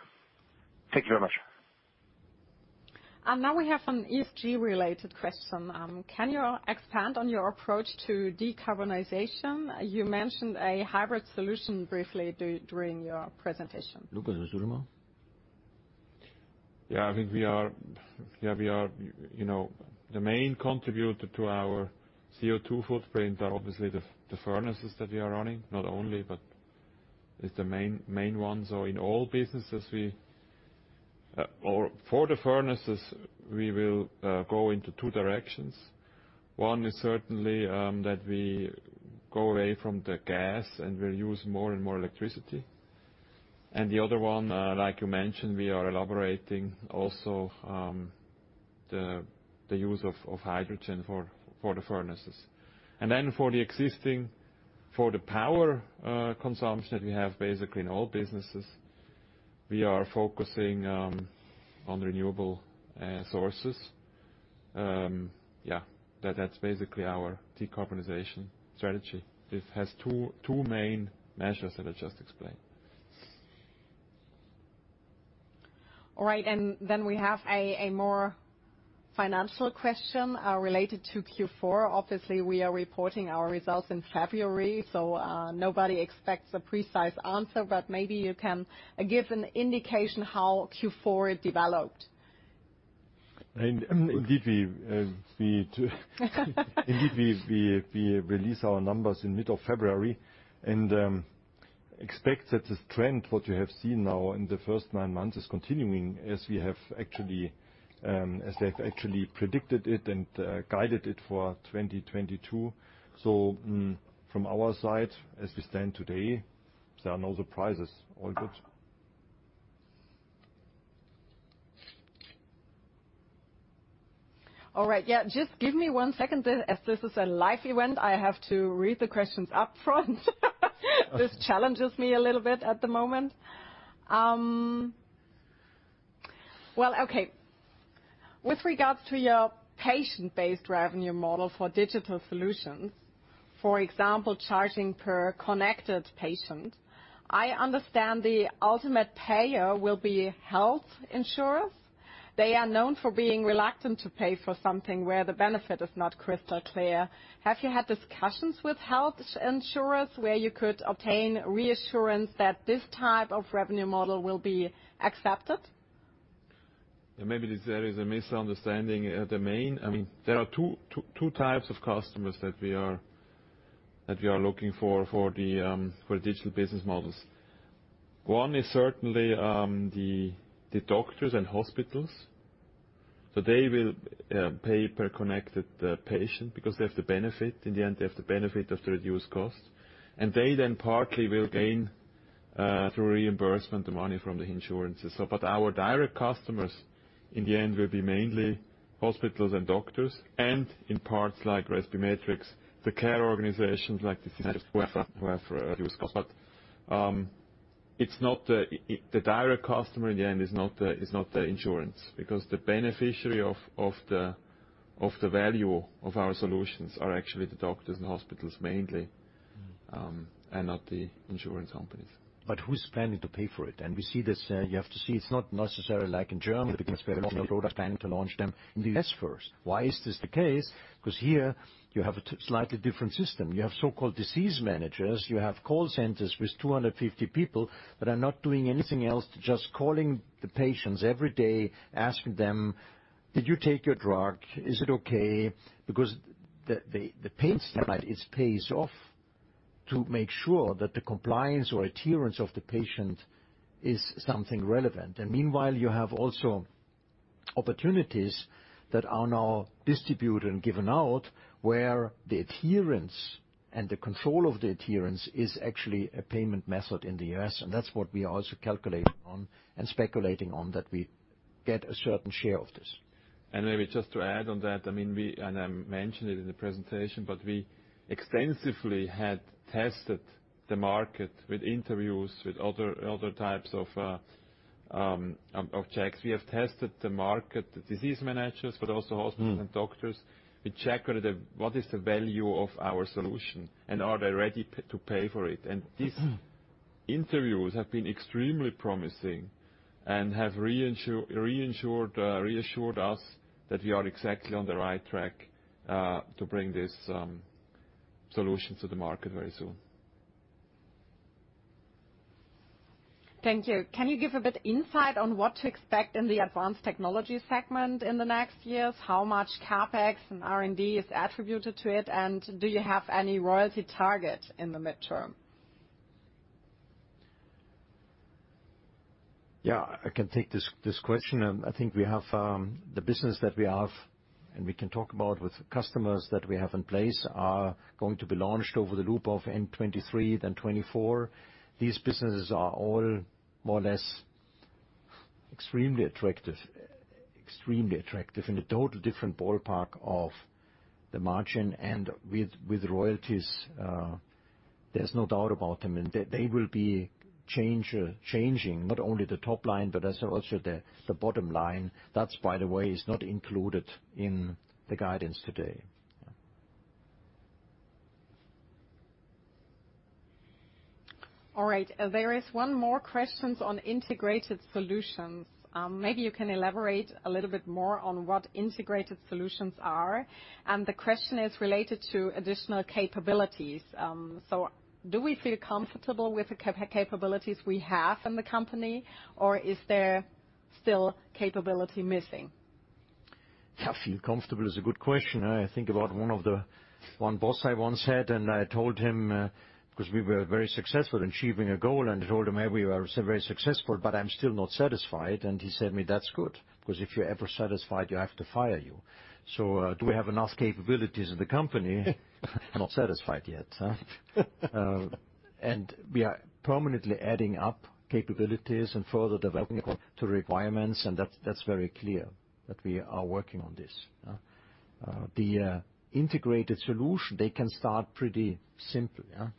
Thank you very much. Now we have an ESG related question. Can you expand on your approach to decarbonization? You mentioned a hybrid solution briefly during your presentation. Lukas, you want to? Yeah. I think we are, you know, the main contributor to our CO2 footprint are obviously the furnaces that we are running. Not only, but it's the main ones. In all businesses we, or for the furnaces we will go into two directions. One is certainly that we go away from the gas, and we'll use more and more electricity. The other one, like you mentioned, we are elaborating also the use of hydrogen for the furnaces. For the power consumption we have basically in all businesses, we are focusing on renewable sources. Yeah, that's basically our decarbonization strategy. It has two main measures that I just explained. All right. We have a more financial question, related to Q4. Obviously, we are reporting our results in February, nobody expects a precise answer, but maybe you can give an indication how Q4 developed. Indeed we release our numbers in mid of February and expect that the trend, what you have seen now in the first nine months is continuing as we have actually, as I've actually predicted it and guided it for 2022. From our side as we stand today, there are no surprises. All good. All right. Yeah, just give me one second. As this is a live event, I have to read the questions up front. This challenges me a little bit at the moment. Well, okay. With regards to your patient-based revenue model for digital solutions, for example, charging per connected patient. I understand the ultimate payer will be health insurers. They are known for being reluctant to pay for something where the benefit is not crystal clear. Have you had discussions with health insurers where you could obtain reassurance that this type of revenue model will be accepted? Maybe there is a misunderstanding at the main. I mean, there are two types of customers that we are looking for for the digital business models. One is certainly the doctors and hospitals. They will pay per connected patient because they have the benefit. In the end, they have the benefit of the reduced cost. They then partly will gain through reimbursement the money from the insurances. Our direct customers in the end will be mainly hospitals and doctors, and in parts like respimetrix, the care organizations like this is just who have use cost. It's not the...The direct customer in the end is not the insurance because the beneficiary of the value of our solutions are actually the doctors and hospitals mainly, and not the insurance companies. Who's planning to pay for it? We see this, you have to see it's not necessarily like in Germany because we have a lot of products planning to launch them in the U.S. first. Why is this the case? 'Cause here you have a slightly different system. You have so-called disease managers. You have call centers with 250 people that are not doing anything else, just calling the patients every day, asking them, "Did you take your drug? Is it okay?" Because the pay is high, it pays off to make sure that the compliance or adherence of the patient is something relevant. Meanwhile, you have also opportunities that are now distributed and given out, where the adherence and the control of the adherence is actually a payment method in the US. That's what we are also calculating on and speculating on, that we get a certain share of this. Maybe just to add on that, I mean, I mentioned it in the presentation, but we extensively had tested the market with interviews, with other types of checks. We have tested the market, the disease managers, but also hospitals and doctors. We check with them what is the value of our solution, and are they ready to pay for it? These interviews have been extremely promising and have reassured us that we are exactly on the right track to bring this solution to the market very soon. Thank you. Can you give a bit insight on what to expect in the Advanced Technologies segment in the next years? How much CapEx and R&D is attributed to it, and do you have any royalty targets in the midterm? I can take this question. I think we have the business that we have, and we can talk about with customers that we have in place, are going to be launched over the loop of end 2023 than 2024. These businesses are all more or less extremely attractive. In a total different ballpark of the margin and with royalties, there's no doubt about them. They will be changing not only the top line, but also the bottom line. That, by the way, is not included in the guidance today. All right. There is one more questions on integrated solutions. Maybe you can elaborate a little bit more on what integrated solutions are. The question is related to additional capabilities. Do we feel comfortable with the capabilities we have in the company, or is there still capability missing? If I feel comfortable is a good question. I think about one boss I once had, I told him, 'cause we were very successful in achieving a goal, I told him, "We were so very successful, but I'm still not satisfied." He said me, "That's good, because if you're ever satisfied, I have to fire you." Do we have enough capabilities in the company? Not satisfied yet, huh? We are permanently adding up capabilities and further developing to requirements, and that's very clear that we are working on this. The integrated solution, they can start pretty simple, yeah?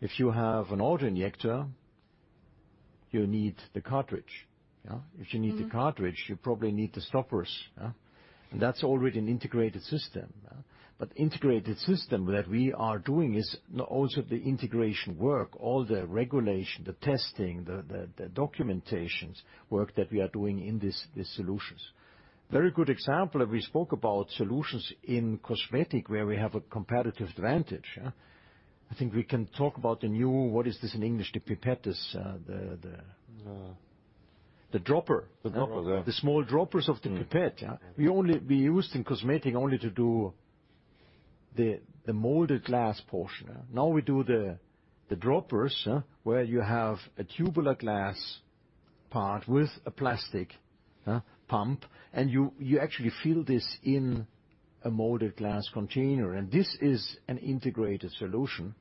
If you have an autoinjector, you need the cartridge, yeah? If you need the cartridge, you probably need the stoppers, yeah? That's already an integrated system. Integrated system that we are doing is also the integration work, all the regulation, the testing, the documentations work that we are doing in these solutions. Very good example, we spoke about solutions in cosmetic, where we have a competitive advantage, yeah? I think we can talk about the new, what is this in English, the pipettes, the dropper. The dropper. Yeah. The small droppers of the pipette, yeah? We used in cosmetic only to do the moulded glass portion. Now we do the droppers, yeah, where you have a tubular glass part with a plastic pump, and you actually fill this in a moulded glass container. This is an integrated solution.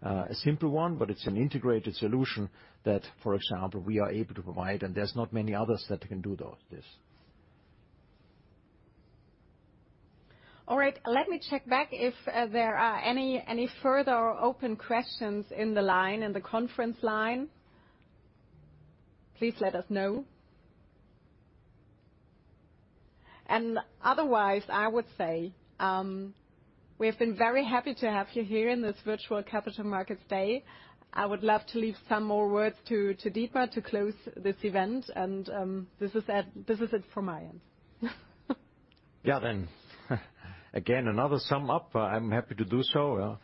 A simple one, but it's an integrated solution that, for example, we are able to provide, and there's not many others that can do though this. All right. Let me check back if there are any further open questions in the line, in the conference line. Please let us know. Otherwise, I would say, we have been very happy to have you here in this virtual Capital Markets Day. I would love to leave some more words to Dietmar to close this event. This is it from my end. Yeah. Again, another sum up. I'm happy to do so.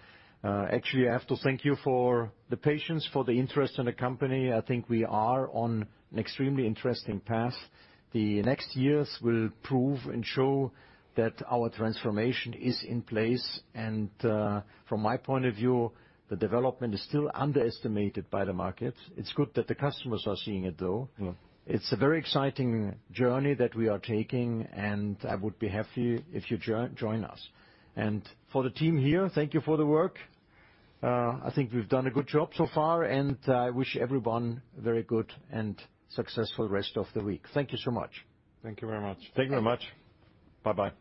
Actually, I have to thank you for the patience, for the interest in the company. I think we are on an extremely interesting path. The next years will prove and show that our transformation is in place and, from my point of view, the development is still underestimated by the market. It's good that the customers are seeing it, though. It's a very exciting journey that we are taking. I would be happy if you join us. For the team here, thank you for the work. I think we've done a good job so far. I wish everyone a very good and successful rest of the week. Thank you so much. Thank you very much. Thank you very much. Bye-bye.